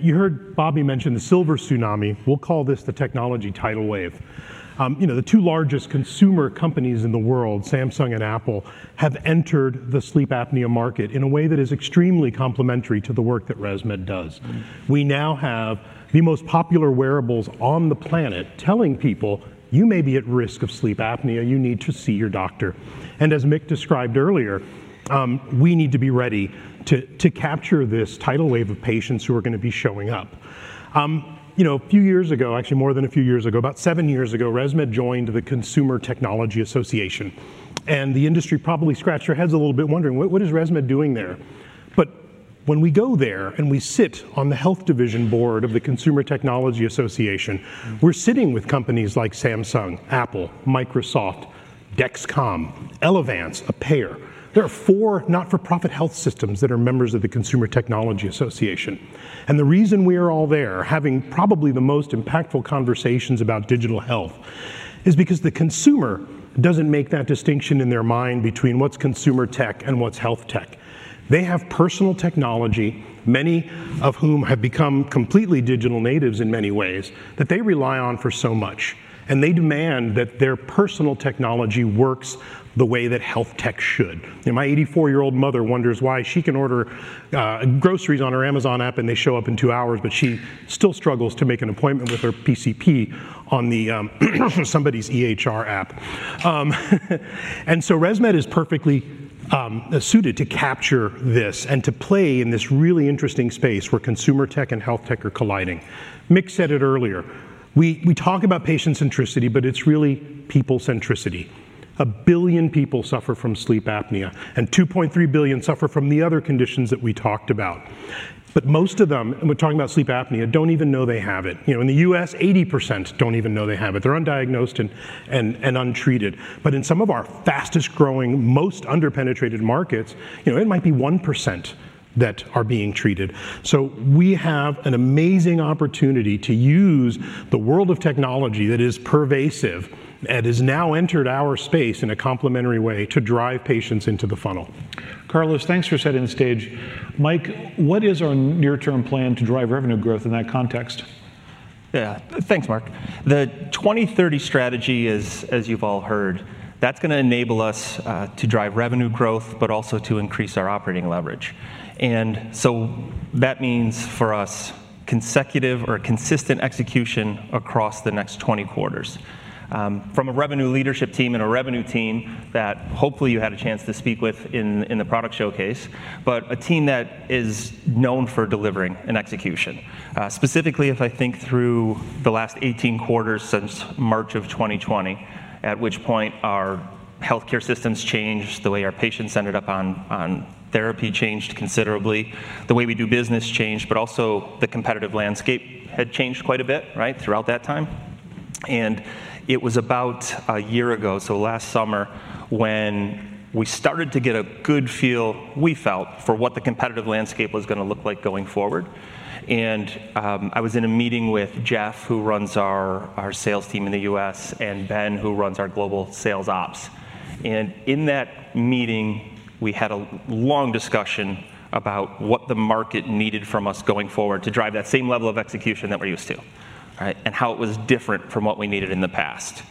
You heard Bobby mention the silver tsunami. We'll call this the technology tidal wave. You know, the two largest consumer companies in the world, Samsung and Apple, have entered the sleep apnea market in a way that is extremely complementary to the work that ResMed does. We now have the most popular wearables on the planet telling people, "You may be at risk of sleep apnea. You need to see your doctor." As Mick described earlier, we need to be ready to capture this tidal wave of patients who are gonna be showing up. You know, a few years ago, actually, more than a few years ago, about seven years ago, ResMed joined the Consumer Technology Association, and the industry probably scratched their heads a little bit, wondering: Well, what is ResMed doing there? But when we go there, and we sit on the Health Division board of the Consumer Technology Association, we're sitting with companies like Samsung, Apple, Microsoft, Dexcom, Elevance, a payer. There are four not-for-profit health systems that are members of the Consumer Technology Association. And the reason we are all there, having probably the most impactful conversations about digital health, is because the consumer doesn't make that distinction in their mind between what's consumer tech and what's health tech. They have personal technology, many of whom have become completely digital natives in many ways, that they rely on for so much, and they demand that their personal technology works the way that health tech should. You know, my eighty-four-year-old mother wonders why she can order groceries on her Amazon app, and they show up in two hours, but she still struggles to make an appointment with her PCP on the somebody's EHR app. And so ResMed is perfectly suited to capture this and to play in this really interesting space where consumer tech and health tech are colliding. Mick said it earlier, we talk about patient centricity, but it's really people centricity. A billion people suffer from sleep apnea, and two point three billion suffer from the other conditions that we talked about. But most of them, and we're talking about sleep apnea, don't even know they have it. You know, in the U.S., 80% don't even know they have it. They're undiagnosed and untreated. But in some of our fastest growing, most under-penetrated markets, you know, it might be 1% that are being treated. So we have an amazing opportunity to use the world of technology that is pervasive and has now entered our space in a complementary way to drive patients into the funnel. Carlos, thanks for setting the stage. Mike, what is our near-term plan to drive revenue growth in that context? Yeah. Thanks, Mark. The 2030 strategy is, as you've all heard, that's gonna enable us to drive revenue growth, but also to increase our operating leverage. And so that means for us, consecutive or consistent execution across the next 20 quarters. From a revenue leadership team and a revenue team that hopefully you had a chance to speak with in the product showcase, but a team that is known for delivering and execution. Specifically, if I think through the last 18 quarters since March of 2020, at which point our healthcare systems changed, the way our patients ended up on therapy changed considerably, the way we do business changed, but also the competitive landscape had changed quite a bit, right? Throughout that time. And it was about a year ago, so last summer, when we started to get a good feel, we felt, for what the competitive landscape was gonna look like going forward. And I was in a meeting with Jeff, who runs our sales team in the U.S., and Ben, who runs our global sales ops. And in that meeting, we had a long discussion about what the market needed from us going forward to drive that same level of execution that we're used to, right? And how it was different from what we needed in the past.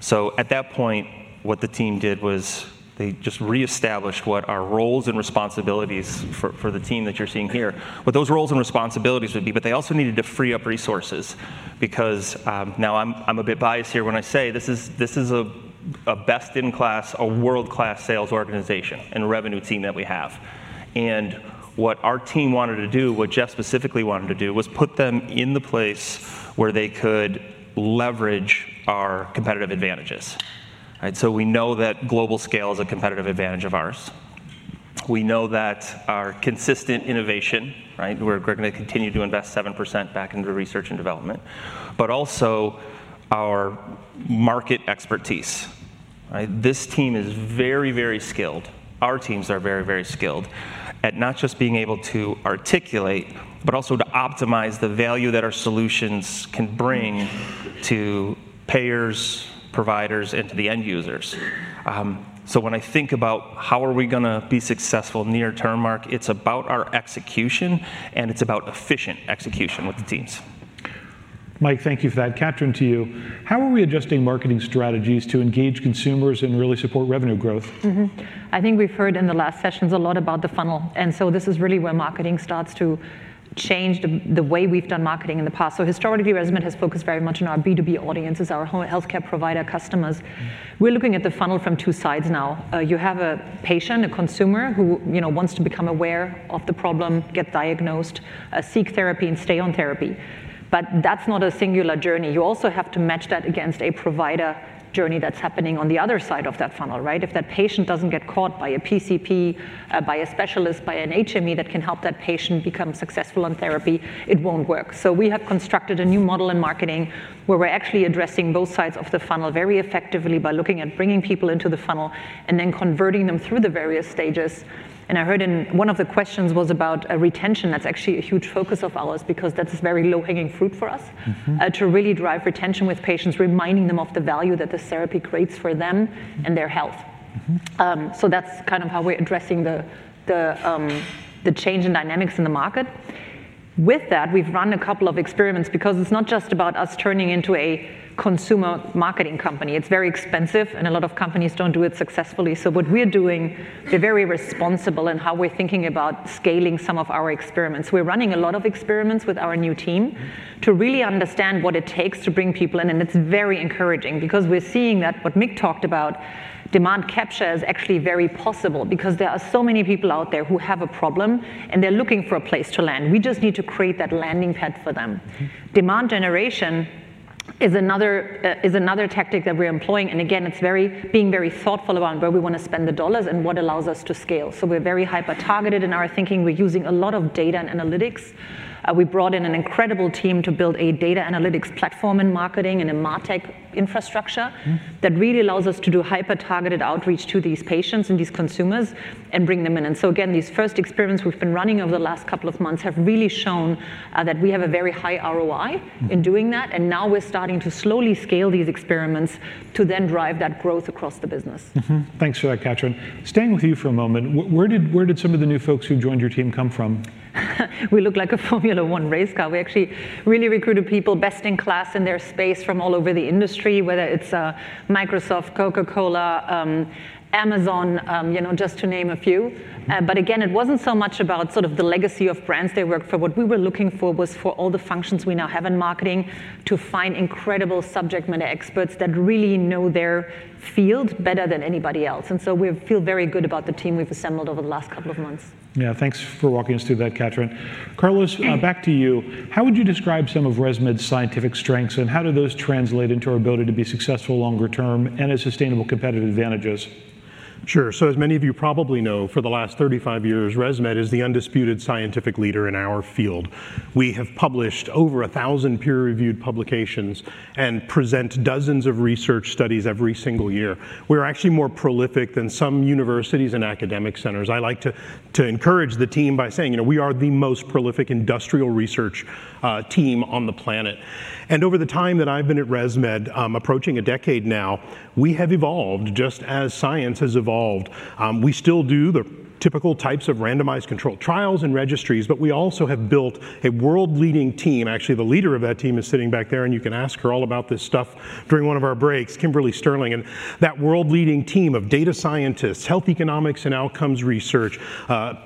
So at that point, what the team did was they just reestablished what our roles and responsibilities for the team that you're seeing here, what those roles and responsibilities would be, but they also needed to free up resources because... Now, I'm a bit biased here when I say this is a best-in-class, a world-class sales organization and revenue team that we have. And what our team wanted to do, what Jeff specifically wanted to do, was put them in the place where they could leverage our competitive advantages, right? So we know that global scale is a competitive advantage of ours. We know that our consistent innovation, right? We're gonna continue to invest 7% back into research and development, but also our market expertise, right? This team is very, very skilled. Our teams are very, very skilled at not just being able to articulate, but also to optimize the value that our solutions can bring to payers, providers, and to the end users. So when I think about how are we gonna be successful near term, Mark, it's about our execution, and it's about efficient execution with the teams. Mike, thank you for that. Katrin, to you, how are we adjusting marketing strategies to engage consumers and really support revenue growth? Mm-hmm. I think we've heard in the last sessions a lot about the funnel, and so this is really where marketing starts to change the way we've done marketing in the past. So historically, ResMed has focused very much on our B2B audiences, our healthcare provider customers. We're looking at the funnel from two sides now. You have a patient, a consumer, who, you know, wants to become aware of the problem, get diagnosed, seek therapy, and stay on therapy, but that's not a singular journey. You also have to match that against a provider journey that's happening on the other side of that funnel, right? If that patient doesn't get caught by a PCP, by a specialist, by an HME, that can help that patient become successful on therapy, it won't work. So we have constructed a new model in marketing, where we're actually addressing both sides of the funnel very effectively by looking at bringing people into the funnel and then converting them through the various stages. And I heard in one of the questions was about retention. That's actually a huge focus of ours because that's very low-hanging fruit for us to really drive retention with patients, reminding them of the value that this therapy creates for them and their health. So that's kind of how we're addressing the change in dynamics in the market. With that, we've run a couple of experiments because it's not just about us turning into a consumer marketing company. It's very expensive, and a lot of companies don't do it successfully. So what we're doing, we're very responsible in how we're thinking about scaling some of our experiments. We're running a lot of experiments with our new teamto really understand what it takes to bring people in, and it's very encouraging because we're seeing that what Mick talked about, demand capture, is actually very possible because there are so many people out there who have a problem, and they're looking for a place to land. We just need to create that landing pad for them. Demand generation is another tactic that we're employing, and again, it's very, being very thoughtful about where we wanna spend the dollars and what allows us to scale. So we're very hyper-targeted in our thinking. We're using a lot of data and analytics. We brought in an incredible team to build a data analytics platform in marketing and a martech infrastructure that really allows us to do hyper-targeted outreach to these patients and these consumers and bring them in. And so again, these first experiments we've been running over the last couple of months have really shown that we have a very high ROI in doing that, and now we're starting to slowly scale these experiments to then drive that growth across the business. Mm-hmm. Thanks for that, Katrin. Staying with you for a moment, where did some of the new folks who joined your team come from? We look like a Formula One race car. We actually really recruited people best in class in their space from all over the industry, whether it's Microsoft, Coca-Cola, Amazon, you know, just to name a few. Mm. But again, it wasn't so much about sort of the legacy of brands they worked for. What we were looking for was for all the functions we now have in marketing to find incredible subject matter experts that really know their field better than anybody else, and so we feel very good about the team we've assembled over the last couple of months. Yeah, thanks for walking us through that, Katrin. Carlos, back to you. How would you describe some of ResMed's scientific strengths, and how do those translate into our ability to be successful longer term and as sustainable competitive advantages? Sure. So as many of you probably know, for the last thirty-five years, ResMed is the undisputed scientific leader in our field. We have published over a thousand peer-reviewed publications, and present dozens of research studies every single year. We're actually more prolific than some universities and academic centers. I like to encourage the team by saying, you know, "We are the most prolific industrial research team on the planet." And over the time that I've been at ResMed, approaching a decade now, we have evolved just as science has evolved. We still do the typical types of randomized controlled trials and registries, but we also have built a world-leading team. Actually, the leader of that team is sitting back there, and you can ask her all about this stuff during one of our breaks, Kimberly Sterling. That world-leading team of data scientists, health economics, and outcomes research,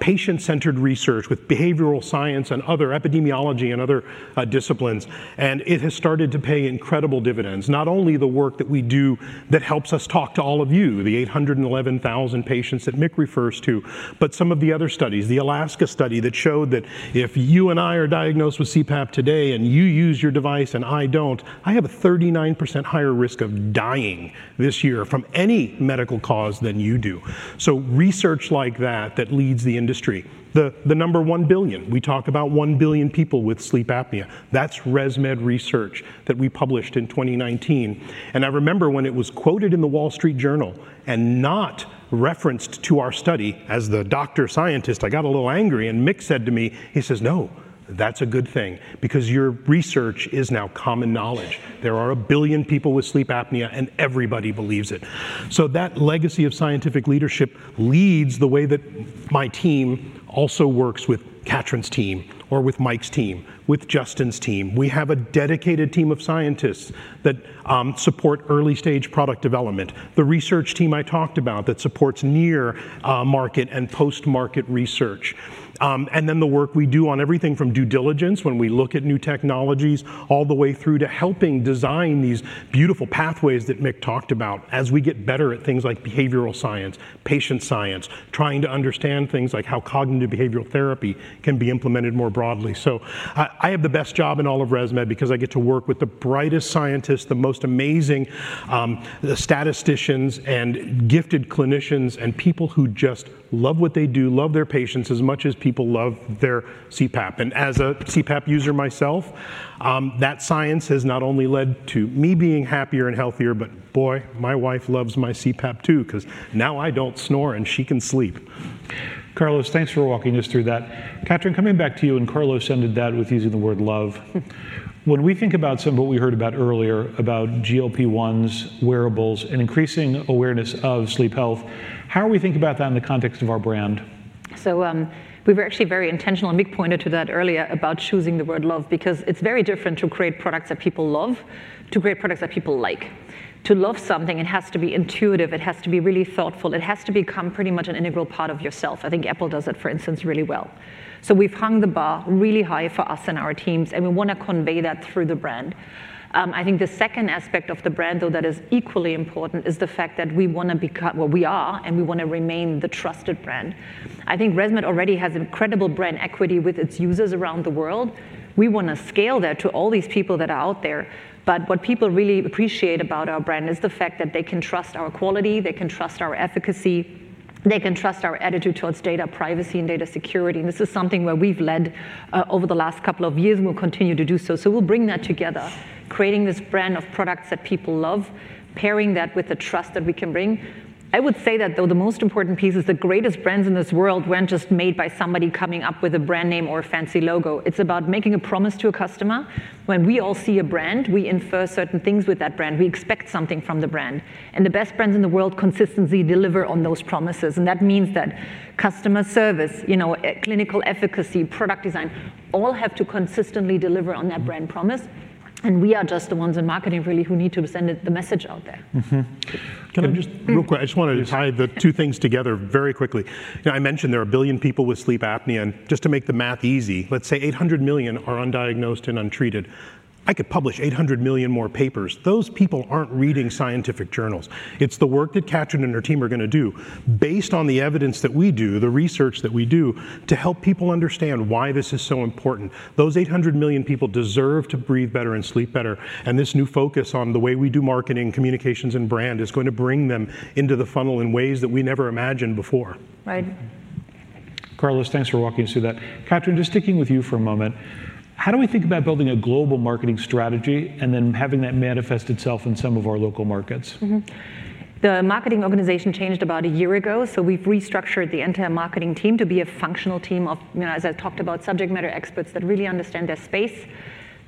patient-centered research with behavioral science and other epidemiology and other, disciplines, and it has started to pay incredible dividends. Not only the work that we do that helps us talk to all of you, the eight hundred and eleven thousand patients that Mick refers to, but some of the other studies. ALASKA study that showed that if you and I are diagnosed with CPAP today, and you use your device and I don't, I have a 39% higher risk of dying this year from any medical cause than you do. So research like that, that leads the industry. The, the number one billion, we talk about one billion people with sleep apnea. That's ResMed research that we published in 2019. And I remember when it was quoted in The Wall Street Journal and not referenced to our study, as the doctor scientist, I got a little angry, and Mick said to me, he says, "No, that's a good thing because your research is now common knowledge. There are a billion people with sleep apnea, and everybody believes it, so that legacy of scientific leadership leads the way that my team also works with Katrin's team or with Mike's team, with Justin's team. We have a dedicated team of scientists that support early stage product development, the research team I talked about that supports near-market and post-market research, and then the work we do on everything from due diligence when we look at new technologies, all the way through to helping design these beautiful pathways that Mick talked about as we get better at things like behavioral science, patient science, trying to understand things like how cognitive behavioral therapy can be implemented more broadly. I have the best job in all of ResMed because I get to work with the brightest scientists, the most amazing statisticians, and gifted clinicians, and people who just love what they do, love their patients as much as people love their CPAP. And as a CPAP user myself, that science has not only led to me being happier and healthier, but boy, my wife loves my CPAP, too, because now I don't snore, and she can sleep. Carlos, thanks for walking us through that. Katrin, coming back to you, and Carlos ended that with using the word love. When we think about some of what we heard about earlier, about GLP-1s, wearables, and increasing awareness of sleep health, how are we thinking about that in the context of our brand? So, we were actually very intentional, and Mick pointed to that earlier about choosing the word love, because it's very different to create products that people love, to create products that people like. To love something, it has to be intuitive, it has to be really thoughtful, it has to become pretty much an integral part of yourself. I think Apple does it, for instance, really well. So we've hung the bar really high for us and our teams, and we wanna convey that through the brand. I think the second aspect of the brand, though, that is equally important, is the fact that we wanna become... Well, we are, and we wanna remain the trusted brand. I think ResMed already has incredible brand equity with its users around the world. We wanna scale that to all these people that are out there. But what people really appreciate about our brand is the fact that they can trust our quality, they can trust our efficacy, they can trust our attitude towards data privacy and data security. And this is something where we've led over the last couple of years, and we'll continue to do so. So we'll bring that together, creating this brand of products that people love, pairing that with the trust that we can bring. I would say that, though, the most important piece is the greatest brands in this world weren't just made by somebody coming up with a brand name or a fancy logo. It's about making a promise to a customer. When we all see a brand, we infer certain things with that brand. We expect something from the brand, and the best brands in the world consistently deliver on those promises. That means that customer service, you know, clinical efficacy, product design, all have to consistently deliver on that brand promise, and we are just the ones in marketing, really, who need to be sending the message out there. Mm-hmm. Can I just- Mm. Real quick, I just wanna tie the two things together very quickly. You know, I mentioned there are a billion people with sleep apnea, and just to make the math easy, let's say eight hundred million are undiagnosed and untreated. I could publish eight hundred million more papers. Those people aren't reading scientific journals. It's the work that Katrin and her team are gonna do, based on the evidence that we do, the research that we do, to help people understand why this is so important. Those eight hundred million people deserve to breathe better and sleep better, and this new focus on the way we do marketing, communications, and brand is going to bring them into the funnel in ways that we never imagined before. Right. Carlos, thanks for walking us through that. Katrin, just sticking with you for a moment, how do we think about building a global marketing strategy and then having that manifest itself in some of our local markets? Mm-hmm. The marketing organization changed about a year ago, so we've restructured the entire marketing team to be a functional team of, you know, as I talked about, subject matter experts that really understand their space.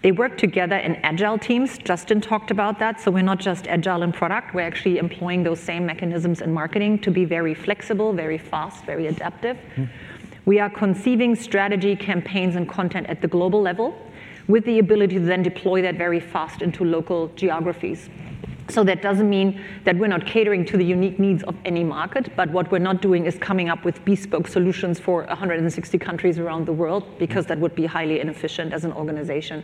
They work together in agile teams. Justin talked about that. So we're not just agile in product, we're actually employing those same mechanisms in marketing to be very flexible, very fast, very adaptive. We are conceiving strategy, campaigns, and content at the global level, with the ability to then deploy that very fast into local geographies. So that doesn't mean that we're not catering to the unique needs of any market, but what we're not doing is coming up with bespoke solutions for a hundred and sixty countries around the world, because that would be highly inefficient as an organization.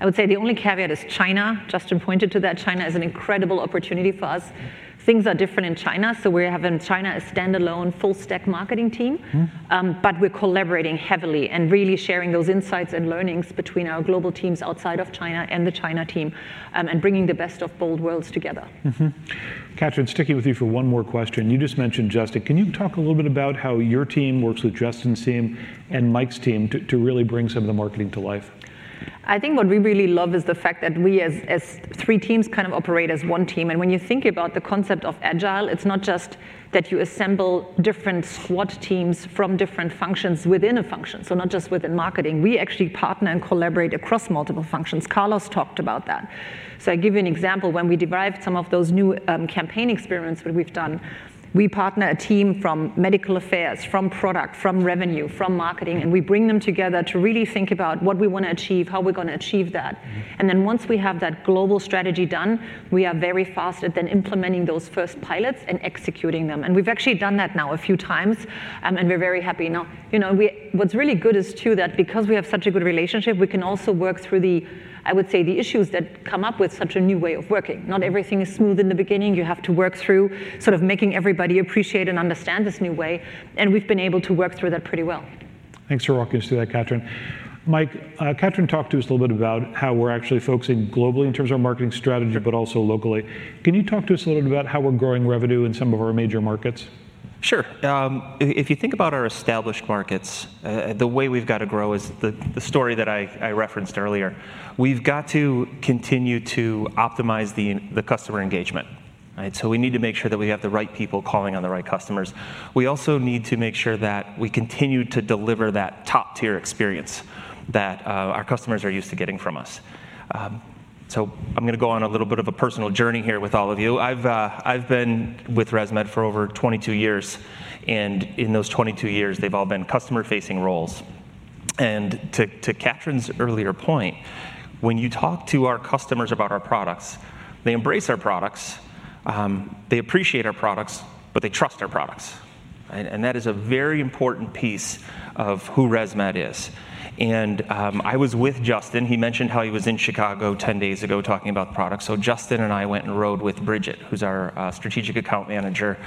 I would say the only caveat is China. Justin pointed to that. China is an incredible opportunity for us. Things are different in China, so we have in China, a standalone, full stack marketing team. But we're collaborating heavily and really sharing those insights and learnings between our global teams outside of China and the China team, and bringing the best of both worlds together. Mm-hmm. Katrin, sticking with you for one more question. You just mentioned Justin. Can you talk a little bit about how your team works with Justin's team and Mike's team to really bring some of the marketing to life? I think what we really love is the fact that we, as, as three teams, kind of operate as one team. When you think about the concept of Agile, it's not just that you assemble different squad teams from different functions within a function, so not just within marketing. We actually partner and collaborate across multiple functions. Carlos talked about that. So I'll give you an example. When we derived some of those new campaign experiments that we've done, we partner a team from medical affairs, from product, from revenue, from marketing, and we bring them together to really think about what we wanna achieve, how we're gonna achieve that. Then once we have that global strategy done, we are very fast at then implementing those first pilots and executing them, and we've actually done that now a few times, and we're very happy. Now, you know, what's really good is, too, that because we have such a good relationship, we can also work through the, I would say, the issues that come up with such a new way of working. Not everything is smooth in the beginning. You have to work through sort of making everybody appreciate and understand this new way, and we've been able to work through that pretty well. Thanks for walking us through that, Katrin. Mike, Katrin talked to us a little bit about how we're actually focusing globally in terms of our marketing strategy but also locally. Can you talk to us a little bit about how we're growing revenue in some of our major markets? Sure. If you think about our established markets, the way we've got to grow is the story that I referenced earlier. We've got to continue to optimize the customer engagement, right? So we need to make sure that we have the right people calling on the right customers. We also need to make sure that we continue to deliver that top-tier experience that our customers are used to getting from us. So I'm gonna go on a little bit of a personal journey here with all of you. I've been with ResMed for over twenty-two years, and in those twenty-two years, they've all been customer-facing roles. And to Katrin's earlier point, when you talk to our customers about our products, they embrace our products, they appreciate our products, but they trust our products, right? And that is a very important piece of who ResMed is. And I was with Justin. He mentioned how he was in Chicago 10 days ago, talking about product. So Justin and I went and rode with Bridget, who's our strategic account manager,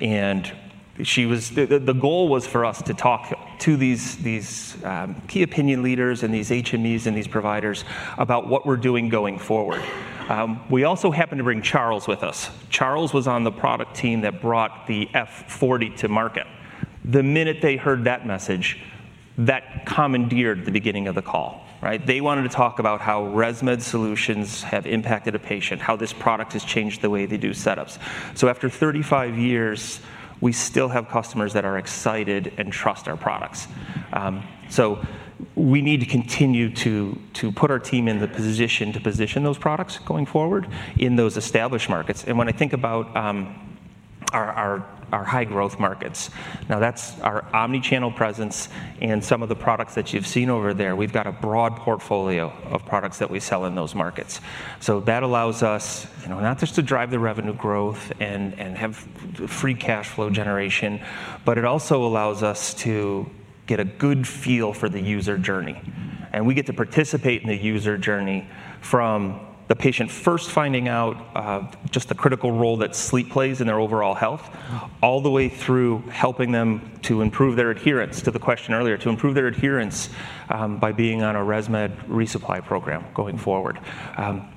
and the goal was for us to talk to these key opinion leaders and these HMEs and these providers about what we're doing going forward. We also happened to bring Charles with us. Charles was on the product team that brought the F40 to market. The minute they heard that message, that commandeered the beginning of the call, right? They wanted to talk about how ResMed solutions have impacted a patient, how this product has changed the way they do setups. So after 35 years, we still have customers that are excited and trust our products. So we need to continue to put our team in the position to position those products going forward in those established markets. And when I think about our high growth markets, now that's our omni-channel presence and some of the products that you've seen over there. We've got a broad portfolio of products that we sell in those markets. So that allows us, you know, not just to drive the revenue growth and have free cash flow generation, but it also allows us to get a good feel for the user journey. We get to participate in the user journey from the patient first finding out, just the critical role that sleep plays in their overall health, all the way through helping them to improve their adherence, to the question earlier, to improve their adherence,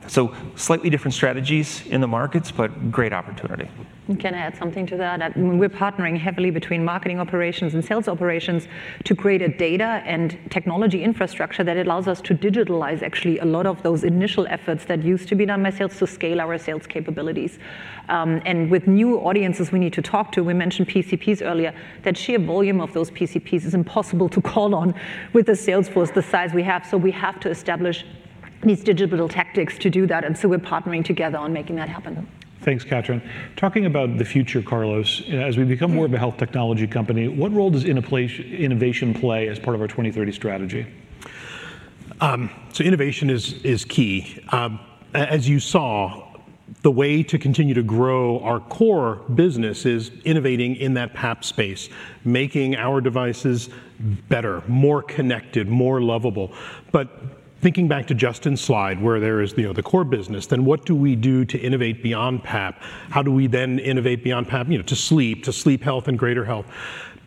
so slightly different strategies in the markets, but great opportunity. Can I add something to that? Sure. We're partnering heavily between marketing operations and sales operations to create a data and technology infrastructure that allows us to digitalize actually a lot of those initial efforts that used to be done by sales, to scale our sales capabilities. And with new audiences we need to talk to, we mentioned PCPs earlier, the sheer volume of those PCPs is impossible to call on with a sales force the size we have. So we have to establish these digital tactics to do that, and so we're partnering together on making that happen. Thanks, Katrin. Talking about the future, Carlos as we become more of a health technology company, what role does in-place innovation play as part of our 2030 strategy? So innovation is key. As you saw, the way to continue to grow our core business is innovating in that PAP space, making our devices better, more connected, more lovable. But thinking back to Justin's slide, where there is, you know, the core business, then what do we do to innovate beyond PAP? How do we then innovate beyond PAP, you know, to sleep, to sleep health and greater health?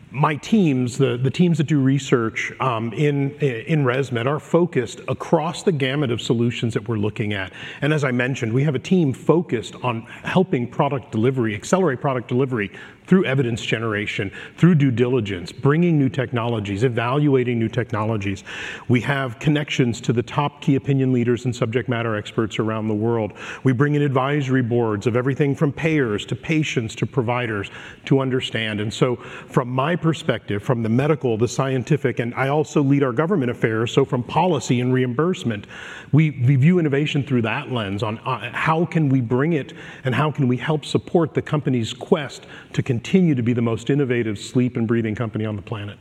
My teams, the teams that do research in ResMed, are focused across the gamut of solutions that we're looking at. And as I mentioned, we have a team focused on helping product delivery, accelerate product delivery, through evidence generation, through due diligence, bringing new technologies, evaluating new technologies. We have connections to the top key opinion leaders and subject matter experts around the world. We bring in advisory boards of everything from payers to patients to providers to understand. And so from my perspective, from the medical, the scientific, and I also lead our government affairs, so from policy and reimbursement, we view innovation through that lens on how can we bring it, and how can we help support the company's quest to continue to be the most innovative sleep and breathing company on the planet?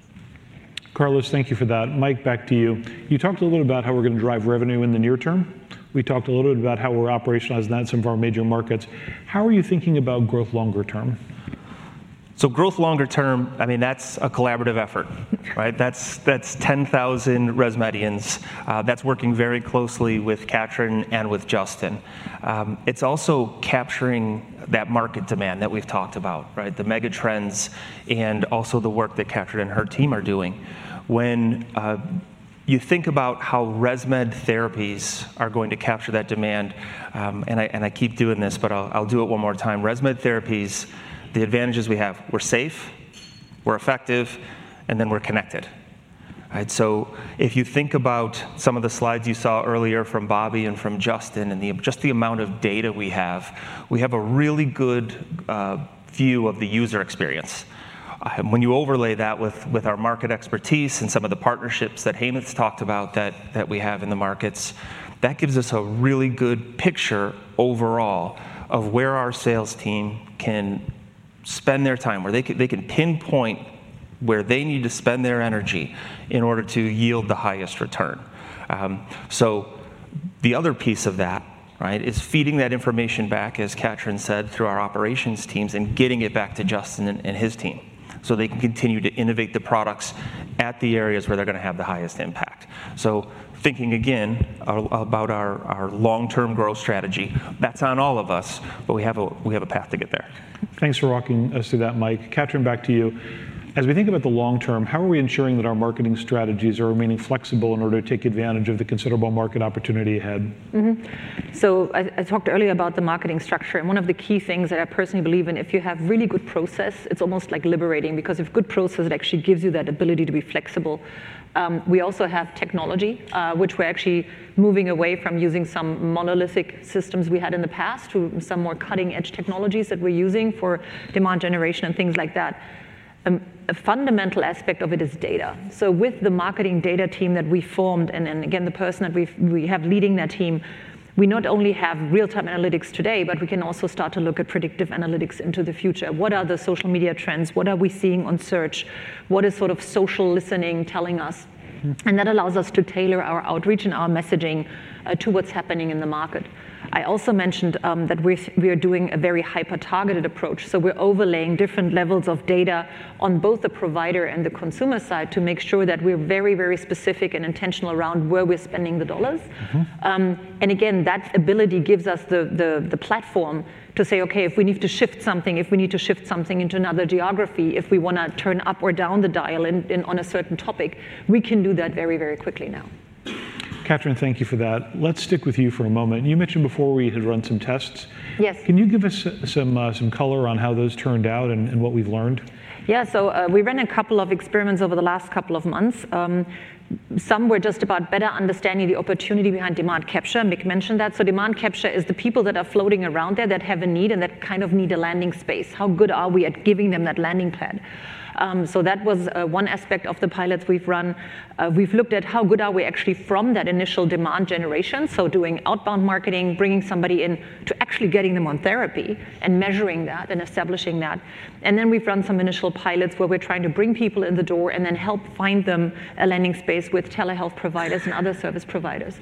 Carlos, thank you for that. Mike, back to you. You talked a little about how we're gonna drive revenue in the near term. We talked a little bit about how we're operationalizing that in some of our major markets. How are you thinking about growth longer term? So growth longer term, I mean, that's a collaborative effort, right? That's 10,000 ResMedians. That's working very closely with Katrin and with Justin. It's also capturing that market demand that we've talked about, right? The mega trends and also the work that Katrin and her team are doing. When you think about how ResMed therapies are going to capture that demand, and I keep doing this, but I'll do it one more time. ResMed therapies, the advantages we have: we're safe, we're effective, and then we're connected. Right? So if you think about some of the slides you saw earlier from Bobby and from Justin, and just the amount of data we have, we have a really good view of the user experience. When you overlay that with our market expertise and some of the partnerships that Hemanth's talked about that we have in the markets, that gives us a really good picture overall of where our sales team can spend their time, where they can pinpoint where they need to spend their energy in order to yield the highest return. So the other piece of that, right, is feeding that information back, as Katrin said, through our operations teams and getting it back to Justin and his team, so they can continue to innovate the products at the areas where they're gonna have the highest impact. So thinking again about our long-term growth strategy, that's on all of us, but we have a path to get there. Thanks for walking us through that, Mike. Katrin, back to you. As we think about the long term, how are we ensuring that our marketing strategies are remaining flexible in order to take advantage of the considerable market opportunity ahead? Mm-hmm. So I talked earlier about the marketing structure, and one of the key things that I personally believe in, if you have really good process, it's almost like liberating, because if good process, it actually gives you that ability to be flexible. We also have technology, which we're actually moving away from using some monolithic systems we had in the past to some more cutting-edge technologies that we're using for demand generation and things like that. A fundamental aspect of it is data. So with the marketing data team that we formed, and then, again, the person that we have leading that team, we not only have real-time analytics today, but we can also start to look at predictive analytics into the future. What are the social media trends? What are we seeing on search? What is sort of social listening telling us? That allows us to tailor our outreach and our messaging to what's happening in the market. I also mentioned that we are doing a very hyper-targeted approach, so we're overlaying different levels of data on both the provider and the consumer side to make sure that we're very, very specific and intentional around where we're spending the dollars And again, that ability gives us the platform to say, "Okay, if we need to shift something, if we need to shift something into another geography, if we wanna turn up or down the dial in on a certain topic," we can do that very, very quickly now. Katrin, thank you for that. Let's stick with you for a moment. You mentioned before we had run some tests. Yes. Can you give us some color on how those turned out and what we've learned? Yeah. So, we ran a couple of experiments over the last couple of months. Some were just about better understanding the opportunity behind demand capture, and Mick mentioned that, so demand capture is the people that are floating around there that have a need and that kind of need a landing space. How good are we at giving them that landing pad, so that was one aspect of the pilots we've run. We've looked at how good are we actually from that initial demand generation, so doing outbound marketing, bringing somebody in, to actually getting them on therapy, and measuring that and establishing that, and then we've run some initial pilots where we're trying to bring people in the door and then help find them a landing space with telehealth providers and other service providers.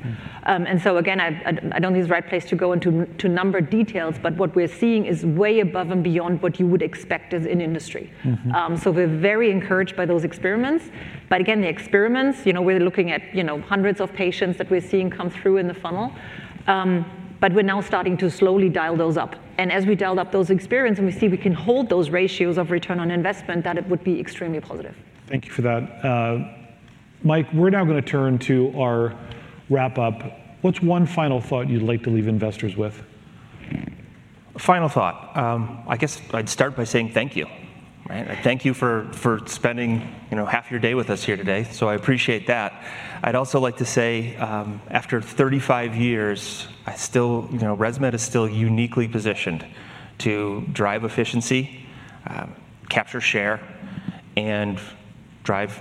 And so again, I don't think it's the right place to go into number details, but what we're seeing is way above and beyond what you would expect as in industry. So, we're very encouraged by those experiments, but again, the experiments, you know, we're looking at, you know, hundreds of patients that we're seeing come through in the funnel. But we're now starting to slowly dial those up, and as we dial up those experiments and we see we can hold those ratios of return on investment, that it would be extremely positive. Thank you for that. Mike, we're now gonna turn to our wrap-up. What's one final thought you'd like to leave investors with? Final thought. I guess I'd start by saying thank you, right? Thank you for spending, you know, half your day with us here today, so I appreciate that. I'd also like to say, after 35 years, I still... you know, ResMed is still uniquely positioned to drive efficiency, capture share, and drive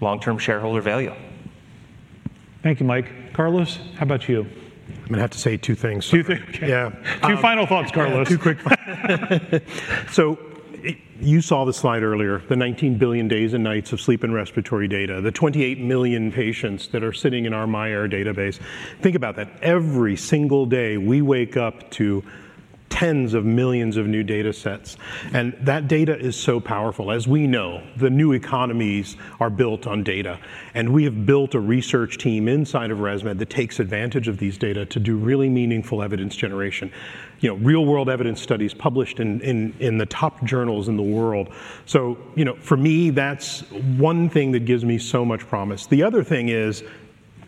long-term shareholder value. Thank you, Mike. Carlos, how about you? I'm gonna have to say two things. Two things? Yeah. Um- Two final thoughts, Carlos. Yeah, two quick. So you saw the slide earlier, the 19 billion days and nights of sleep and respiratory data, the 28 million patients that are sitting in our myAir database. Think about that. Every single day we wake up to tens of millions of new data sets, and that data is so powerful. As we know, the new economies are built on data, and we have built a research team inside of ResMed that takes advantage of these data to do really meaningful evidence generation. You know, real-world evidence studies published in the top journals in the world. So, you know, for me, that's one thing that gives me so much promise. The other thing is,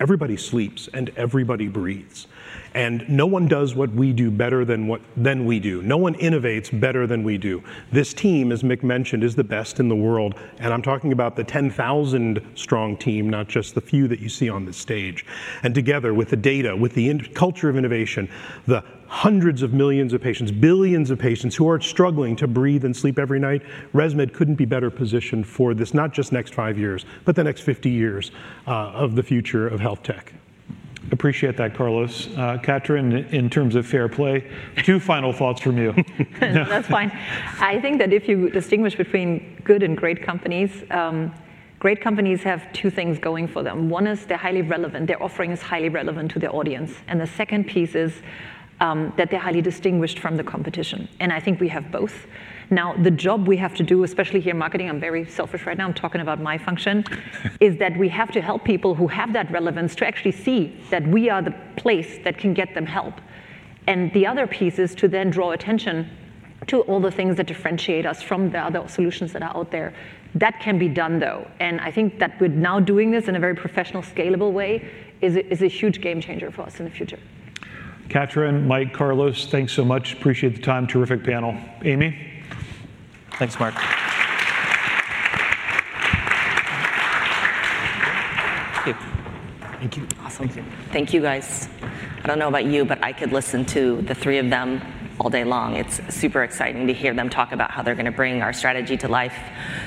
everybody sleeps and everybody breathes, and no one does what we do better than we do. No one innovates better than we do. This team, as Mick mentioned, is the best in the world, and I'm talking about the 10,000-strong team, not just the few that you see on the stage. And together with the data, with the in-culture of innovation, the hundreds of millions of patients, billions of patients who are struggling to breathe and sleep every night, ResMed couldn't be better positioned for this, not just next five years, but the next 50 years, of the future of health tech. Appreciate that, Carlos. Katrin, in terms of fair play, two final thoughts from you. That's fine. I think that if you distinguish between good and great companies, great companies have two things going for them. One is, they're highly relevant. Their offering is highly relevant to their audience, and the second piece is, that they're highly distinguished from the competition, and I think we have both. Now, the job we have to do, especially here in marketing, I'm very selfish right now, I'm talking about my function is that we have to help people who have that relevance to actually see that we are the place that can get them help. And the other piece is to then draw attention to all the things that differentiate us from the other solutions that are out there. That can be done, though, and I think that with now doing this in a very professional, scalable way is a huge game changer for us in the future. Katrin, Mike, Carlos, thanks so much. Appreciate the time. Terrific panel. Amy? Thanks, Mark Thank you, guys. I don't know about you, but I could listen to the three of them all day long. It's super exciting to hear them talk about how they're gonna bring our strategy to life.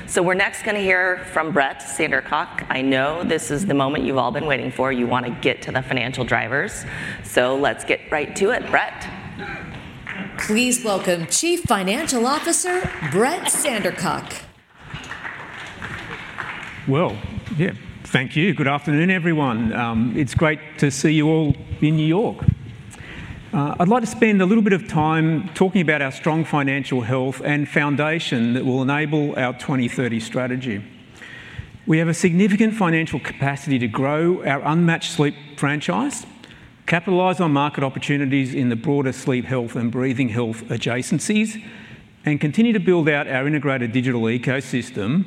So we're next gonna hear from Brett Sandercock. I know this is the moment you've all been waiting for. You wanna get to the financial drivers, so let's get right to it. Brett? Please welcome Chief Financial Officer, Brett Sandercock. Yeah. Thank you. Good afternoon, everyone. It's great to see you all in New York. I'd like to spend a little bit of time talking about our strong financial health and foundation that will enable our 2030 strategy. We have a significant financial capacity to grow our unmatched sleep franchise, capitalize on market opportunities in the broader sleep health and breathing health adjacencies, and continue to build out our integrated digital ecosystem,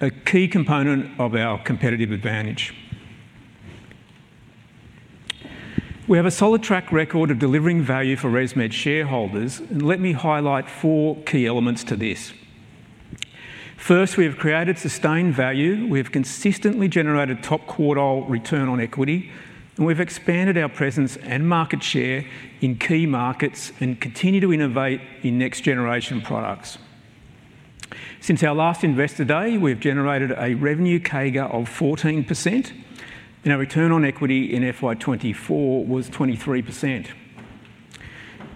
a key component of our competitive advantage. We have a solid track record of delivering value for ResMed shareholders, and let me highlight four key elements to this. First, we have created sustained value. We have consistently generated top quartile return on equity, and we've expanded our presence and market share in key markets, and continue to innovate in next-generation products. Since our last Investor Day, we've generated a revenue CAGR of 14%, and our return on equity in FY 2024 was 23%.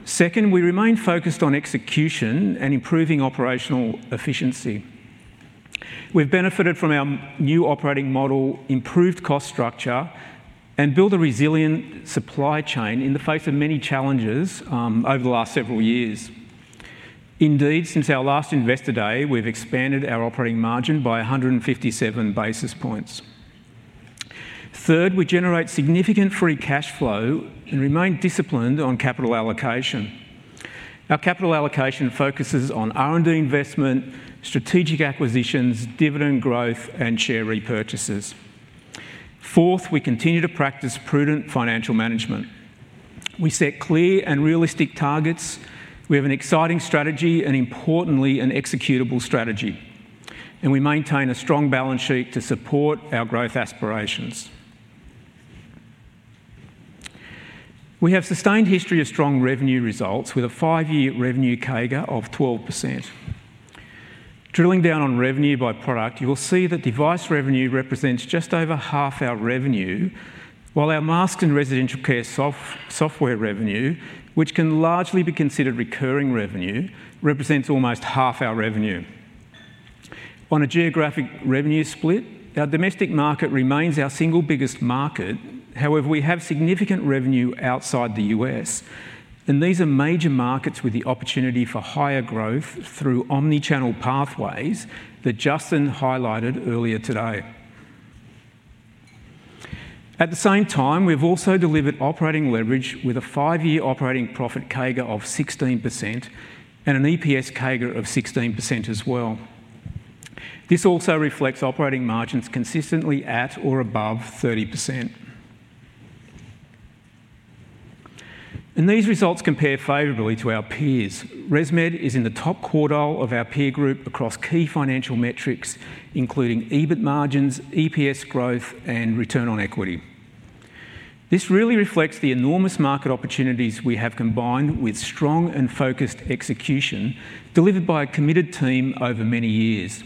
Second, we remain focused on execution and improving operational efficiency. We've benefited from our new operating model, improved cost structure, and built a resilient supply chain in the face of many challenges over the last several years. Indeed, since our last Investor Day, we've expanded our operating margin by 157 basis points. Third, we generate significant free cash flow and remain disciplined on capital allocation. Our capital allocation focuses on R&D investment, strategic acquisitions, dividend growth, and share repurchases. Fourth, we continue to practice prudent financial management. We set clear and realistic targets. We have an exciting strategy, and importantly, an executable strategy, and we maintain a strong balance sheet to support our growth aspirations. We have sustained history of strong revenue results with a five-year revenue CAGR of 12%. Drilling down on revenue by product, you will see that device revenue represents just over half our revenue, while our mask and residential care software revenue, which can largely be considered recurring revenue, represents almost half our revenue. On a geographic revenue split, our domestic market remains our single biggest market. However, we have significant revenue outside the U.S., and these are major markets with the opportunity for higher growth through omni-channel pathways that Justin highlighted earlier today. At the same time, we've also delivered operating leverage with a five-year operating profit CAGR of 16% and an EPS CAGR of 16% as well. This also reflects operating margins consistently at or above 30%, and these results compare favorably to our peers. ResMed is in the top quartile of our peer group across key financial metrics, including EBIT margins, EPS growth, and return on equity. This really reflects the enormous market opportunities we have, combined with strong and focused execution, delivered by a committed team over many years.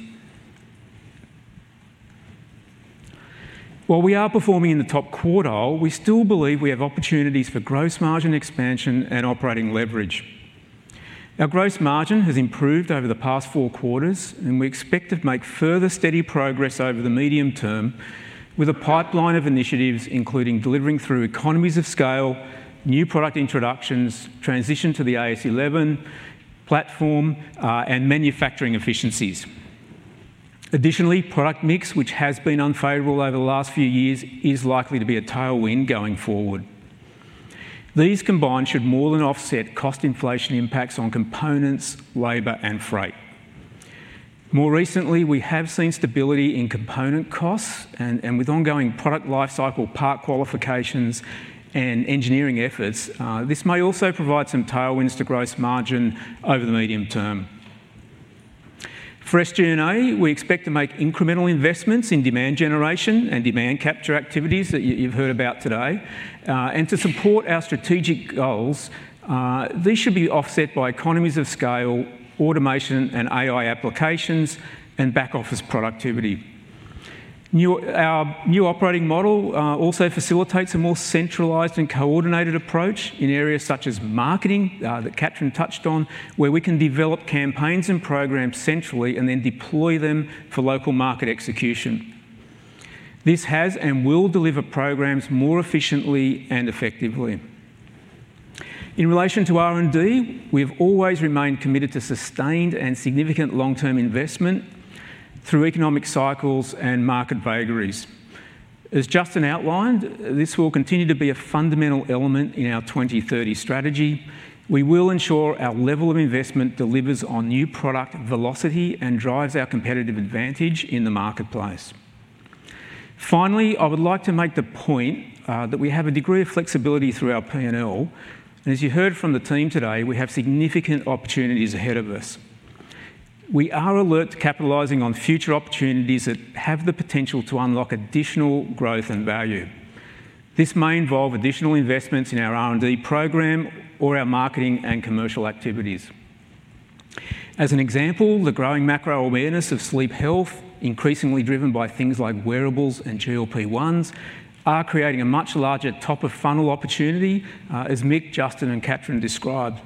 While we are performing in the top quartile, we still believe we have opportunities for gross margin expansion and operating leverage. Our gross margin has improved over the past four quarters, and we expect to make further steady progress over the medium term with a pipeline of initiatives, including delivering through economies of scale, new product introductions, transition to the AirSense 11 platform, and manufacturing efficiencies. Additionally, product mix, which has been unfavorable over the last few years, is likely to be a tailwind going forward. These combined should more than offset cost inflation impacts on components, labor, and freight. More recently, we have seen stability in component costs, and with ongoing product lifecycle part qualifications and engineering efforts, this may also provide some tailwinds to gross margin over the medium term. For SG&A, we expect to make incremental investments in demand generation and demand capture activities that you've heard about today. And to support our strategic goals, these should be offset by economies of scale, automation, and AI applications, and back office productivity. Our new operating model also facilitates a more centralized and coordinated approach in areas such as marketing that Katrin touched on, where we can develop campaigns and programs centrally and then deploy them for local market execution. This has and will deliver programs more efficiently and effectively. In relation to R&D, we've always remained committed to sustained and significant long-term investment through economic cycles and market vagaries. As Justin outlined, this will continue to be a fundamental element in our 2030 strategy. We will ensure our level of investment delivers on new product velocity and drives our competitive advantage in the marketplace. Finally, I would like to make the point, that we have a degree of flexibility through our P&L, and as you heard from the team today, we have significant opportunities ahead of us. We are alert to capitalizing on future opportunities that have the potential to unlock additional growth and value. This may involve additional investments in our R&D program or our marketing and commercial activities. As an example, the growing macro awareness of sleep health, increasingly driven by things like wearables and GLP-1s, are creating a much larger top-of-funnel opportunity, as Mick, Justin, and Katrin described.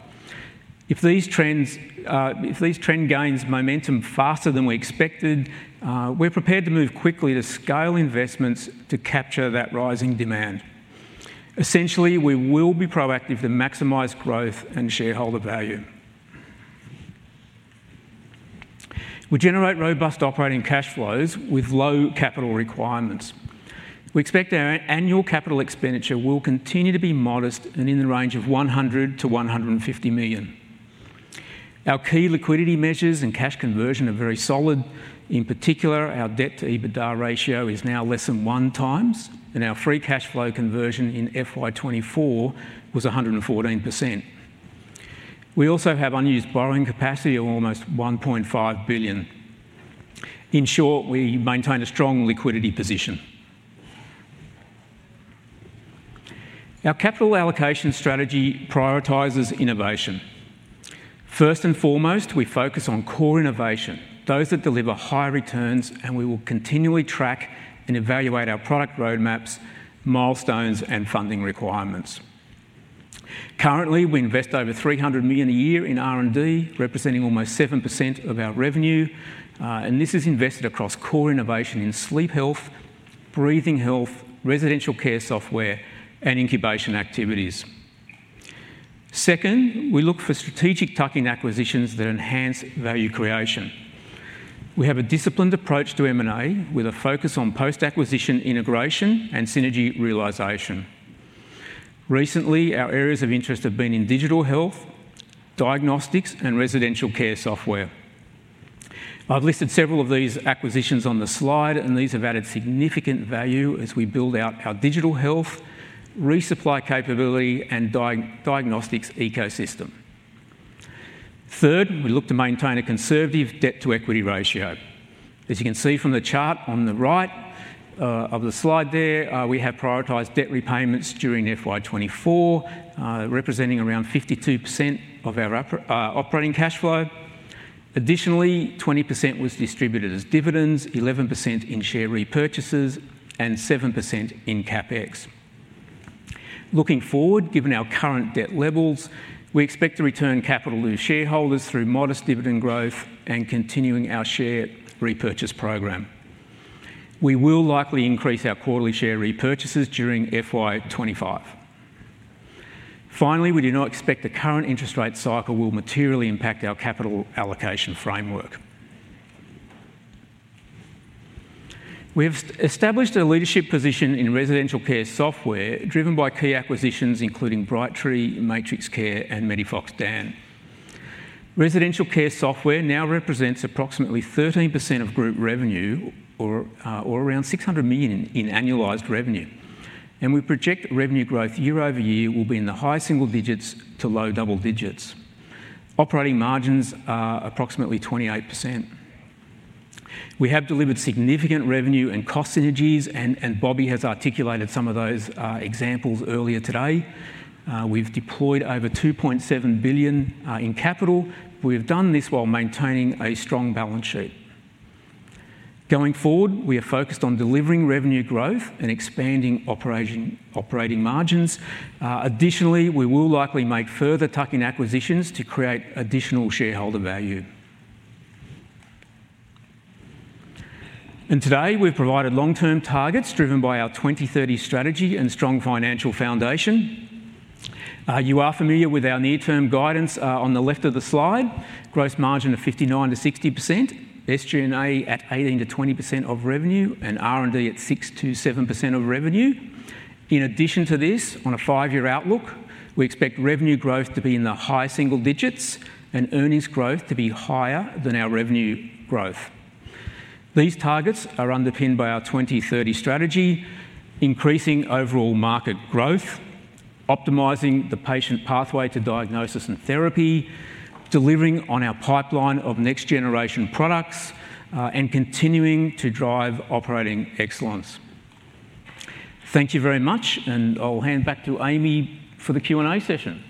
If these trends gain momentum faster than we expected, we're prepared to move quickly to scale investments to capture that rising demand. Essentially, we will be proactive to maximize growth and shareholder value. We generate robust operating cash flows with low capital requirements. We expect our annual capital expenditure will continue to be modest and in the range of $100 million-$150 million. Our key liquidity measures and cash conversion are very solid. In particular, our debt-to-EBITDA ratio is now less than one times, and our free cash flow conversion in FY 2024 was 114%. We also have unused borrowing capacity of almost $1.5 billion. In short, we maintain a strong liquidity position. Our capital allocation strategy prioritizes innovation. First and foremost, we focus on core innovation, those that deliver high returns, and we will continually track and evaluate our product roadmaps, milestones, and funding requirements. Currently, we invest over $300 million a year in R&D, representing almost 7% of our revenue, and this is invested across core innovation in sleep health, breathing health, residential care software, and incubation activities. Second, we look for strategic tuck-in acquisitions that enhance value creation. We have a disciplined approach to M&A, with a focus on post-acquisition integration and synergy realization. Recently, our areas of interest have been in digital health, diagnostics, and residential care software. I've listed several of these acquisitions on the slide, and these have added significant value as we build out our digital health, resupply capability, and diagnostics ecosystem. Third, we look to maintain a conservative debt-to-equity ratio. As you can see from the chart on the right, of the slide there, we have prioritized debt repayments during FY 2024, representing around 52% of our operating cash flow. Additionally, 20% was distributed as dividends, 11% in share repurchases, and 7% in CapEx. Looking forward, given our current debt levels, we expect to return capital to shareholders through modest dividend growth and continuing our share repurchase program. We will likely increase our quarterly share repurchases during FY 2025. Finally, we do not expect the current interest rate cycle will materially impact our capital allocation framework. We have established a leadership position in residential care software, driven by key acquisitions including Brightree, MatrixCare, and MEDIFOX DAN. Residential care software now represents approximately 13% of group revenue or around 600 million in annualized revenue, and we project revenue growth year over year will be in the high single digits to low double digits. Operating margins are approximately 28%. We have delivered significant revenue and cost synergies, and Bobby has articulated some of those examples earlier today. We've deployed over 2.7 billion in capital. We've done this while maintaining a strong balance sheet. Going forward, we are focused on delivering revenue growth and expanding operating margins. Additionally, we will likely make further tuck-in acquisitions to create additional shareholder value. Today, we've provided long-term targets driven by our 2030 strategy and strong financial foundation. You are familiar with our near-term guidance, on the left of the slide, gross margin of 59%-60%, SG&A at 18%-20% of revenue, and R&D at 6%-7% of revenue. In addition to this, on a 5-year outlook, we expect revenue growth to be in the high single digits and earnings growth to be higher than our revenue growth. These targets are underpinned by our 2030 strategy, increasing overall market growth, optimizing the patient pathway to diagnosis and therapy, delivering on our pipeline of next-generation products, and continuing to drive operating excellence. Thank you very much, and I'll hand back to Amy for the Q&A session.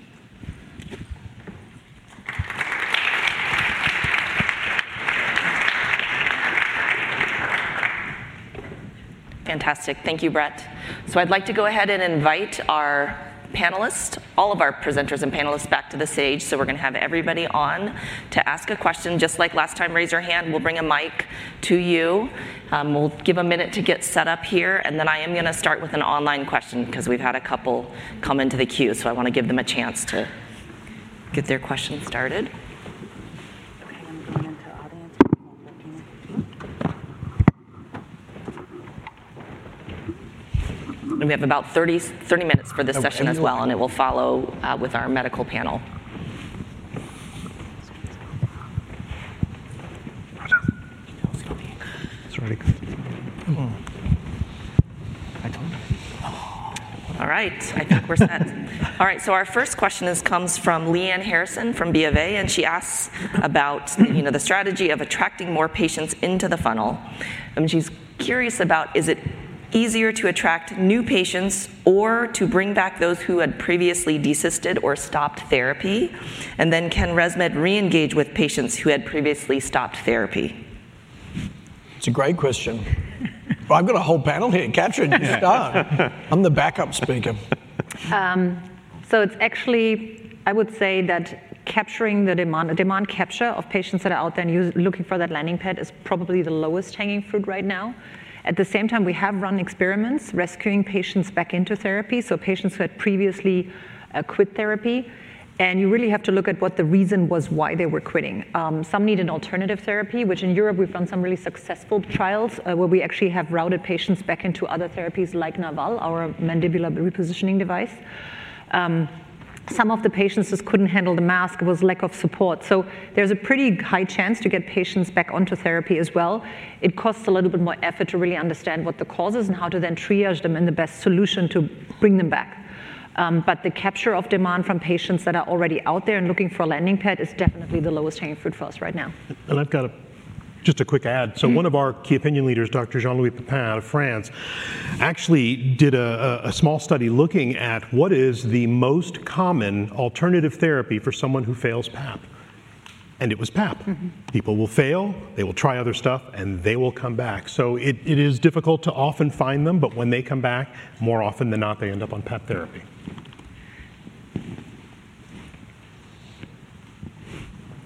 Fantastic. Thank you, Brett. So I'd like to go ahead and invite our panelists, all of our presenters and panelists back to the stage. So we're going to have everybody on. To ask a question, just like last time, raise your hand, we'll bring a mic to you. We'll give a minute to get set up here, and then I am going to start with an online question because we've had a couple come into the queue, so I want to give them a chance to get their questions started? Okay, I'm going into audience mode thirteen, fifteen. And we have about thirty minutes for this session as well, and it will follow with our medical panel. All right, I think we're set. All right, so our first question is, comes from Lyanne Harrison from BofA, and she asks about, you know, the strategy of attracting more patients into the funnel. And she's curious about: Is it easier to attract new patients or to bring back those who had previously desisted or stopped therapy? And then, can ResMed re-engage with patients who had previously stopped therapy? It's a great question. I've got a whole panel here. Katrin, you start. I'm the backup speaker. It's actually, I would say that capturing the demand, the demand capture of patients that are out there and looking for that landing pad is probably the lowest hanging fruit right now. At the same time, we have run experiments, rescuing patients back into therapy, so patients who had previously quit therapy, and you really have to look at what the reason was why they were quitting. Some need an alternative therapy, which in Europe we've run some really successful trials, where we actually have routed patients back into other therapies like Narval, our mandibular repositioning device. Some of the patients just couldn't handle the mask. It was lack of support. There's a pretty high chance to get patients back onto therapy as well. It costs a little bit more effort to really understand what the cause is and how to then triage them, and the best solution to bring them back. But the capture of demand from patients that are already out there and looking for a landing pad is definitely the lowest hanging fruit for us right now. I've got a, just a quick add. One of our key opinion leaders, Dr. Jean-Louis Pépin, out of France, actually did a small study looking at what is the most common alternative therapy for someone who fails PAP, and it was PAP. People will fail, they will try other stuff, and they will come back. So it is difficult to often find them, but when they come back, more often than not, they end up on PAP therapy.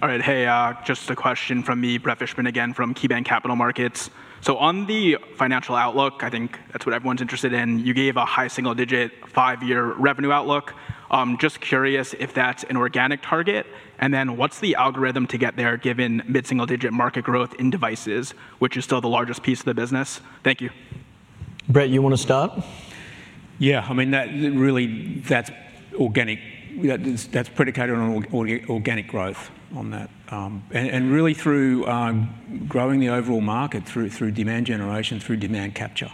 All right. Hey, just a question from me, Brett Fishbin, again, from KeyBanc Capital Markets. So on the financial outlook, I think that's what everyone's interested in, you gave a high single digit, five-year revenue outlook. Just curious if that's an organic target, and then what's the algorithm to get there, given mid-single digit market growth in devices, which is still the largest piece of the business? Thank you. Brett, you wanna start? Yeah, I mean, that really, that's organic. That is, that's predicated on organic growth on that. And really through growing the overall market through demand generation, through demand capture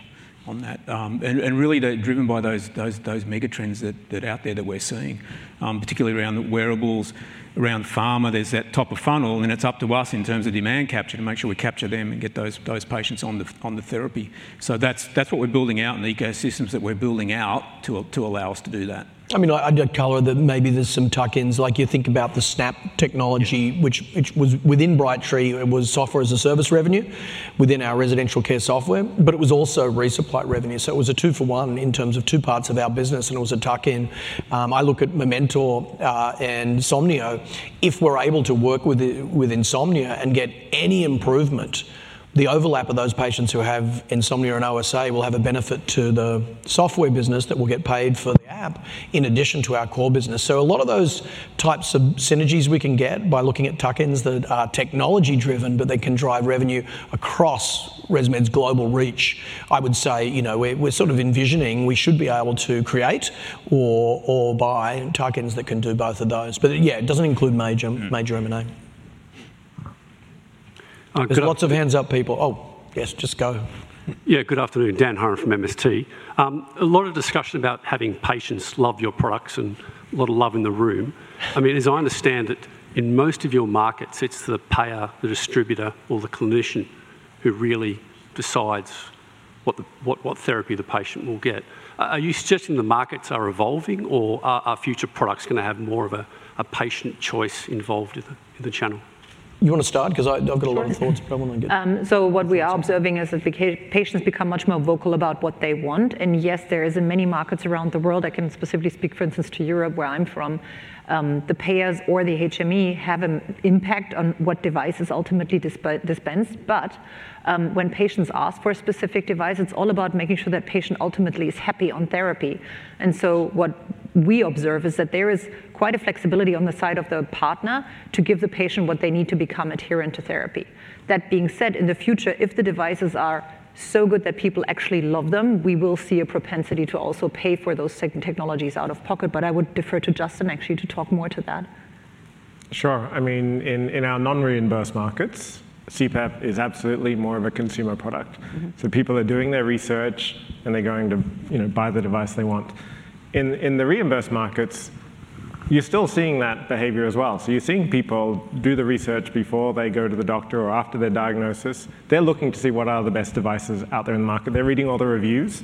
on that. And really, they're driven by those megatrends that out there that we're seeing, particularly around wearables, around pharma. There's that top of funnel, and it's up to us in terms of demand capture, to make sure we capture them and get those patients on the therapy. So that's what we're building out and the ecosystems that we're building out to allow us to do that. I mean, I'd color that maybe there's some tuck-ins. Like, you think about the Snap technology which was within Brightree. It was software as a service revenue within our residential care software, but it was also resupply revenue. So it was a two for one in terms of two parts of our business, and it was a tuck-in. I look at Mementor and Somnio. If we're able to work with insomnia and get any improvement, the overlap of those patients who have insomnia and OSA will have a benefit to the software business that will get paid for the app, in addition to our core business. So a lot of those types of synergies we can get by looking at tuck-ins that are technology driven, but they can drive revenue across ResMed's global reach. I would say, you know, we're sort of envisioning we should be able to create or buy tuck-ins that can do both of those. But yeah, it doesn't include major M&A. Uh, good- There's lots of hands up, people. Oh, yes, just go. Yeah, good afternoon. Dan Hurren from MST Financial. A lot of discussion about having patients love your products and a lot of love in the room. I mean, as I understand it, in most of your markets, it's the payer, the distributor, or the clinician who really decides what therapy the patient will get. Are you suggesting the markets are evolving, or are future products gonna have more of a patient choice involved in the channel? You wanna start? 'Cause I, I've got a lot of thoughts- Sure. Go on, then, get it. So what we are observing is that patients become much more vocal about what they want, and yes, there is in many markets around the world. I can specifically speak, for instance, to Europe, where I'm from. The payers or the HME have an impact on what devices ultimately dispensed, but when patients ask for a specific device, it's all about making sure that patient ultimately is happy on therapy. And so what we observe is that there is quite a flexibility on the side of the partner to give the patient what they need to become adherent to therapy. That being said, in the future, if the devices are so good that people actually love them, we will see a propensity to also pay for those technologies out of pocket, but I would defer to Justin, actually, to talk more to that. Sure. I mean, in our non-reimbursed markets, CPAP is absolutely more of a consumer product. So people are doing their research, and they're going to, you know, buy the device they want. In the reimbursed markets, you're still seeing that behavior as well. So you're seeing people do the research before they go to the doctor or after their diagnosis. They're looking to see what are the best devices out there in the market. They're reading all the reviews,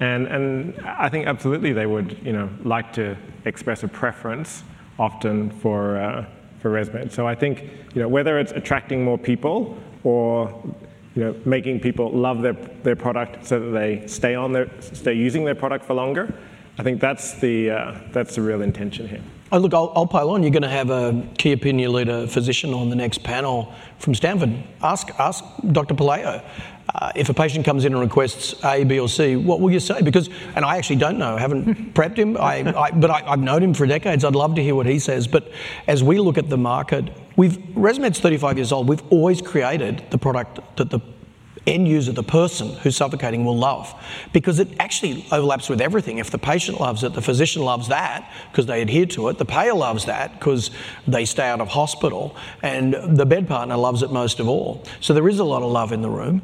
and I think absolutely they would, you know, like to express a preference often for ResMed. So I think, you know, whether it's attracting more people or, you know, making people love their product so that they stay using their product for longer, I think that's the real intention here. Look, I'll pile on. You're gonna have a key opinion leader physician on the next panel from Stanford. Ask Dr. Pelayo if a patient comes in and requests A, B, or C. What will you say? Because and I actually don't know. I haven't prepped him. But I've known him for decades. I'd love to hear what he says. But as we look at the market, ResMed's 35 years old. We've always created the product that the end user, the person who's suffocating, will love. Because it actually overlaps with everything. If the patient loves it, the physician loves that 'cause they adhere to it, the payer loves that 'cause they stay out of hospital, and the bed partner loves it most of all. So there is a lot of love in the room.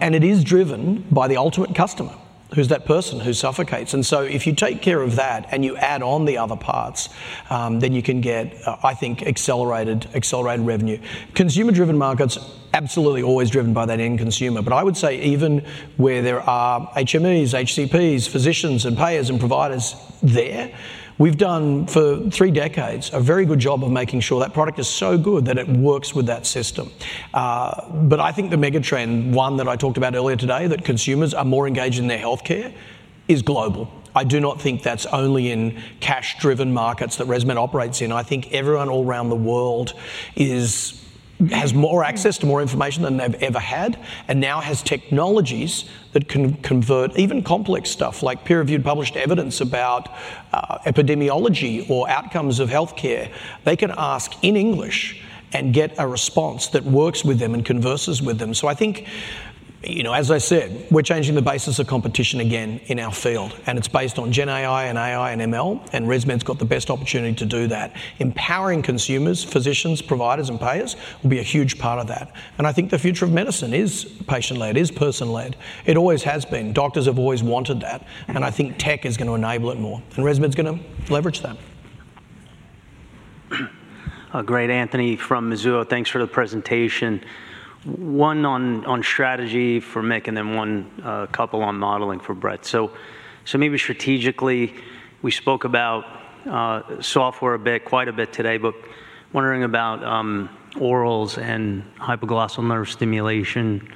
And it is driven by the ultimate customer, who's that person who suffocates. And so if you take care of that and you add on the other parts, then you can get, I think, accelerated revenue. Consumer-driven markets, absolutely always driven by that end consumer. But I would say even where there are HMEs, HCPs, physicians, and payers, and providers there, we've done, for three decades, a very good job of making sure that product is so good that it works with that system. But I think the mega trend, one that I talked about earlier today, that consumers are more engaged in their healthcare, is global. I do not think that's only in cash-driven markets that ResMed operates in. I think everyone all around the world has more access to more information than they've ever had, and now has technologies that can convert even complex stuff like peer-reviewed published evidence about epidemiology or outcomes of healthcare. They can ask in English and get a response that works with them and converses with them. So I think, you know, as I said, we're changing the basis of competition again in our field, and it's based on GenAI and AI and ML, and ResMed's got the best opportunity to do that. Empowering consumers, physicians, providers, and payers will be a huge part of that, and I think the future of medicine is patient-led, is person-led. It always has been. Doctors have always wanted that, and I think tech is gonna enable it more, and ResMed's gonna leverage that. Great, Anthony from Mizuho. Thanks for the presentation. One on strategy for Mick, and then a couple on modeling for Brett. Maybe strategically, we spoke about software a bit, quite a bit today, but wondering about orals and hypoglossal nerve stimulation.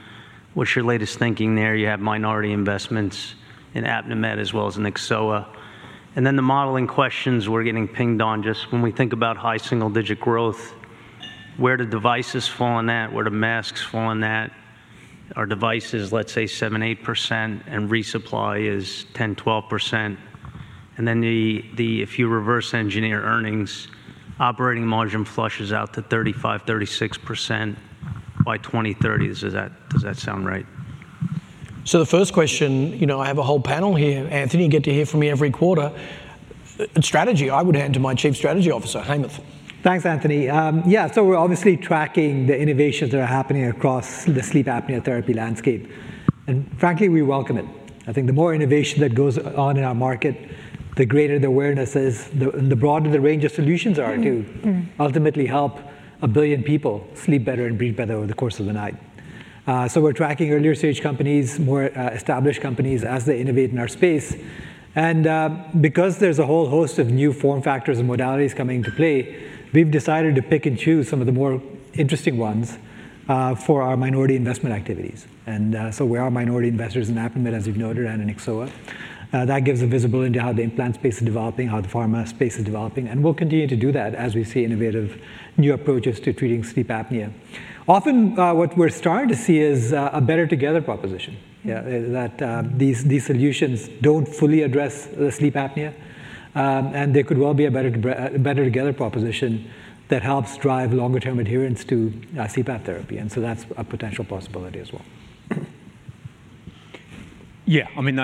What's your latest thinking there? You have minority investments in Apnimed as well as in Nyxoah. And then the modeling questions we're getting pinged on, just when we think about high single-digit growth, where do devices fall on that? Where do masks fall on that? Are devices, let's say 7-8%, and resupply is 10-12%, and then if you reverse engineer earnings, operating margin flushes out to 35-36% by 2030. Does that sound right? So the first question, you know, I have a whole panel here. Anthony, you get to hear from me every quarter. Strategy, I would hand to my Chief Strategy Officer, Hemanth. Thanks, Anthony. Yeah, so we're obviously tracking the innovations that are happening across the sleep apnea therapy landscape, and frankly, we welcome it. I think the more innovation that goes on in our market, the greater the awareness is, the, and the broader the range of solutions are to ultimately help a billion people sleep better and breathe better over the course of the night, so we're tracking earlier-stage companies, more established companies, as they innovate in our space, and because there's a whole host of new form factors and modalities coming into play, we've decided to pick and choose some of the more interesting ones for our minority investment activities, and so we are minority investors in Apnimed, as you've noted, and in Nyxoah. That gives us visibility into how the implant space is developing, how the pharma space is developing, and we'll continue to do that as we see innovative new approaches to treating sleep apnea. Often what we're starting to see is a better together proposition. That these solutions don't fully address the sleep apnea, and there could well be a better together proposition that helps drive longer-term adherence to CPAP therapy, and so that's a potential possibility as well. Yeah. I mean,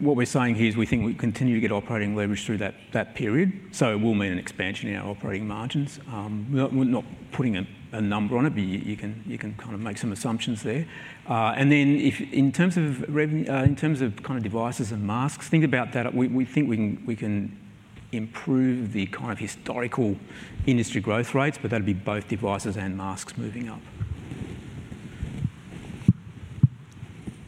what we're saying here is we think we continue to get operating leverage through that period, so it will mean an expansion in our operating margins. We're not putting a number on it, but you can kind of make some assumptions there. And then if in terms of kind of devices and masks, think about that. We think we can improve the kind of historical industry growth rates, but that'd be both devices and masks moving up.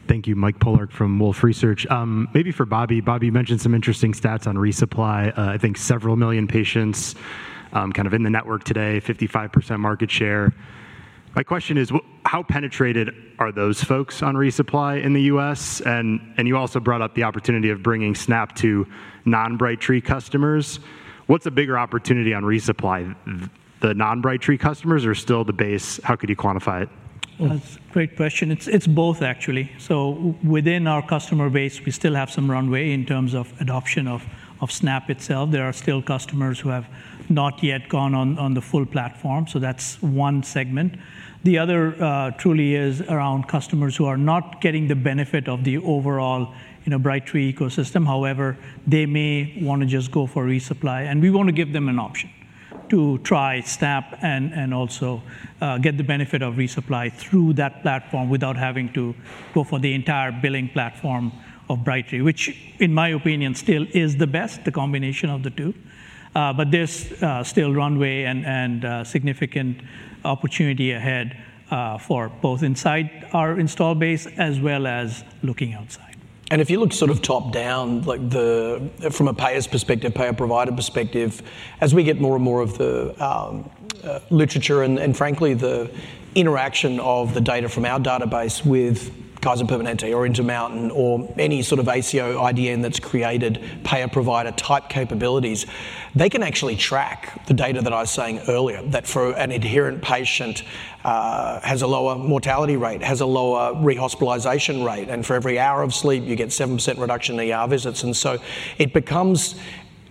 Thank you. Mike Polark from Wolfe Research. Maybe for Bobby. Bobby, you mentioned some interesting stats on resupply. I think several million patients, kind of in the network today, 55% market share. My question is: how penetrated are those folks on resupply in the US? And you also brought up the opportunity of bringing Snap to non-Brightree customers. What's a bigger opportunity on resupply? The non-Brightree customers or still the base? How could you quantify it? That's a great question. It's both actually. So within our customer base, we still have some runway in terms of adoption of Snap itself. There are still customers who have not yet gone on the full platform, so that's one segment. The other truly is around customers who are not getting the benefit of the overall, you know, Brightree ecosystem. However, they may wanna just go for resupply, and we wanna give them an option to try Snap and also get the benefit of resupply through that platform without having to go for the entire billing platform of Brightree, which, in my opinion, still is the best, the combination of the two. But there's still runway and significant opportunity ahead for both inside our install base as well as looking outside. And if you look sort of top-down, like from a payer's perspective, payer-provider perspective, as we get more and more of the literature and frankly, the interaction of the data from our database with Kaiser Permanente or Intermountain or any sort of ACO, IDN that's created payer-provider type capabilities, they can actually track the data that I was saying earlier, that for an adherent patient has a lower mortality rate, has a lower rehospitalization rate, and for every hour of sleep, you get 7% reduction in ER visits. And so it becomes...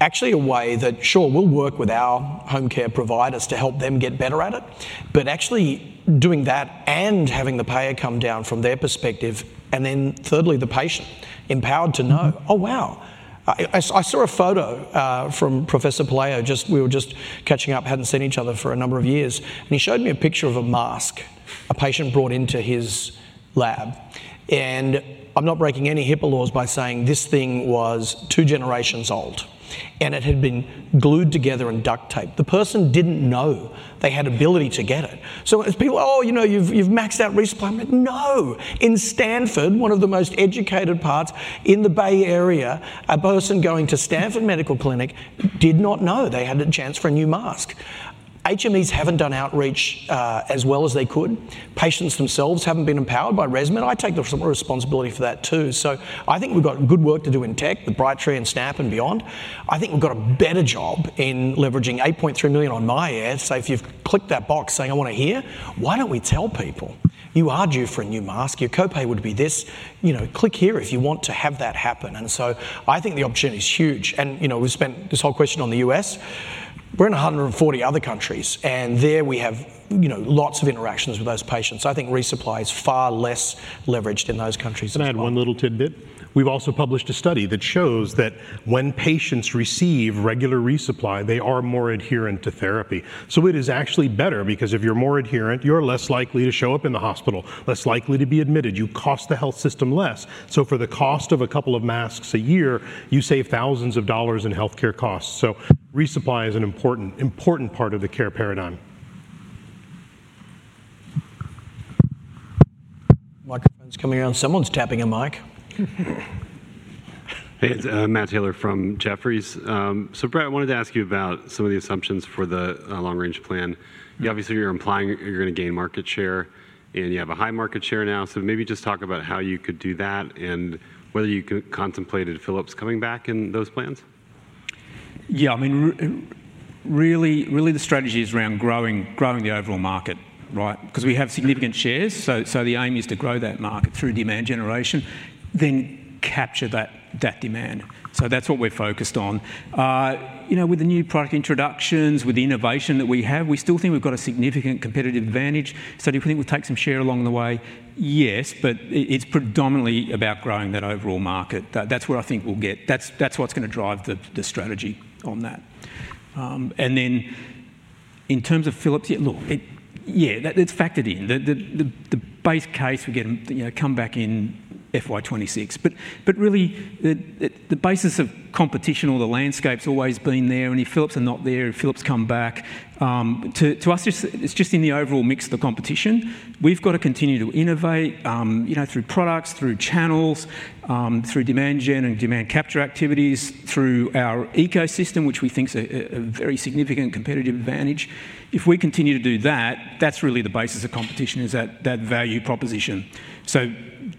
actually a way that, sure, we'll work with our home care providers to help them get better at it, but actually doing that and having the payer come down from their perspective, and then thirdly, the patient empowered to know, "Oh, wow!" I saw a photo from Professor Pelayo, just we were just catching up, hadn't seen each other for a number of years, and he showed me a picture of a mask a patient brought into his lab, and I'm not breaking any HIPAA laws by saying this thing was two generations old, and it had been glued together in duct tape. The person didn't know they had ability to get it. So as people, "Oh, you know, you've maxed out resupply." No! In Stanford, one of the most educated parts in the Bay Area, a person going to Stanford Medical Clinic did not know they had a chance for a new mask. HMEs haven't done outreach as well as they could. Patients themselves haven't been empowered by ResMed. I take some responsibility for that, too. So I think we've got good work to do in tech, with Brightree and Snap and beyond. I think we've got a better job in leveraging 8.3 million on myAir. So if you've clicked that box saying, "I want to hear," why don't we tell people, "You are due for a new mask. Your copay would be this. You know, click here if you want to have that happen"? And so I think the opportunity is huge. And, you know, we've spent this whole question on the US. We're in a hundred and forty other countries, and there we have, you know, lots of interactions with those patients. I think resupply is far less leveraged in those countries as well. Can I add one little tidbit? We've also published a study that shows that when patients receive regular resupply, they are more adherent to therapy. So it is actually better because if you're more adherent, you're less likely to show up in the hospital, less likely to be admitted. You cost the health system less. So for the cost of a couple of masks a year, you save thousands of dollars in healthcare costs. So resupply is an important, important part of the care paradigm. Microphone's coming on. Someone's tapping a mic. Hey, it's Matt Taylor from Jefferies. So, Brett, I wanted to ask you about some of the assumptions for the long-range plan. Yeah. Obviously, you're implying you're gonna gain market share, and you have a high market share now. So maybe just talk about how you could do that and whether you contemplated Philips coming back in those plans? Yeah, I mean, really, really the strategy is around growing the overall market, right? 'Cause we have significant shares, so the aim is to grow that market through demand generation, then capture that demand. So that's what we're focused on. You know, with the new product introductions, with the innovation that we have, we still think we've got a significant competitive advantage. So do we think we'll take some share along the way? Yes, but it's predominantly about growing that overall market. That's where I think we'll get... That's what's gonna drive the strategy on that. And then in terms of Philips, yeah, look, it... Yeah, that's factored in. The base case, we get, you know, come back in FY 2026. But really, the basis of competition or the landscape's always been there, and if Philips are not there, if Philips come back to us, it's just in the overall mix of the competition. We've got to continue to innovate, you know, through products, through channels, through demand gen and demand capture activities, through our ecosystem, which we think is a very significant competitive advantage. If we continue to do that, that's really the basis of competition, is that value proposition. So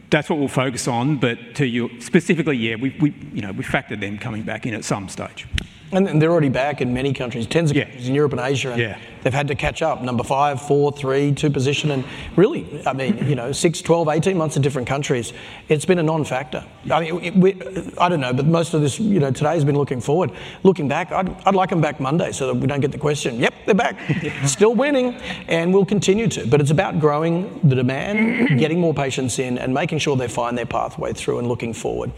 that's what we'll focus on. But to you specifically, yeah, we've you know, we factored them coming back in at some stage. They're already back in many countries tens of countries in Europe and Asia. They've had to catch up. Number five, four, three, two position, and really, I mean, you know, six, twelve, eighteen months in different countries, it's been a non-factor. I mean, we—I don't know, but most of this, you know, today has been looking forward. Looking back, I'd like them back Monday, so that we don't get the question. Yep, they're back. Still winning, and we'll continue to. But it's about growing the demand, getting more patients in, and making sure they find their pathway through and looking forward.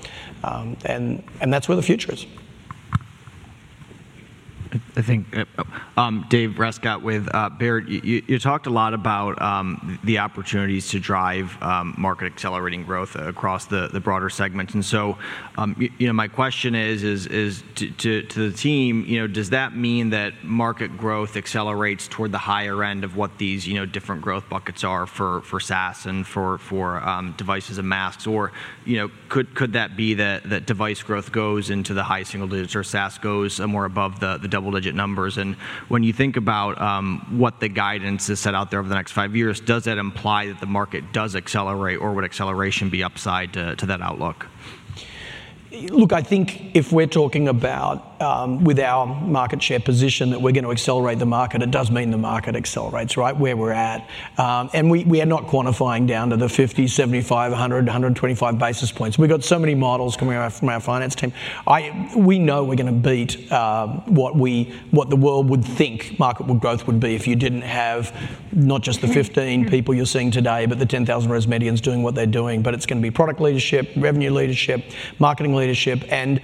And that's where the future is. I think, David Rescott with Baird, you talked a lot about the opportunities to drive market accelerating growth across the broader segment. And so, you know, my question is to the team, you know, does that mean that market growth accelerates toward the higher end of what these different growth buckets are for SaaS and for devices and masks? Or, you know, could that be that device growth goes into the high single digits or SaaS goes more above the double-digit numbers? And when you think about what the guidance is set out there over the next five years, does that imply that the market does accelerate, or would acceleration be upside to that outlook? Look, I think if we're talking about with our market share position, that we're going to accelerate the market, it does mean the market accelerates right where we're at. And we are not quantifying down to the 50, 75, 100, 125 basis points. We've got so many models coming out from our finance team. We know we're gonna beat what the world would think marketable growth would be if you didn't have not just the 15 people you're seeing today, but the 10,000 ResMedians doing what they're doing. But it's gonna be product leadership, revenue leadership, marketing leadership, and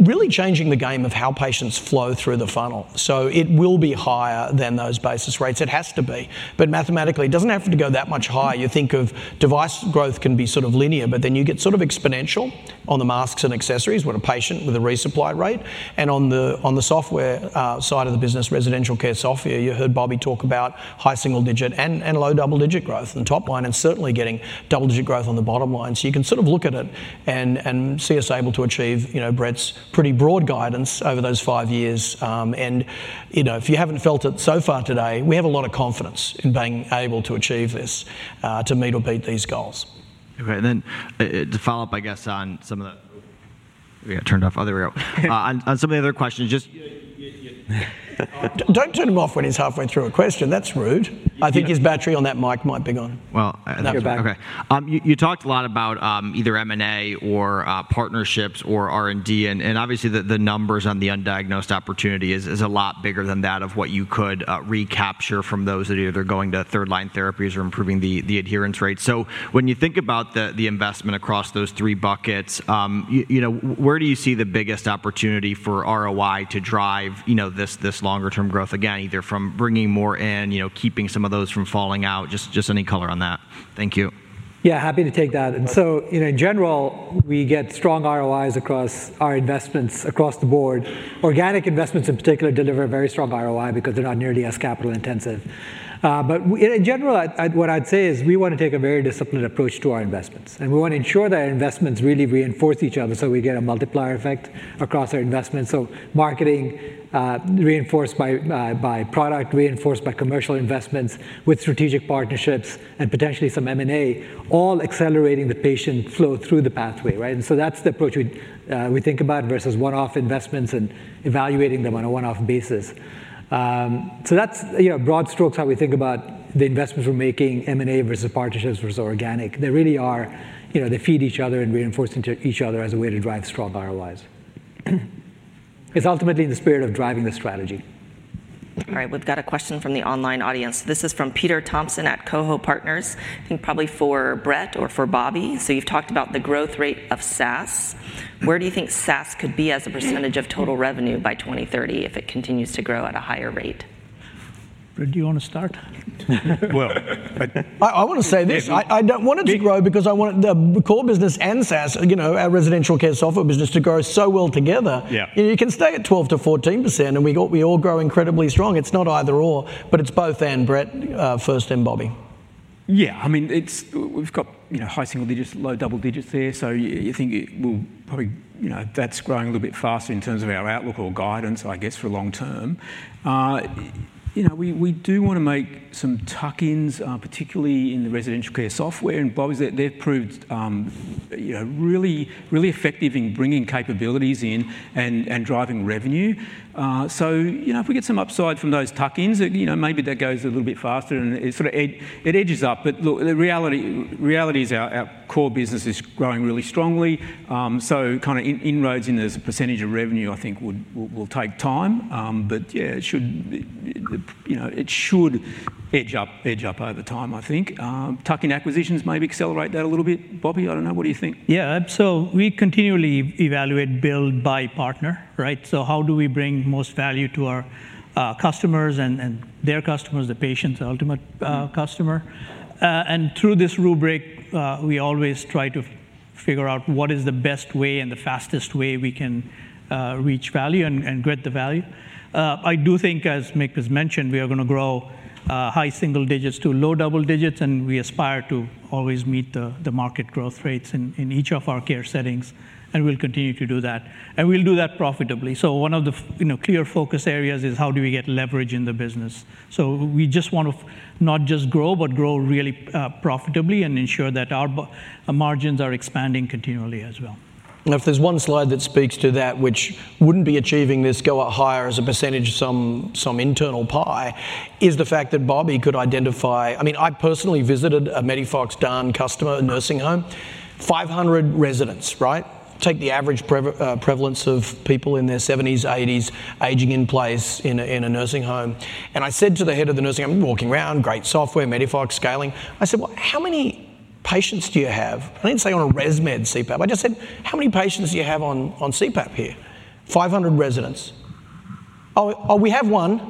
really changing the game of how patients flow through the funnel. So it will be higher than those basis rates. It has to be. But mathematically, it doesn't have to go that much higher. You think of device growth can be sort of linear, but then you get sort of exponential on the masks and accessories with a patient with a resupply rate. And on the software side of the business, residential care software, you heard Bobby talk about high single digit and low double-digit growth and top line, and certainly getting double-digit growth on the bottom line. So you can sort of look at it and see us able to achieve, you know, Brett's pretty broad guidance over those five years. And, you know, if you haven't felt it so far today, we have a lot of confidence in being able to achieve this to meet or beat these goals. Okay, and then, to follow up, I guess, on some of the... Yeah, turned off. Oh, there we go. On some of the other questions, just- Don't turn him off when he's halfway through a question. That's rude. I think his battery on that mic might be gone. Okay. You talked a lot about either M&A or partnerships or R&D, and obviously the numbers on the undiagnosed opportunity is a lot bigger than that of what you could recapture from those that either are going to third line therapies or improving the adherence rate. So when you think about the investment across those three buckets, you know, where do you see the biggest opportunity for ROI to drive, you know, this longer term growth? Again, either from bringing more in, you know, keeping some of those from falling out. Just any color on that. Thank you. Yeah, happy to take that and so, you know, in general, we get strong ROIs across our investments across the board. Organic investments in particular deliver a very strong ROI because they're not nearly as capital intensive but what I'd say is we wanna take a very disciplined approach to our investments, and we wanna ensure that our investments really reinforce each other so we get a multiplier effect across our investments so marketing reinforced by product reinforced by commercial investments with strategic partnerships and potentially some M&A all accelerating the patient flow through the pathway, right and so that's the approach we, we think about versus one-off investments and evaluating them on a one-off basis so that's, you know, broad strokes, how we think about the investments we're making, M&A versus partnerships versus organic. They really are, you know, they feed each other and reinforce into each other as a way to drive strong ROIs. It's ultimately in the spirit of driving the strategy. All right, we've got a question from the online audience. This is from Peter Thompson at Coho Partners, I think probably for Brett or for Bobby. So you've talked about the growth rate of SaaS. Where do you think SaaS could be as a percentage of total revenue by 2030 if it continues to grow at a higher rate? Brett, do you wanna start? Well, I- I wanna say this. I don't want it to grow because I want the core business and SaaS, you know, our residential care software business to grow so well together. Yeah. You can stay at 12-14%, and we all grow incredibly strong. It's not either/or, but it's both and, Brett first and Bobby. Yeah. I mean, it's, we've got, you know, high single digits, low double digits there, so you think it will probably, you know, that's growing a little bit faster in terms of our outlook or guidance, I guess, for long term. You know, we, we do wanna make some tuck-ins, particularly in the residential care software, and Bobby's they've proved, you know, really, really effective in bringing capabilities in and, and driving revenue. So, you know, if we get some upside from those tuck-ins, you know, maybe that goes a little bit faster, and it sort of it edges up. But look, the reality is our core business is growing really strongly. So kind of inroads as a percentage of revenue, I think, will take time. But yeah, it should, you know, it should edge up, edge up over time, I think. Tuck-in acquisitions maybe accelerate that a little bit. Bobby, I don't know, what do you think? Yeah. So we continually evaluate build, buy, partner, right? So how do we bring most value to our customers and their customers, the patient, the ultimate customer. And through this rubric, we always try to figure out what is the best way and the fastest way we can reach value and get the value. I do think, as Mick has mentioned, we are gonna grow high single digits to low double digits, and we aspire to always meet the market growth rates in each of our care settings, and we'll continue to do that, and we'll do that profitably. So one of the, you know, clear focus areas is how do we get leverage in the business? We just want to not just grow, but grow really profitably and ensure that our margins are expanding continually as well. If there's one slide that speaks to that, which wouldn't be achieving this go up higher as a percentage of some internal pie, is the fact that Bobby could identify. I mean, I personally visited a MEDIFOX DAN customer, a nursing home. 500 residents, right? Take the average prevalence of people in their seventies, eighties, aging in place in a nursing home, and I said to the head of the nursing home, walking around, great software, MEDIFOX DAN scaling. I said: "Well, how many patients do you have?" I didn't say on a ResMed CPAP, I just said: "How many patients do you have on CPAP here? 500 residents." "Oh, we have one,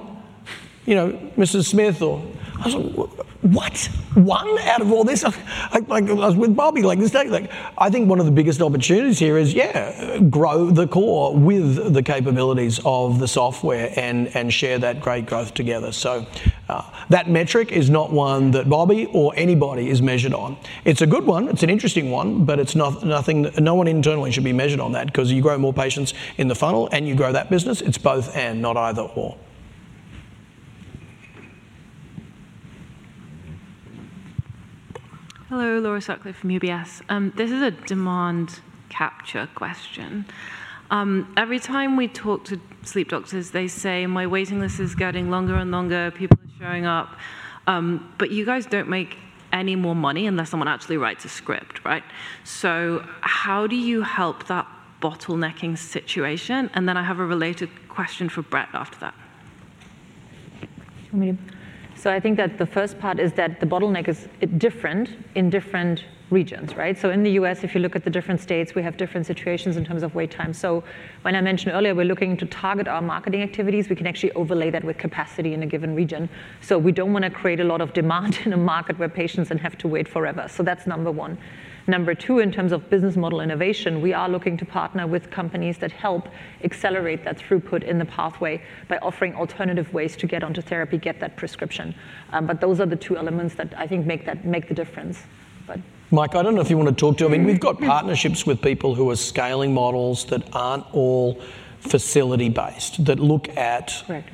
you know, Mrs. Smith or." I said, "What? One out of all this?" I, like, I was with Bobby, like, this day, like. I think one of the biggest opportunities here is, yeah, grow the core with the capabilities of the software and share that great growth together. So, that metric is not one that Bobby or anybody is measured on. It's a good one, it's an interesting one, but it's not nothing, no one internally should be measured on that, 'cause you grow more patients in the funnel, and you grow that business. It's both and, not either or. Hello, Laura Sutcliffe from UBS. This is a demand capture question. Every time we talk to sleep doctors, they say: "My waiting list is getting longer and longer. People are showing up." But you guys don't make any more money unless someone actually writes a script, right? So how do you help that bottlenecking situation? And then I have a related question for Brett after that. You want me to. So I think that the first part is that the bottleneck is different in different regions, right? So in the U.S., if you look at the different states, we have different situations in terms of wait time. So when I mentioned earlier, we're looking to target our marketing activities, we can actually overlay that with capacity in a given region. So we don't wanna create a lot of demand in a market where patients then have to wait forever. So that's number one. Number two, in terms of business model innovation, we are looking to partner with companies that help accelerate that throughput in the pathway by offering alternative ways to get onto therapy, get that prescription. But those are the two elements that I think make the difference. But- Mike, I don't know if you want to talk to. I mean, we've got partnerships with people who are scaling models that aren't all facility based, that look at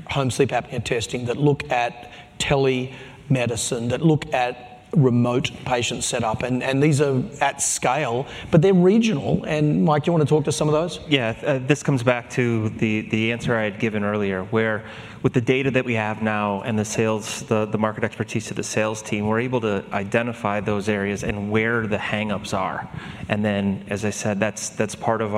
home sleep apnea testing, that look at telemedicine, that look at remote patient setup, and these are at scale, but they're regional. And Mike, do you wanna talk to some of those? Yeah. This comes back to the answer I had given earlier, where with the data that we have now and the sales, the market expertise of the sales team, we're able to identify those areas and where the hang-ups are. And then, as I said, that's part of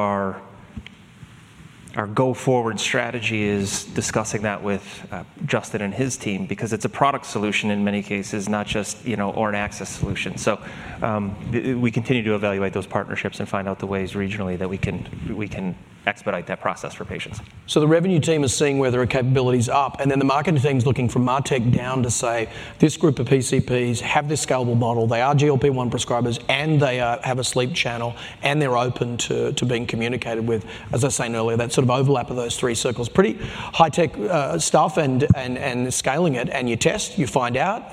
our go forward strategy is discussing that with Justin and his team, because it's a product solution in many cases, not just, you know, or an access solution. So we continue to evaluate those partnerships and find out the ways regionally that we can expedite that process for patients. So the revenue team is seeing where there are capabilities up, and then the marketing team's looking from MarTech down to say, "This group of PCPs have this scalable model. They are GLP-1 prescribers, and they have a sleep channel, and they're open to being communicated with." As I was saying earlier, that sort of overlap of those three circles. Pretty high-tech stuff, and scaling it, and you test, you find out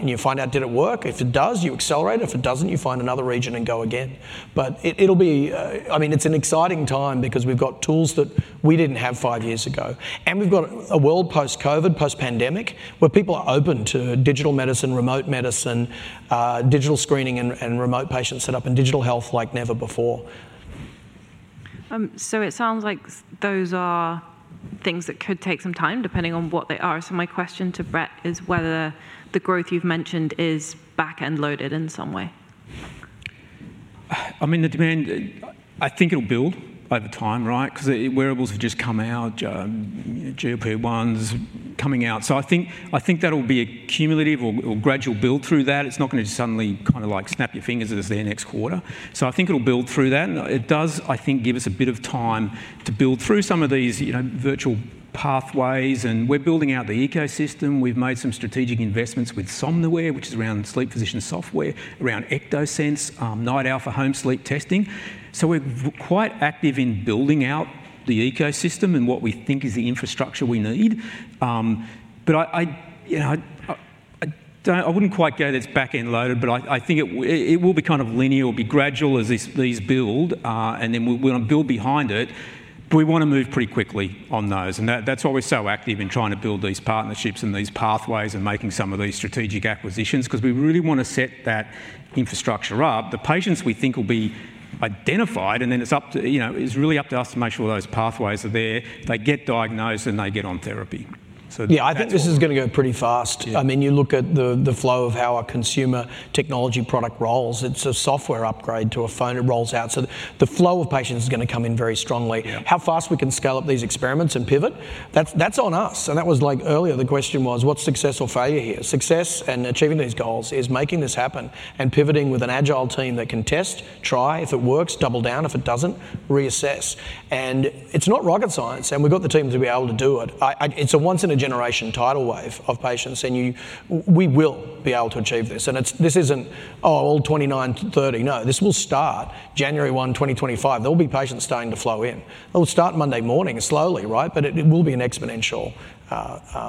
did it work. If it does, you accelerate. If it doesn't, you find another region and go again. But it, it'll be... I mean, it's an exciting time because we've got tools that we didn't have five years ago, and we've got a world post-COVID, post-pandemic, where people are open to digital medicine, remote medicine, digital screening, and remote patient setup, and digital health like never before. So it sounds like those are things that could take some time, depending on what they are. So my question to Brett is whether the growth you've mentioned is back-end loaded in some way? I mean, the demand, I think it'll build over time, right? 'Cause the wearables have just come out, GLP-1's coming out. So I think that'll be a cumulative or gradual build through that. It's not gonna just suddenly kind of like snap your fingers and it's there next quarter. So I think it'll build through that, and it does, I think, give us a bit of time to build through some of these, you know, virtual pathways, and we're building out the ecosystem. We've made some strategic investments with Somnoware, which is around sleep physician software, around Ectosense, NightOwl for home sleep testing. So we're quite active in building out the ecosystem and what we think is the infrastructure we need. But you know, I wouldn't quite go that it's back-end loaded, but I think it will be kind of linear or be gradual as these build. And then we'll build behind it, but we wanna move pretty quickly on those. And that's why we're so active in trying to build these partnerships and these pathways and making some of these strategic acquisitions, 'cause we really wanna set that infrastructure up. The patients we think will be identified, and then it's up to, you know, it's really up to us to make sure those pathways are there, they get diagnosed, and they get on therapy. So that's- Yeah, I think this is gonna go pretty fast. Yeah. I mean, you look at the flow of how a consumer technology product rolls. It's a software upgrade to a phone. It rolls out. So the flow of patients is gonna come in very strongly. Yeah. How fast we can scale up these experiments and pivot, that's, that's on us, and that was like earlier, the question was, what's success or failure here? Success and achieving these goals is making this happen and pivoting with an agile team that can test, try, if it works, double down, if it doesn't, reassess. And it's not rocket science, and we've got the team to be able to do it. I, I... It's a once in a generation tidal wave of patients, and we will be able to achieve this. And it's, this isn't, oh, all 2029 to 2030. No, this will start January 1, 2025. There'll be patients starting to flow in. It'll start Monday morning slowly, right? But it, it will be an exponential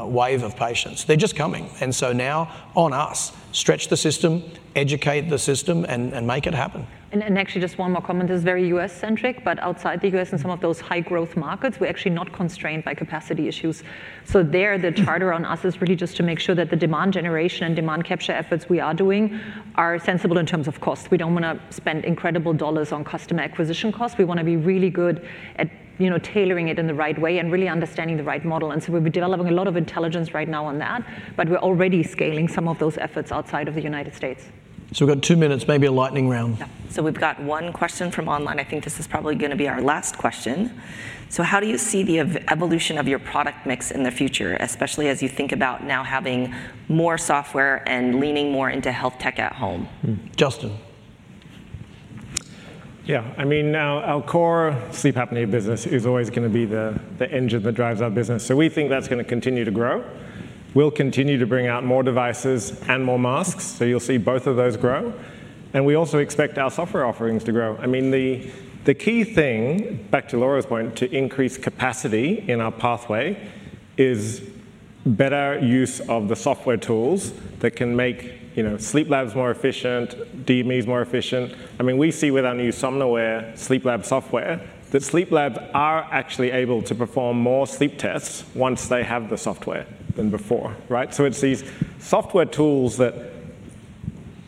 wave of patients. They're just coming, and so now on us, stretch the system, educate the system, and make it happen. Actually, just one more comment. This is very U.S.-centric, but outside the U.S. and some of those high growth markets, we're actually not constrained by capacity issues. So there, the charter on us is really just to make sure that the demand generation and demand capture efforts we are doing are sensible in terms of cost. We don't wanna spend incredible dollars on customer acquisition costs. We wanna be really good at, you know, tailoring it in the right way and really understanding the right model, and so we've been developing a lot of intelligence right now on that, but we're already scaling some of those efforts outside of the United States. So we've got two minutes, maybe a lightning round. Yeah. So we've got one question from online. I think this is probably gonna be our last question. "So how do you see the evolution of your product mix in the future, especially as you think about now having more software and leaning more into health tech at home? Mm. Justin? Yeah. I mean, now, our core sleep apnea business is always gonna be the, the engine that drives our business, so we think that's gonna continue to grow. We'll continue to bring out more devices and more masks, so you'll see both of those grow, and we also expect our software offerings to grow. I mean, the, the key thing, back to Laura's point, to increase capacity in our pathway is better use of the software tools that can make, you know, sleep labs more efficient, DMEs more efficient. I mean, we see with our new Somnoware sleep lab software, that sleep labs are actually able to perform more sleep tests once they have the software than before, right? It's these software tools that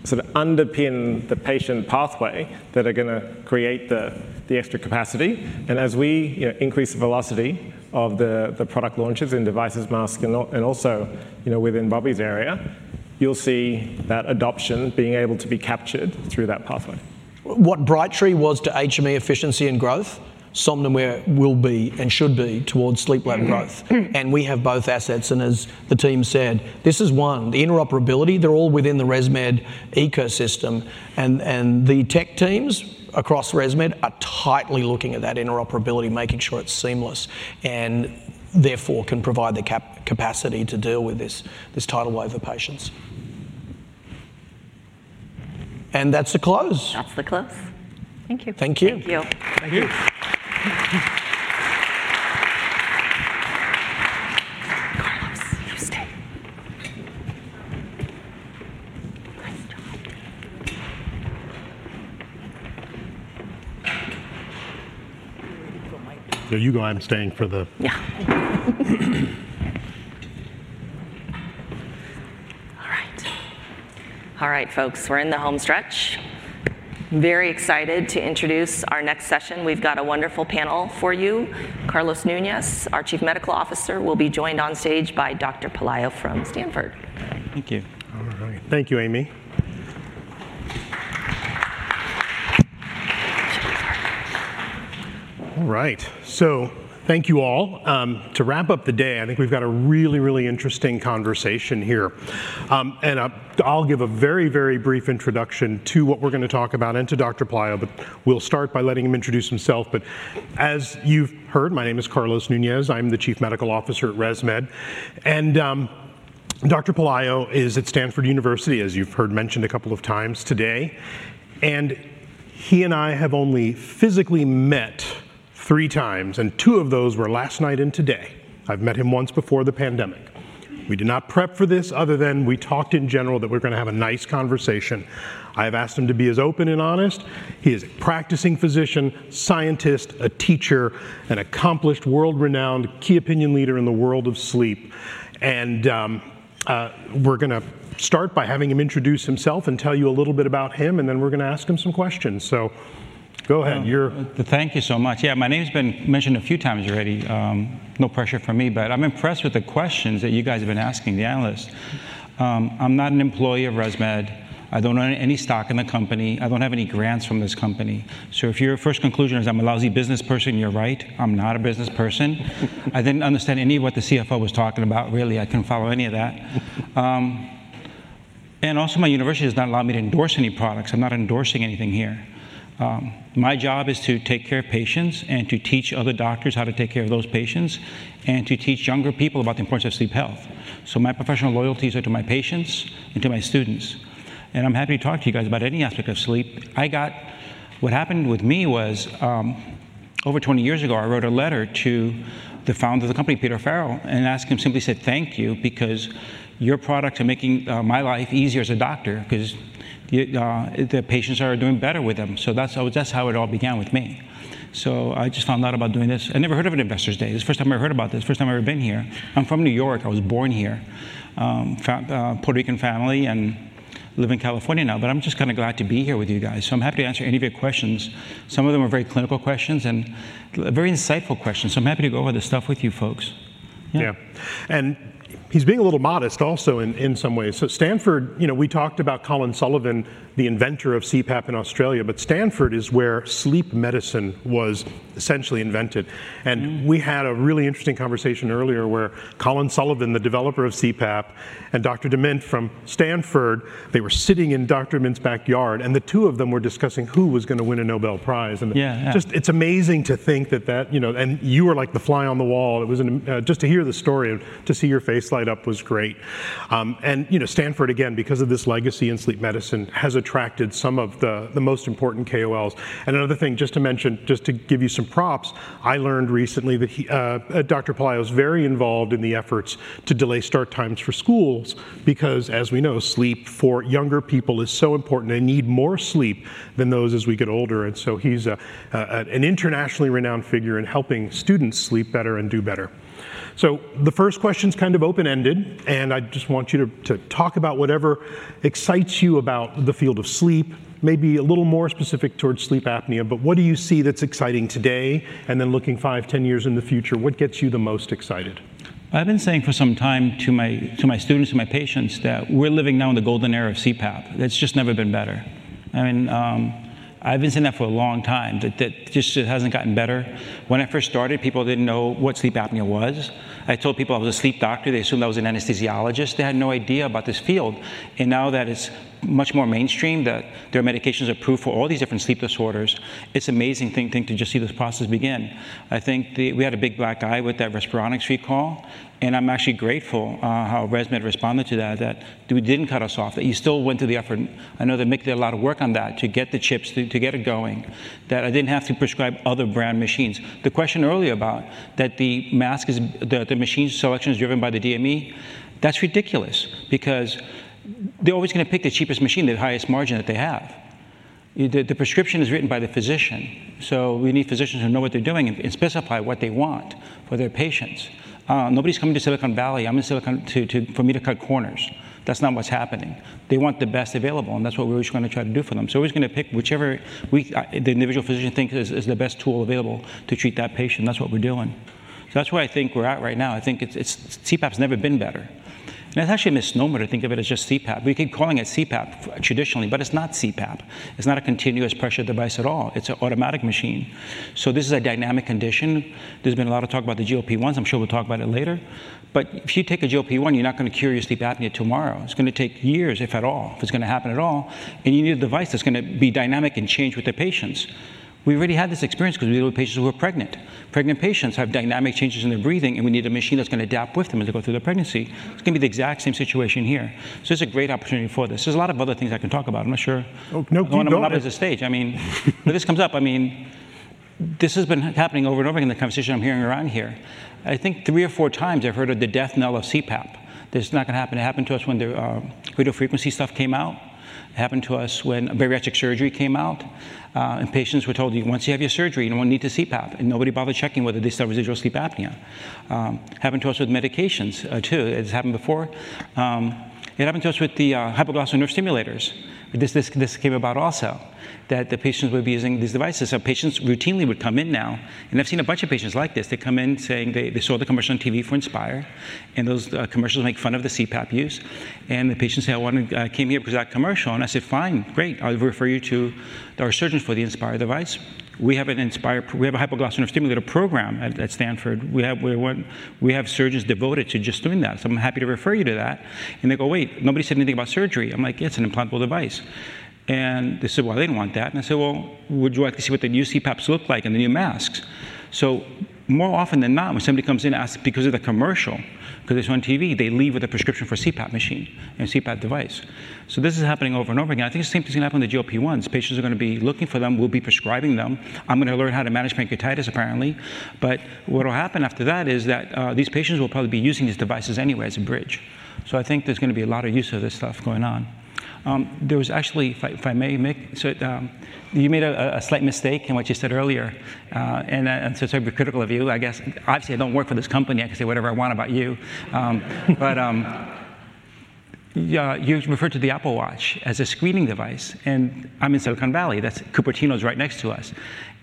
sort of underpin the patient pathway that are gonna create the extra capacity, and as we, you know, increase the velocity of the product launches and devices, mask and also, you know, within Bobby's area, you'll see that adoption being able to be captured through that pathway. What Brightree was to HME efficiency and growth, Somnoware will be and should be towards sleep lab growth. We have both assets, and as the team said, this is one. The interoperability, they're all within the ResMed ecosystem, and the tech teams across ResMed are tightly looking at that interoperability, making sure it's seamless and therefore can provide the capacity to deal with this tidal wave of patients. That's a close. That's the close. Thank you. Thank you. Thank you. Thank you. All right, folks, we're in the home stretch. Very excited to introduce our next session. We've got a wonderful panel for you. Carlos Nunez, our Chief Medical Officer, will be joined on stage by Dr. Pelayo from Stanford. Thank you. All right. Thank you, Amy. All right. So thank you, all. To wrap up the day, I think we've got a really, really interesting conversation here. And I'll give a very, very brief introduction to what we're gonna talk about and to Dr. Pelayo, but we'll start by letting him introduce himself. But as you've heard, my name is Carlos Nunez. I'm the Chief Medical Officer at ResMed, and Dr. Pelayo is at Stanford University, as you've heard mentioned a couple of times today, and he and I have only physically met three times, and two of those were last night and today. I've met him once before the pandemic. We did not prep for this other than we talked in general that we're gonna have a nice conversation. I've asked him to be as open and honest. He is a practicing physician, scientist, a teacher, an accomplished world-renowned key opinion leader in the world of sleep, and we're gonna start by having him introduce himself and tell you a little bit about him, and then we're gonna ask him some questions. So go ahead. You're- Thank you so much. Yeah, my name's been mentioned a few times already. No pressure for me, but I'm impressed with the questions that you guys have been asking the analysts. I'm not an employee of ResMed. I don't own any stock in the company. I don't have any grants from this company. So if your first conclusion is I'm a lousy business person, you're right, I'm not a business person. I didn't understand any of what the CFO was talking about, really. I couldn't follow any of that, and also, my university does not allow me to endorse any products. I'm not endorsing anything here. My job is to take care of patients and to teach other doctors how to take care of those patients, and to teach younger people about the importance of sleep health. So my professional loyalties are to my patients and to my students, and I'm happy to talk to you guys about any aspect of sleep. What happened with me was, over twenty years ago, I wrote a letter to the founder of the company, Peter Farrell, and asked him, simply said, "Thank you, because your products are making my life easier as a doctor because the patients are doing better with them." So that's how, that's how it all began with me. So I just found out about doing this. I never heard of an Investor Day. This is the first time I heard about this. First time I've ever been here. I'm from New York. I was born here. Puerto Rican family, and live in California now. But I'm just kinda glad to be here with you guys, so I'm happy to answer any of your questions. Some of them are very clinical questions and very insightful questions, so I'm happy to go over this stuff with you folks. Yeah. And he's being a little modest also in some ways. So Stanford, you know, we talked about Colin Sullivan, the inventor of CPAP in Australia, but Stanford is where sleep medicine was essentially invented. We had a really interesting conversation earlier, where Colin Sullivan, the developer of CPAP, and Dr. Dement from Stanford, they were sitting in Dr. Dement's backyard, and the two of them were discussing who was gonna win a Nobel Prize, and- Yeah. Yeah. Just, it's amazing to think that, you know. And you were like the fly on the wall. It was just to hear the story and to see your face light up was great. And, you know, Stanford, again, because of this legacy in sleep medicine, has attracted some of the most important KOLs. And another thing, just to mention, just to give you some props, I learned recently that he, Dr. Pelayo is very involved in the efforts to delay start times for schools because, as we know, sleep for younger people is so important. They need more sleep than those as we get older, and so he's an internationally renowned figure in helping students sleep better and do better. So the first question is kind of open-ended, and I just want you to talk about whatever excites you about the field of sleep. Maybe a little more specific towards sleep apnea, but what do you see that's exciting today? And then looking five, ten years in the future, what gets you the most excited? I've been saying for some time to my students and my patients, that we're living now in the golden era of CPAP. It's just never been better. I mean, I've been saying that for a long time, that it just hasn't gotten better. When I first started, people didn't know what sleep apnea was. I told people I was a sleep doctor, they assumed I was an anesthesiologist. They had no idea about this field. And now that it's much more mainstream, that there are medications approved for all these different sleep disorders, it's amazing thing to just see this process begin. We had a big black eye with that Respironics recall, and I'm actually grateful how ResMed responded to that, that they didn't cut us off, that you still went through the effort. I know they made a lot of work on that to get the chips to get it going, that I didn't have to prescribe other brand machines. The question earlier about that the mask is the machine selection is driven by the DME. That's ridiculous because they're always gonna pick the cheapest machine, the highest margin that they have. The prescription is written by the physician, so we need physicians who know what they're doing and specify what they want for their patients. Nobody's coming to Silicon Valley to cut corners. That's not what's happening. They want the best available, and that's what we're just gonna try to do for them. So we're just gonna pick whichever the individual physician thinks is the best tool available to treat that patient. That's what we're doing. So that's where I think we're at right now. I think it's. CPAP's never been better, and that's actually a misnomer to think of it as just CPAP. We keep calling it CPAP traditionally, but it's not CPAP. It's not a continuous pressure device at all. It's an automatic machine. So this is a dynamic condition. There's been a lot of talk about the GLP-1s. I'm sure we'll talk about it later, but if you take a GLP-1, you're not gonna cure your sleep apnea tomorrow. It's gonna take years, if at all, if it's gonna happen at all, and you need a device that's gonna be dynamic and change with the patients. We've already had this experience because we deal with patients who are pregnant. Pregnant patients have dynamic changes in their breathing, and we need a machine that's gonna adapt with them as they go through their pregnancy. It's gonna be the exact same situation here. So this is a great opportunity for this. There's a lot of other things I can talk about. I'm not sure- Oh, no, keep going. As I'm up on the stage. I mean, this comes up. This has been happening over and over again in the conversation I'm hearing around here. I think three or four times I've heard of the death knell of CPAP. This is not gonna happen. It happened to us when the radiofrequency stuff came out. It happened to us when bariatric surgery came out, and patients were told, "Once you have your surgery, you won't need the CPAP," and nobody bothered checking whether they still have residual sleep apnea. Happened to us with medications, too, it's happened before. It happened to us with the hypoglossal nerve stimulators. This came about also, that the patients would be using these devices. So patients routinely would come in now, and I've seen a bunch of patients like this. They come in saying they saw the commercial on TV for Inspire, and those commercials make fun of the CPAP use, and the patients say, "I came here because of that commercial." And I said, "Fine, great. I'll refer you to our surgeons for the Inspire device. We have a hypoglossal nerve stimulator program at Stanford. We have surgeons devoted to just doing that, so I'm happy to refer you to that." And they go, "Wait, nobody said anything about surgery." I'm like, "It's an implantable device." And they said, well, they didn't want that. And I said, "Well, would you like to see what the new CPAPs look like and the new masks?" So more often than not, when somebody comes in and asks because of the commercial, because it's on TV, they leave with a prescription for a CPAP machine and CPAP device. So this is happening over and over again. I think the same thing's gonna happen on the GLP-1s. Patients are gonna be looking for them, we'll be prescribing them. I'm gonna learn how to manage pancreatitis, apparently. But what'll happen after that is that these patients will probably be using these devices anyway as a bridge. So I think there's gonna be a lot of use of this stuff going on. There was actually... If I may make. So, you made a slight mistake in what you said earlier, and so sorry to be critical of you. I guess, obviously, I don't work for this company, I can say whatever I want about you. But, yeah, you referred to the Apple Watch as a screening device, and I'm in Silicon Valley, that's Cupertino is right next to us.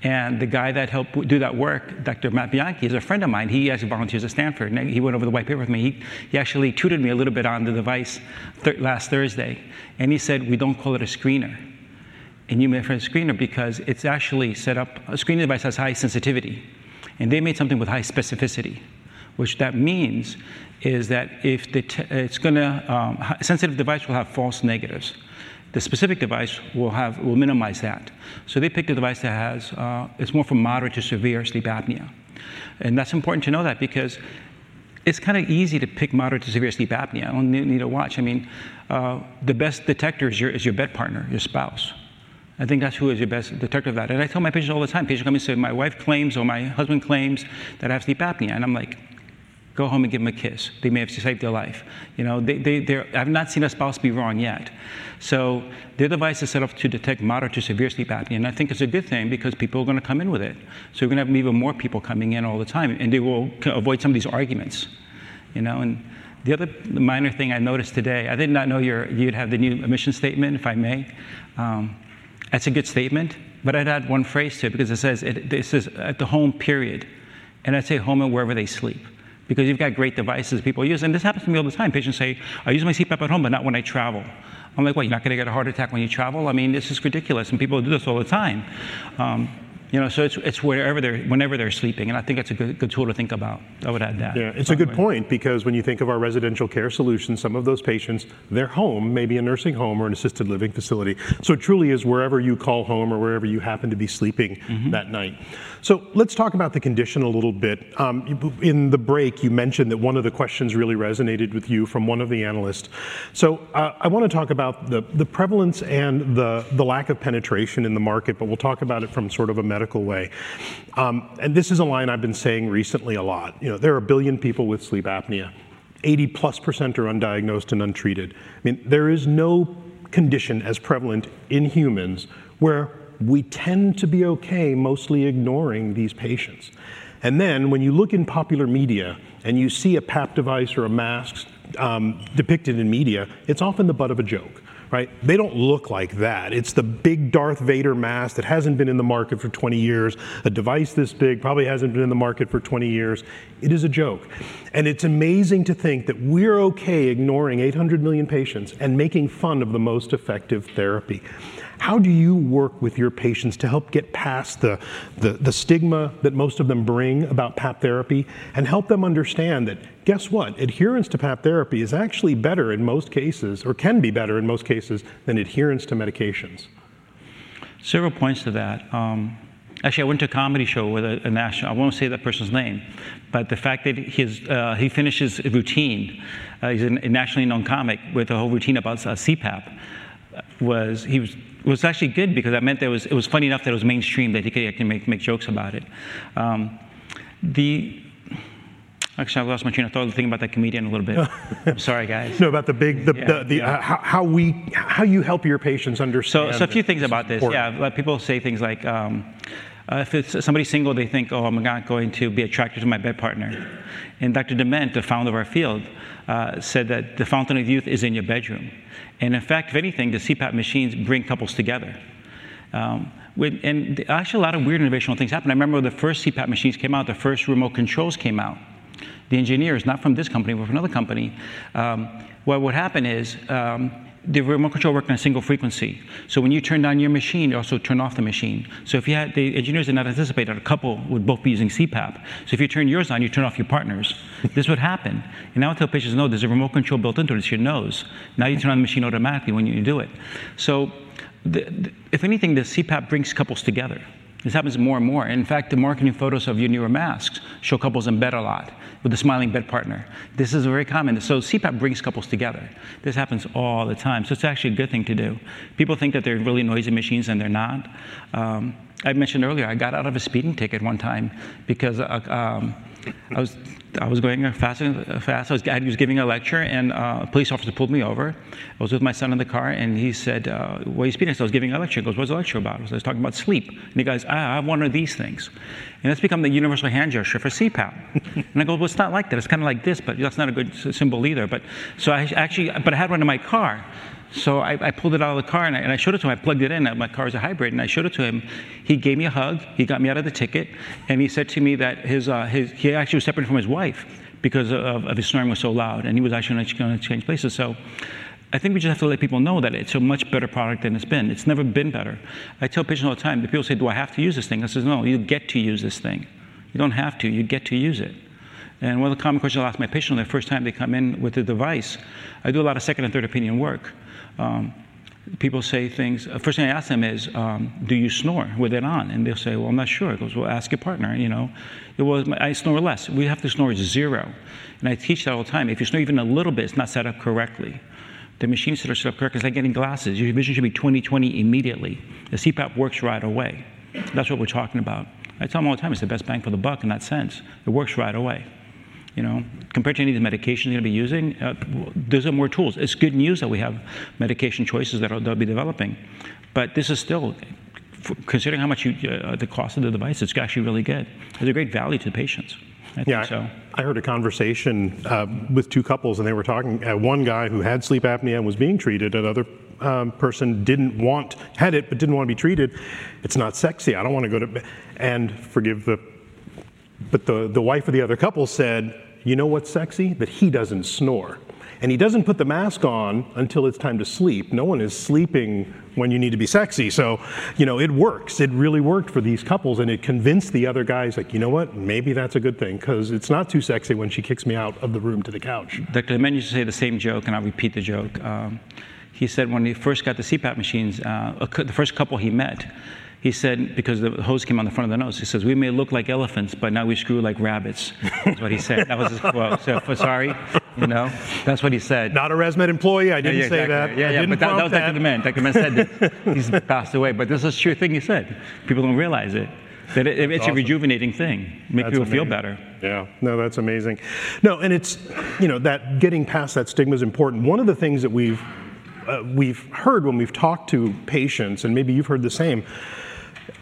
And the guy that helped do that work, Dr. Matt Bianchi, he's a friend of mine. He actually volunteers at Stanford, and he went over the white paper with me. He actually tutored me a little bit on the device last Thursday, and he said, "We don't call it a screener." And you referred to a screener because it's actually set up... A screening device has high sensitivity, and they made something with high specificity, which that means is that if it's gonna... A sensitive device will have false negatives. The specific device will minimize that. So they picked a device that has, it's more for moderate to severe sleep apnea. And that's important to know that because it's kind of easy to pick moderate to severe sleep apnea. You don't need a watch. I mean, the best detector is your bed partner, your spouse. I think that's who is your best detective at. And I tell my patients all the time, patients come in and say, "My wife claims, or my husband claims that I have sleep apnea." And I'm like: Go home and give them a kiss. They may have just saved their life. You know, they, they, they... I've not seen a spouse be wrong yet. So their device is set up to detect moderate to severe sleep apnea, and I think it's a good thing because people are gonna come in with it, so we're gonna have even more people coming in all the time, and they will avoid some of these arguments, you know. The other minor thing I noticed today, I did not know you'd have the new mission statement, if I may. That's a good statement, but I'd add one phrase to it because it says, "At the home," period. I'd say, "Home and wherever they sleep," because you've got great devices people use. This happens to me all the time. Patients say, "I use my CPAP at home, but not when I travel." I'm like, "What, you're not gonna get a heart attack when you travel? I mean, this is ridiculous," and people do this all the time. You know, so it's whenever they're sleeping, and I think that's a good tool to think about. I would add that. Yeah, it's a good point because when you think of our residential care solutions, some of those patients, their home may be a nursing home or an assisted living facility. So it truly is wherever you call home or wherever you happen to be sleeping that night. So let's talk about the condition a little bit. In the break, you mentioned that one of the questions really resonated with you from one of the analysts. So, I wanna talk about the prevalence and the lack of penetration in the market, but we'll talk about it from sort of a medical way, and this is a line I've been saying recently a lot: You know, there are a billion people with sleep apnea, 80% plus are undiagnosed and untreated. I mean, there is no condition as prevalent in humans where we tend to be okay mostly ignoring these patients. And then, when you look in popular media and you see a PAP device or a mask, depicted in media, it's often the butt of a joke, right? They don't look like that. It's the big Darth Vader mask that hasn't been in the market for twenty years. A device this big probably hasn't been in the market for twenty years. It is a joke, and it's amazing to think that we're okay ignoring eight hundred million patients and making fun of the most effective therapy. How do you work with your patients to help get past the stigma that most of them bring about PAP therapy, and help them understand that, guess what? Adherence to PAP therapy is actually better in most cases, or can be better in most cases, than adherence to medications. Several points to that. Actually, I went to a comedy show with a national. I won't say that person's name, but the fact that he finished his routine. He's a nationally known comic with a whole routine about CPAP. It was actually good because that meant that it was funny enough that it was mainstream, that he could make jokes about it. Actually, I lost my train of thought thinking about that comedian a little bit. I'm sorry, guys. No, about the big, Yeah... how you help your patients understand- A few things about this. Important. Yeah. Well, people say things like, if it's somebody single, they think, "Oh, I'm not going to be attracted to my bed partner." And Dr. Dement, the founder of our field, said that the fountain of youth is in your bedroom. And in fact, if anything, the CPAP machines bring couples together. And actually, a lot of weird, innovative things happened. I remember when the first CPAP machines came out, the first remote controls came out. The engineer is not from this company, but from another company. What would happen is, the remote control worked on a single frequency. So when you turned on your machine, you also turned off the machine. The engineers did not anticipate that a couple would both be using CPAP. So if you turn yours on, you turn off your partner's. This would happen. Now I tell patients, "No, there's a remote control built into it. It's your nose. Now you turn on the machine automatically when you do it." So, if anything, the CPAP brings couples together. This happens more and more. In fact, the marketing photos of your newer masks show couples in bed a lot with a smiling bed partner. This is very common. So CPAP brings couples together. This happens all the time, so it's actually a good thing to do. People think that they're really noisy machines, and they're not. I'd mentioned earlier, I got out of a speeding ticket one time because I was going fast. I was giving a lecture, and a police officer pulled me over. I was with my son in the car, and he said, "Why are you speeding?" I said, "I was giving a lecture." He goes, "What's the lecture about?" I said, "I was talking about sleep." And he goes, "Ah, I have one of these things." And that's become the universal hand gesture for CPAP. And I go, "Well, it's not like that. It's kind of like this," but that's not a good symbol either. But I had one in my car, so I pulled it out of the car, and I showed it to him. I plugged it in, and my car is a hybrid, and I showed it to him. He gave me a hug, he got me out of the ticket, and he said to me that his, his, he actually was separated from his wife because of his snoring was so loud, and he was actually gonna exchange places. So I think we just have to let people know that it's a much better product than it's been. It's never been better. I tell patients all the time, the people say, "Do I have to use this thing?" I says, "No, you get to use this thing. You don't have to, you get to use it." And one of the common questions I'll ask my patient when the first time they come in with the device. I do a lot of second and third opinion work. People say things. First thing I ask them is: "Do you snore with it on?" And they'll say, "Well, I'm not sure." I go: "Well, ask your partner," you know? "Well, I snore less." We have to snore zero, and I teach that all the time. If you snore even a little bit, it's not set up correctly. The machines that are set up correctly, it's like getting glasses. Your vision should be 20/20 immediately. The CPAP works right away. That's what we're talking about. I tell them all the time, it's the best bang for the buck in that sense. It works right away. You know, compared to any of the medication you're gonna be using, those are more tools. It's good news that we have medication choices that they'll be developing, but this is still considering how much the cost of the device. It's actually really good. There's a great value to the patients. I think so. Yeah. I heard a conversation with two couples, and they were talking. One guy who had sleep apnea and was being treated, another person had it, but didn't wanna be treated. "It's not sexy. I don't wanna go to bed..." But the wife of the other couple said, "You know what's sexy? That he doesn't snore." And he doesn't put the mask on until it's time to sleep. No one is sleeping when you need to be sexy. So, you know, it works. It really worked for these couples, and it convinced the other guys, like: "You know what? Maybe that's a good thing 'cause it's not too sexy when she kicks me out of the room to the couch. Dr. Dement used to say the same joke, and I'll repeat the joke. He said when he first got the CPAP machines, the first couple he met, he said, because the hose came on the front of the nose, he says, "We may look like elephants, but now we screw like rabbits." That's what he said. That was his quote. So, sorry, you know, that's what he said. Not a ResMed employee. I didn't say that. Yeah, yeah, exactly. Yeah, yeah. I didn't want that. But that was Dr. Dement. Dr. Dement said that. He's passed away, but this is a sure thing he said. People don't realize it- That's awesome... that it's a rejuvenating thing. That's amazing. Make people feel better. Yeah. No, that's amazing. No, and it's, you know, that getting past that stigma is important. One of the things that we've heard when we've talked to patients, and maybe you've heard the same,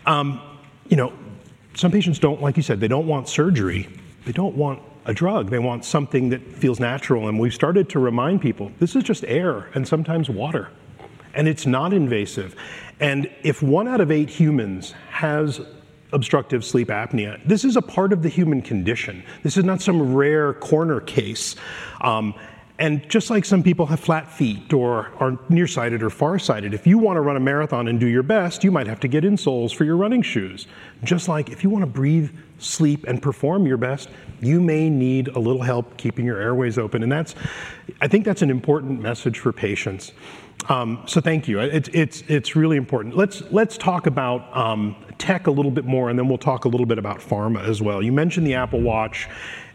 you know, some patients don't. Like you said, they don't want surgery. They don't want a drug. They want something that feels natural, and we've started to remind people, this is just air and sometimes water, and it's not invasive. And if one out of eight humans has obstructive sleep apnea, this is a part of the human condition. This is not some rare corner case. And just like some people have flat feet or are nearsighted or farsighted, if you wanna run a marathon and do your best, you might have to get insoles for your running shoes. Just like if you wanna breathe, sleep, and perform your best, you may need a little help keeping your airways open. And that's. I think that's an important message for patients. So thank you. It's really important. Let's talk about tech a little bit more, and then we'll talk a little bit about pharma as well. You mentioned the Apple Watch,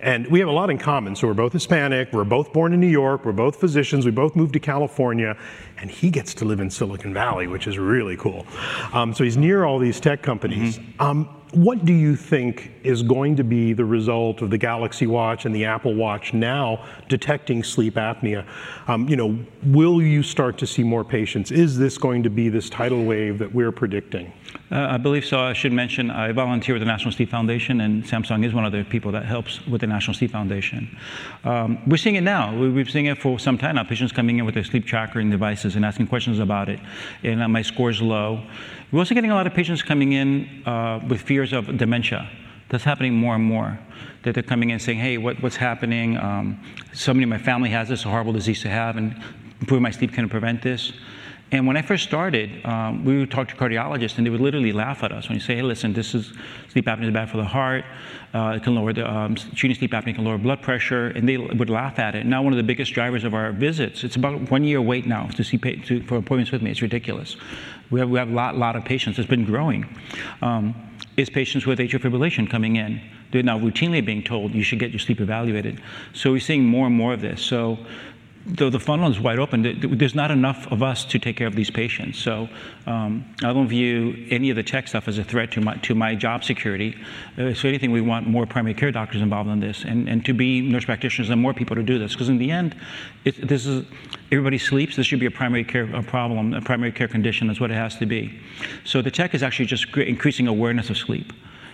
and we have a lot in common, so we're both Hispanic, we're both born in New York, we're both physicians, we both moved to California, and he gets to live in Silicon Valley, which is really cool. So he's near all these tech companies. What do you think is going to be the result of the Galaxy Watch and the Apple Watch now detecting sleep apnea? You know, will you start to see more patients? Is this going to be this tidal wave that we're predicting? I believe so. I should mention, I volunteer with the National Sleep Foundation, and Samsung is one of the people that helps with the National Sleep Foundation. We're seeing it now. We've been seeing it for some time now, patients coming in with their sleep tracking devices and asking questions about it, "And, my score is low." We're also getting a lot of patients coming in with fears of dementia. That's happening more and more, that they're coming in saying: "Hey, what's happening? Somebody in my family has this horrible disease to have, and improving my sleep can prevent this?" When I first started, we would talk to cardiologists, and they would literally laugh at us when you say, "Hey, listen, this is... Sleep apnea is bad for the heart. It can lower the... Treating sleep apnea can lower blood pressure," and they would laugh at it. Now, one of the biggest drivers of our visits, it's about one year wait now to see, for appointments with me. It's ridiculous. We have a lot of patients. It's been growing. It's patients with atrial fibrillation coming in. They're now routinely being told, "You should get your sleep evaluated." So we're seeing more and more of this. So though the funnel is wide open, there's not enough of us to take care of these patients. So, I don't view any of the tech stuff as a threat to my job security. So anything, we want more primary care doctors involved in this and nurse practitioners and more people to do this, 'cause in the end, this is everybody sleeps. This should be a primary care problem, a primary care condition. That's what it has to be. So the tech is actually just increasing awareness of sleep,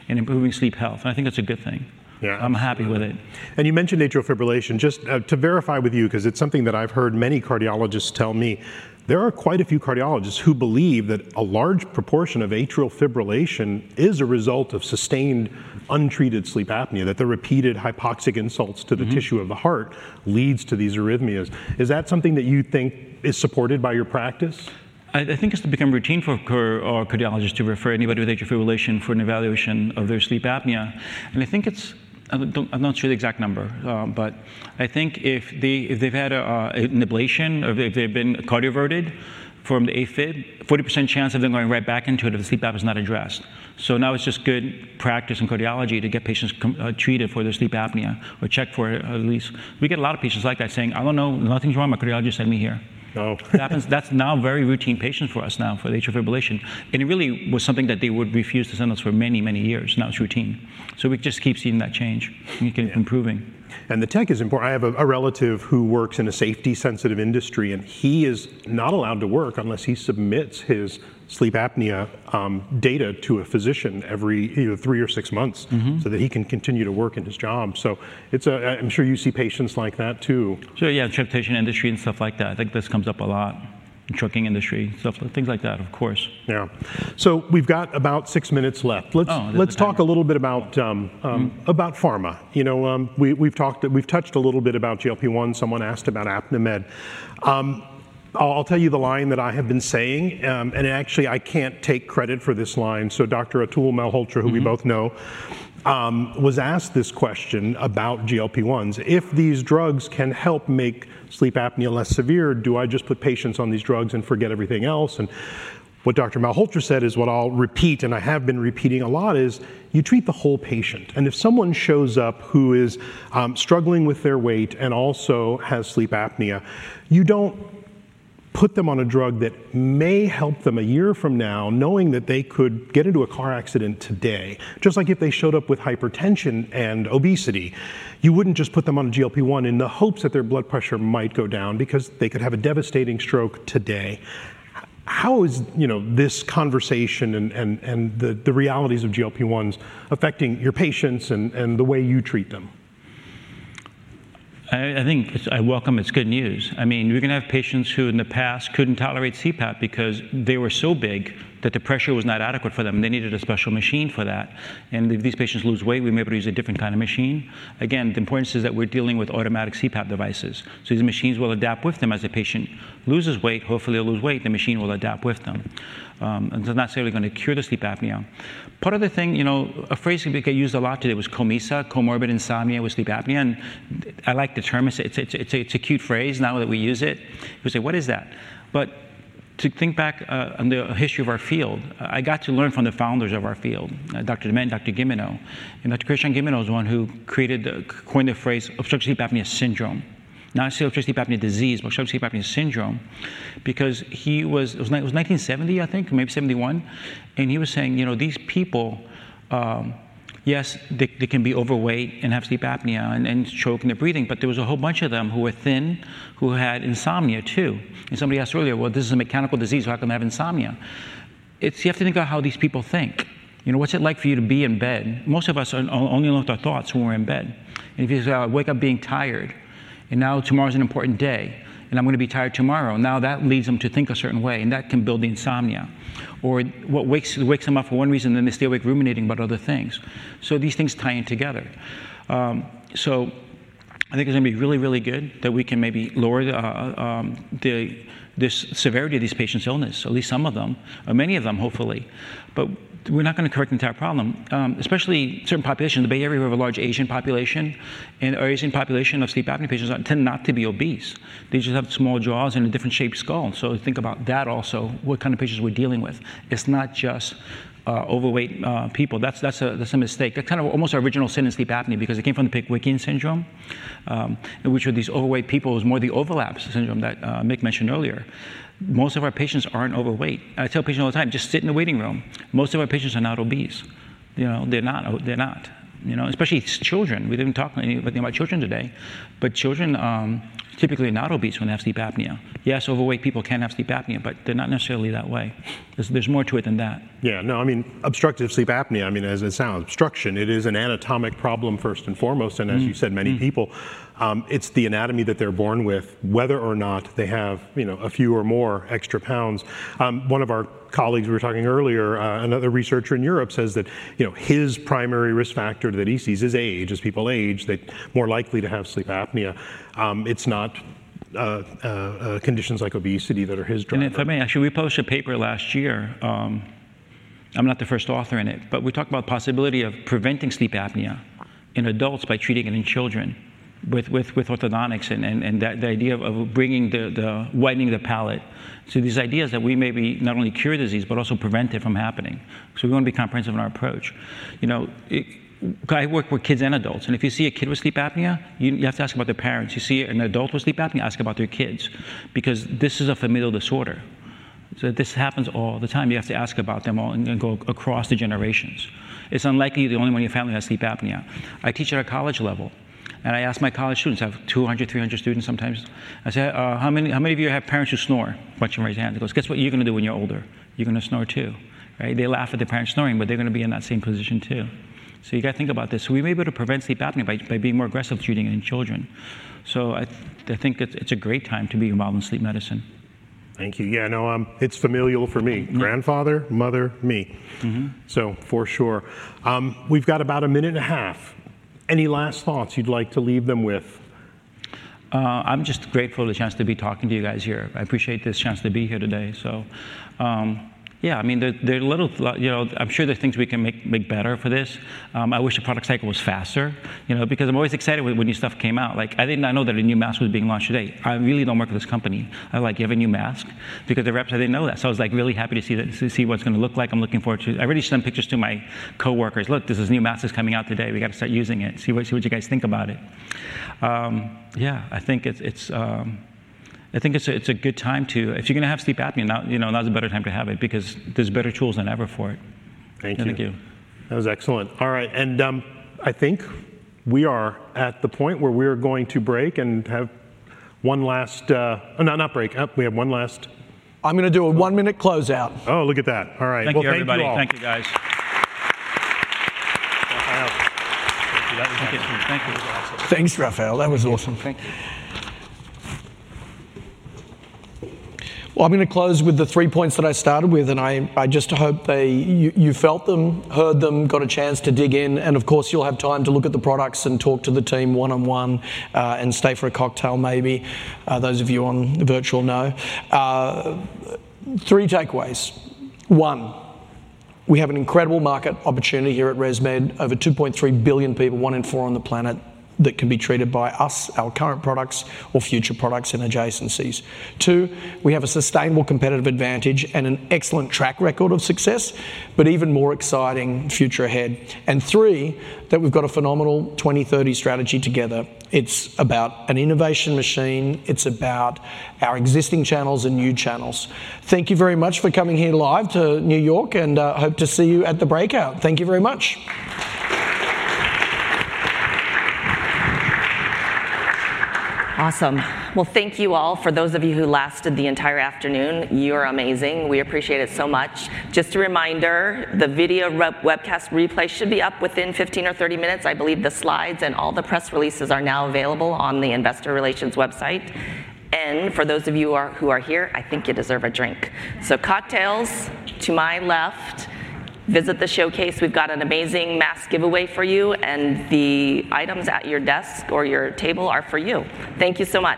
in improving sleep health, and I think that's a good thing. Yeah. I'm happy with it. And you mentioned atrial fibrillation. Just, to verify with you, 'cause it's something that I've heard many cardiologists tell me, there are quite a few cardiologists who believe that a large proportion of atrial fibrillation is a result of sustained, untreated sleep apnea, that the repeated hypoxic insults to the tissue of the heart leads to these arrhythmias. Is that something that you think is supported by your practice? I think it's become routine for cardiologists to refer anybody with atrial fibrillation for an evaluation of their sleep apnea, and I think it's. I don't, I'm not sure the exact number, but I think if they, if they've had an ablation or if they've been cardioverted from the AFib, 40% chance of them going right back into it if the sleep apnea is not addressed. So now it's just good practice in cardiology to get patients treated for their sleep apnea or checked for it at least. We get a lot of patients like that saying, "I don't know, nothing's wrong. My cardiologist sent me here. Oh. It happens. That's now a very routine patient for us now, for the atrial fibrillation, and it really was something that they would refuse to send us for many, many years. Now it's routine. So we just keep seeing that change and it improving. The tech is important. I have a relative who works in a safety sensitive industry, and he is not allowed to work unless he submits his sleep apnea data to a physician every either three or six months so that he can continue to work in his job, so I'm sure you see patients like that, too. Yeah, the transportation industry and stuff like that, I think this comes up a lot. The trucking industry, stuff, things like that, of course. Yeah. So we've got about six minutes left. Oh, okay. Let's talk a little bit about about pharma. You know, we've talked, we've touched a little bit about GLP-1. Someone asked about Apnimed. I'll tell you the line that I have been saying, and actually, I can't take credit for this line. So Dr. Atul Malhotra, who we both know was asked this question about GLP-1s: "If these drugs can help make sleep apnea less severe, do I just put patients on these drugs and forget everything else?" And what Dr. Malhotra said is what I'll repeat, and I have been repeating a lot, is, you treat the whole patient. And if someone shows up who is struggling with their weight and also has sleep apnea, you don't put them on a drug that may help them a year from now, knowing that they could get into a car accident today. Just like if they showed up with hypertension and obesity, you wouldn't just put them on a GLP-1 in the hopes that their blood pressure might go down because they could have a devastating stroke today. How is, you know, this conversation and the realities of GLP-1s affecting your patients and the way you treat them? I think I welcome it. It's good news. I mean, we're gonna have patients who in the past couldn't tolerate CPAP because they were so big that the pressure was not adequate for them. They needed a special machine for that, and if these patients lose weight, we may be able to use a different kind of machine. Again, the importance is that we're dealing with automatic CPAP devices, so these machines will adapt with them. As a patient loses weight, hopefully they'll lose weight, the machine will adapt with them. And they're not necessarily gonna cure the sleep apnea. Part of the thing, you know, a phrase that get used a lot today was COMISA, comorbid insomnia with sleep apnea, and I like the term. It's a cute phrase now that we use it. People say: What is that? To think back on the history of our field, I got to learn from the founders of our field, Dr. Dement and Dr. Guilleminault. Dr. Christian Guilleminault is the one who coined the phrase obstructive sleep apnea syndrome. Not obstructive sleep apnea disease, obstructive sleep apnea syndrome, because he was. It was 1970, I think, maybe 1971, and he was saying, "You know, these people, yes, they can be overweight and have sleep apnea and choke in their breathing," but there was a whole bunch of them who were thin, who had insomnia, too. Somebody asked earlier, "Well, this is a mechanical disease, how come they have insomnia?" You have to think about how these people think. You know, what's it like for you to be in bed? Most of us are only alone with our thoughts when we're in bed. And if you wake up being tired, and now tomorrow's an important day, and I'm gonna be tired tomorrow, now that leads them to think a certain way, and that can build the insomnia. Or what wakes them up for one reason, then they stay awake ruminating about other things. So these things tie in together. So I think it's gonna be really, really good that we can maybe lower the severity of these patients' illness, at least some of them, or many of them, hopefully. But we're not gonna correct the entire problem, especially certain populations. In the Bay Area, we have a large Asian population, and our Asian population of sleep apnea patients tend not to be obese. They just have small jaws and a different shaped skull. So think about that also, what kind of patients we're dealing with. It's not just overweight people. That's a mistake. That's kind of almost our original sin in sleep apnea because it came from the Pickwickian syndrome, in which were these overweight people. It's more the overlap syndrome that Mick mentioned earlier. Most of our patients aren't overweight. I tell patients all the time, "Just sit in the waiting room." Most of our patients are not obese. You know, they're not. You know, especially children. We didn't talk about children today, but children typically are not obese when they have sleep apnea. Yes, overweight people can have sleep apnea, but they're not necessarily that way. There's more to it than that. Yeah. No, I mean, obstructive sleep apnea, I mean, as it sounds, obstruction, it is an anatomic problem first and foremost and as you said, many people, it's the anatomy that they're born with, whether or not they have, you know, a few or more extra pounds. One of our colleagues, we were talking earlier, another researcher in Europe, says that, you know, his primary risk factor that he sees is age. As people age, they're more likely to have sleep apnea. It's not conditions like obesity that are his driver. If I may, actually, we published a paper last year. I'm not the first author in it, but we talked about the possibility of preventing sleep apnea in adults by treating it in children with orthodontics and the idea of bringing the widening the palate. So these ideas that we maybe not only cure disease but also prevent it from happening, because we want to be comprehensive in our approach. You know, it. I work with kids and adults, and if you see a kid with sleep apnea, you have to ask about their parents. You see an adult with sleep apnea, ask about their kids, because this is a familial disorder. So this happens all the time. You have to ask about them all and go across the generations. It's unlikely you're the only one in your family who has sleep apnea. I teach at a college level, and I ask my college students. I have 200, 300 students sometimes. I say: how many of you have parents who snore? Watch them raise their hands. I go: Guess what you're gonna do when you're older? You're gonna snore, too, right? They laugh at their parents snoring, but they're gonna be in that same position, too. So you gotta think about this. So we may be able to prevent sleep apnea by being more aggressive treating it in children. So I think it's a great time to be involved in sleep medicine. Thank you. Yeah, no, it's familial for me. Grandfather, mother, me. So for sure. We've got about a minute and a half. Any last thoughts you'd like to leave them with? I'm just grateful for the chance to be talking to you guys here. I appreciate this chance to be here today. So, I mean, you know, I'm sure there's things we can make better for this. I wish the product cycle was faster, you know, because I'm always excited when new stuff came out. Like, I did not know that a new mask was being launched today. I really don't work for this company. I'm like, "You have a new mask?" Because the reps, they know that, so I was, like, really happy to see what it's gonna look like. I'm looking forward to... I've already sent pictures to my coworkers, "Look, this is new mask is coming out today. We gotta start using it. See what you guys think about it. Yeah, I think it's a good time to... If you're gonna have sleep apnea, now, you know, now's a better time to have it because there's better tools than ever for it. Thank you. Thank you. That was excellent. All right, and I think we are at the point where we're going to break and have one last. Oh, no, not break. We have one last- I'm gonna do a one-minute closeout. Oh, look at that. All right. Thank you, everybody. Thank you all. Thank you, guys. Rafael. Thank you. That was great. Thank you. Thank you. That was awesome. Thanks, Rafael. That was awesome. Thank you. I'm gonna close with the three points that I started with, and I just hope they. You felt them, heard them, got a chance to dig in, and of course, you'll have time to look at the products and talk to the team one-on-one, and stay for a cocktail maybe. Those of you on virtual know. Three takeaways: One, we have an incredible market opportunity here at ResMed. Over 2.3 billion people, one in four on the planet, that can be treated by us, our current products or future products and adjacencies. Two, we have a sustainable competitive advantage and an excellent track record of success, but even more exciting, future ahead. And three, that we've got a phenomenal 2030 strategy together. It's about an innovation machine. It's about our existing channels and new channels. Thank you very much for coming here live to New York, and hope to see you at the breakout. Thank you very much. Awesome. Well, thank you all. For those of you who lasted the entire afternoon, you are amazing. We appreciate it so much. Just a reminder, the video webcast replay should be up within 15 or 30 minutes. I believe the slides and all the press releases are now available on the investor relations website. And for those of you who are here, I think you deserve a drink. So cocktails to my left. Visit the showcase. We've got an amazing mask giveaway for you, and the items at your desk or your table are for you. Thank you so much.